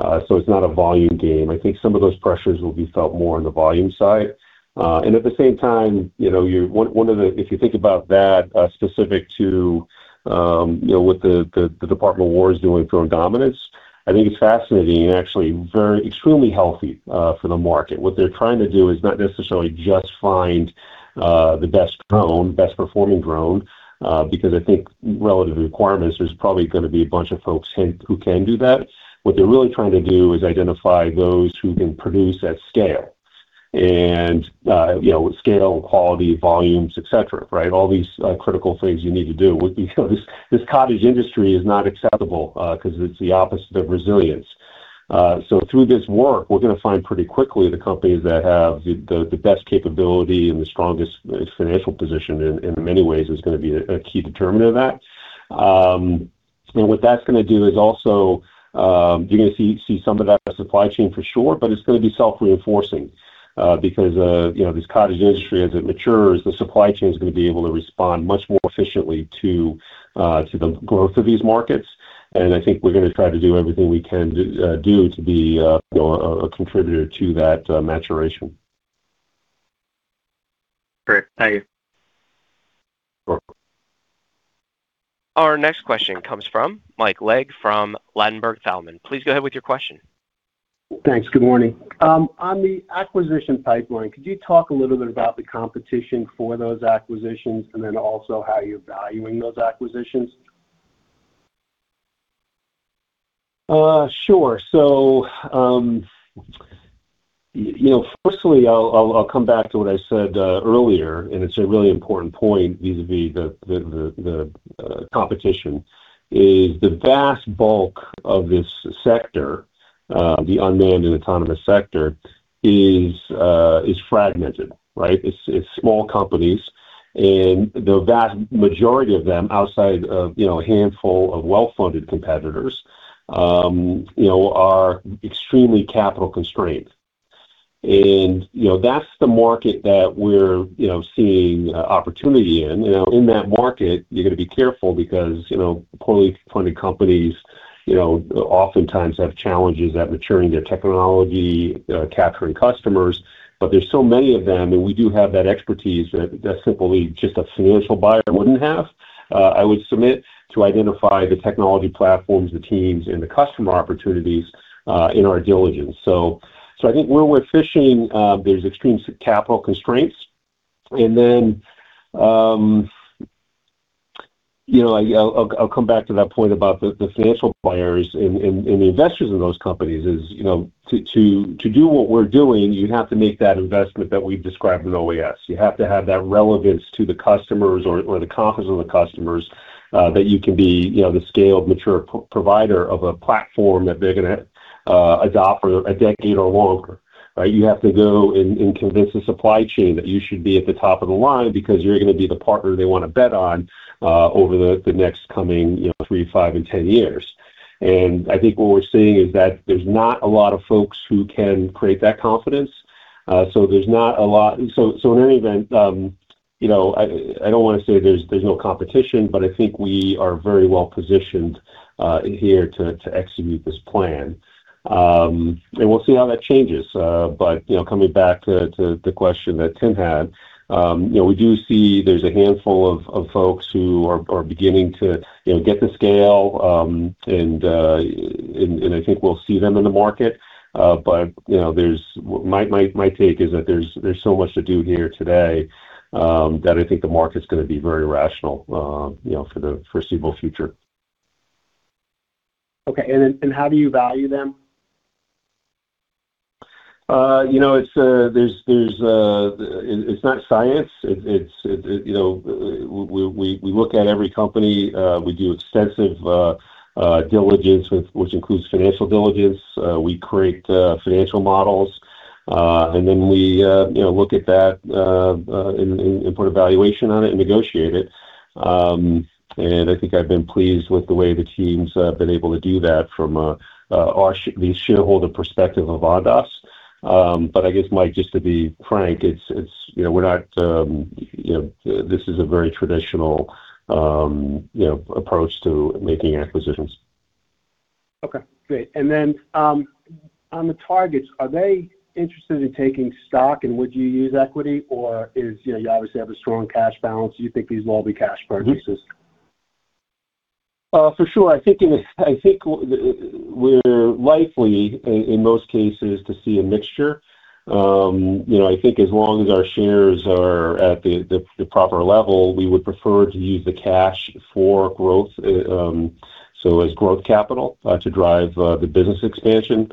So it's not a volume game. I think some of those pressures will be felt more on the volume side, and at the same time, one of the, if you think about that specific to what the Department of War is doing for in dominance, I think it's fascinating and actually extremely healthy for the market. What they're trying to do is not necessarily just find the best drone, best-performing drone, because I think relative to requirements, there's probably going to be a bunch of folks who can do that. What they're really trying to do is identify those who can produce at scale and quality volumes, etc., right? All these critical things you need to do. This cottage industry is not acceptable because it's the opposite of resilience, so through this work, we're going to find pretty quickly the companies that have the best capability and the strongest financial position in many ways is going to be a key determinant of that, and what that's going to do is also you're going to see some of that supply chain for sure, but it's going to be self-reinforcing because this cottage industry, as it matures, the supply chain is going to be able to respond much more efficiently to the growth of these markets, and I think we're going to try to do everything we can do to be a contributor to that maturation. Great. Thank you. Sure. Our next question comes from Mike Legg from Ladenburg Thalmann. Please go ahead with your question. Thanks. Good morning. On the acquisition pipeline, could you talk a little bit about the competition for those acquisitions and then also how you're valuing those acquisitions? Sure. So firstly, I'll come back to what I said earlier, and it's a really important point vis-à-vis the competition. Is the vast bulk of this sector, the unmanned and autonomous sector, fragmented, right? It's small companies, and the vast majority of them outside of a handful of well-funded competitors are extremely capital constrained. And that's the market that we're seeing opportunity in. In that market, you're going to be careful because poorly funded companies oftentimes have challenges at maturing their technology, capturing customers. But there's so many of them, and we do have that expertise that simply just a financial buyer wouldn't have. I would submit to identify the technology platforms, the teams, and the customer opportunities in our diligence. So I think where we're fishing, there's extreme capital constraints. And then I'll come back to that point about the financial buyers and the investors in those companies is to do what we're doing, you have to make that investment that we've described in OAS. You have to have that relevance to the customers or the confidence of the customers that you can be the scaled, mature provider of a platform that they're going to adopt for a decade or longer, right? You have to go and convince the supply chain that you should be at the top of the line because you're going to be the partner they want to bet on over the next coming three, five, and 10 years. And I think what we're seeing is that there's not a lot of folks who can create that confidence. So there's not a lot. So in any event, I don't want to say there's no competition, but I think we are very well positioned here to execute this plan. And we'll see how that changes. But coming back to the question that Tim had, we do see there's a handful of folks who are beginning to get the scale, and I think we'll see them in the market. But my take is that there's so much to do here today that I think the market's going to be very rational for the foreseeable future. Okay. And how do you value them? It's not science. We look at every company. We do extensive diligence, which includes financial diligence. We create financial models, and then we look at that and put valuation on it and negotiate it. And I think I've been pleased with the way the team's been able to do that from the shareholder perspective of Ondas. But I guess, Mike, just to be frank, we're not. This is a very traditional approach to making acquisitions. Okay. Great. And then on the targets, are they interested in taking stock, and would you use equity, or you obviously have a strong cash balance? Do you think these will all be cash purchases? For sure. I think we're likely, in most cases, to see a mixture. I think as long as our shares are at the proper level, we would prefer to use the cash for growth, so as growth capital to drive the business expansion.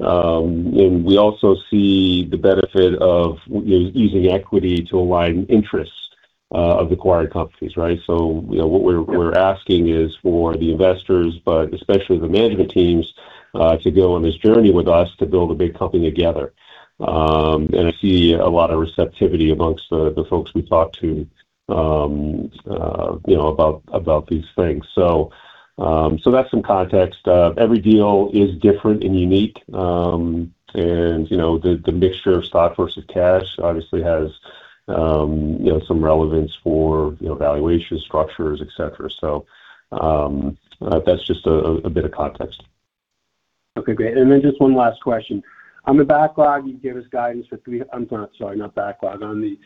And we also see the benefit of using equity to align interests of acquired companies, right? What we're asking is for the investors, but especially the management teams, to go on this journey with us to build a big company together. And I see a lot of receptivity among the folks we talk to about these things. So that's some context. Every deal is different and unique, and the mixture of stock versus cash obviously has some relevance for valuation structures, etc. So that's just a bit of context. Okay. Great. And then just one last question. On the backlog, you gave us guidance for three. I'm sorry, not backlog. On the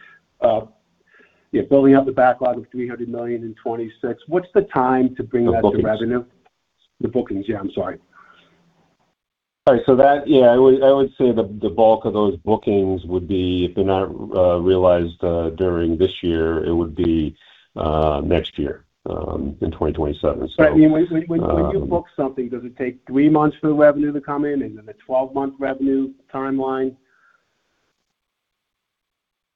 building up the backlog of $300 million in 2026, what's the time to bring that to revenue? The bookings. Yeah, I'm sorry. All right. So yeah, I would say the bulk of those bookings would be, if they're not realized during this year, it would be next year in 2027. I mean, when you book something, does it take three months for the revenue to come in? Is it a 12-month revenue timeline?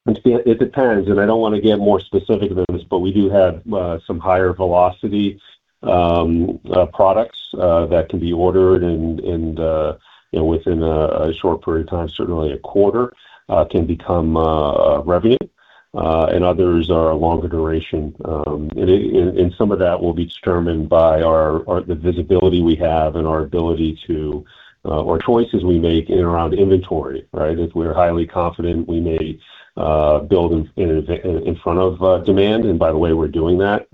It depends. I don't want to get more specific than this, but we do have some higher velocity products that can be ordered and within a short period of time, certainly a quarter, can become revenue. Others are longer duration. Some of that will be determined by the visibility we have and our ability to or choices we make in and around inventory, right? If we're highly confident, we may build in front of demand. By the way, we're doing that.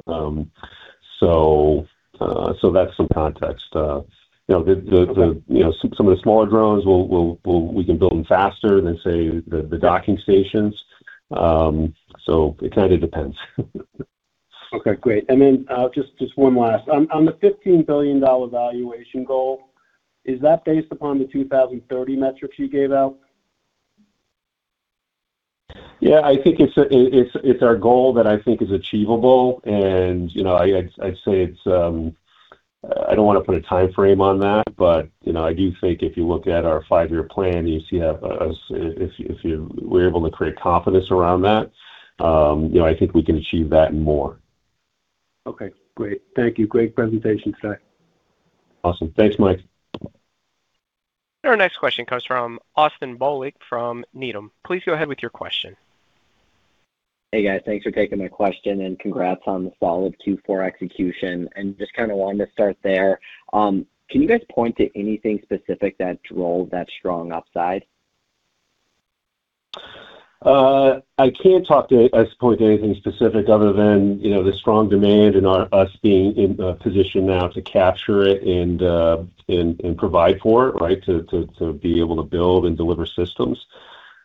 That's some context. Some of the smaller drones, we can build them faster than, say, the docking stations. It kind of depends. Okay. Great. Just one last one. On the $15 billion valuation goal, is that based upon the 2030 metrics you gave out? Yeah. I think it's our goal that I think is achievable. And I'd say it's I don't want to put a timeframe on that, but I do think if you look at our five-year plan, you see if we're able to create confidence around that, I think we can achieve that and more. Okay. Great. Thank you. Great presentation today. Awesome. Thanks, Mike. Our next question comes from Austin Bohlig from Needham. Please go ahead with your question. Hey, guys. Thanks for taking my question, and congrats on the solid Q4 execution. And just kind of wanted to start there. Can you guys point to anything specific that rolled that strong upside? I can't point to anything specific other than the strong demand and us being in a position now to capture it and provide for it, right, to be able to build and deliver systems.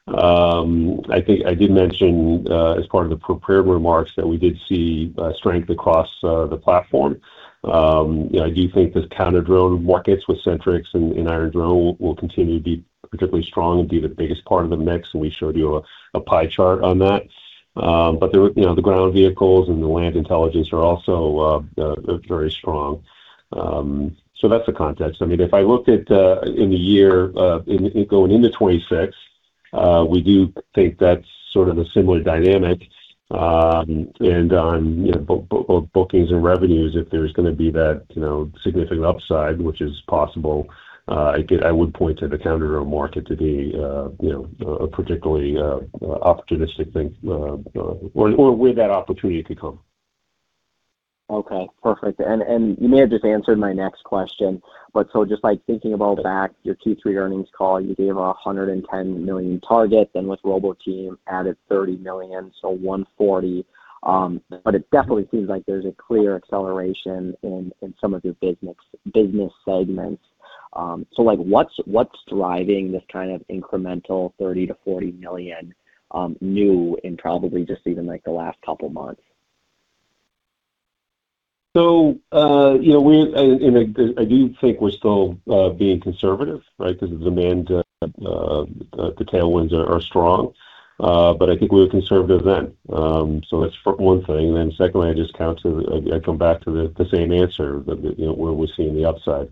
I did mention as part of the prepared remarks that we did see strength across the platform. I do think the counter-drone markets with Sentrycs and Iron Drone will continue to be particularly strong and be the biggest part of the mix. We showed you a pie chart on that. The ground vehicles and the land intelligence are also very strong. That's the context. I mean, if I looked at in the year going into 2026, we do think that's sort of a similar dynamic. On both bookings and revenues, if there's going to be that significant upside, which is possible, I would point to the counter-drone market to be a particularly opportunistic thing or where that opportunity could come. Okay. Perfect. You may have just answered my next question, but so just thinking about back to your Q3 earnings call, you gave a $110 million target, then with Roboteam added $30 million, so $140 million. It definitely seems like there's a clear acceleration in some of your business segments. What's driving this kind of incremental $30 million-$40 million new in probably just even the last couple of months? I do think we're still being conservative, right, because the demand, the tailwinds are strong. I think we were conservative then. That's one thing. Then secondly, I just come back to the same answer, where we're seeing the upside.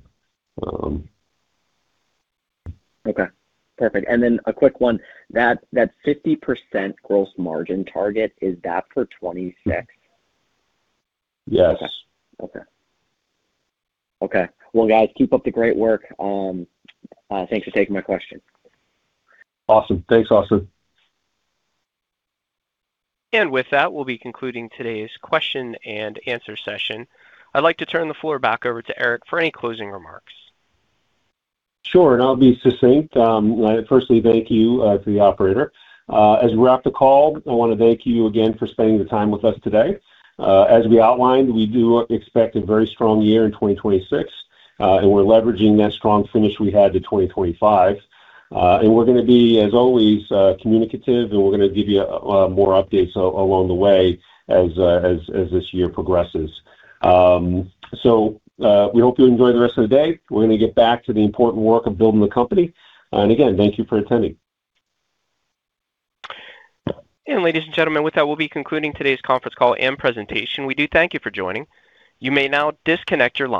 Okay. Perfect. And then a quick one. That 50% gross margin target, is that for 2026? Yes. Okay. Okay. Well, guys, keep up the great work. Thanks for taking my question. Awesome. Thanks, Austin. And with that, we'll be concluding today's question and answer session. I'd like to turn the floor back over to Eric for any closing remarks. Sure. And I'll be succinct. Firstly, thank you to the operator. As we wrap the call, I want to thank you again for spending the time with us today. As we outlined, we do expect a very strong year in 2026, and we're leveraging that strong finish we had to 2025. And we're going to be, as always, communicative, and we're going to give you more updates along the way as this year progresses. So we hope you enjoy the rest of the day. We're going to get back to the important work of building the company. Again, thank you for attending. Ladies and gentlemen, with that, we'll be concluding today's conference call and presentation. We do thank you for joining. You may now disconnect your line.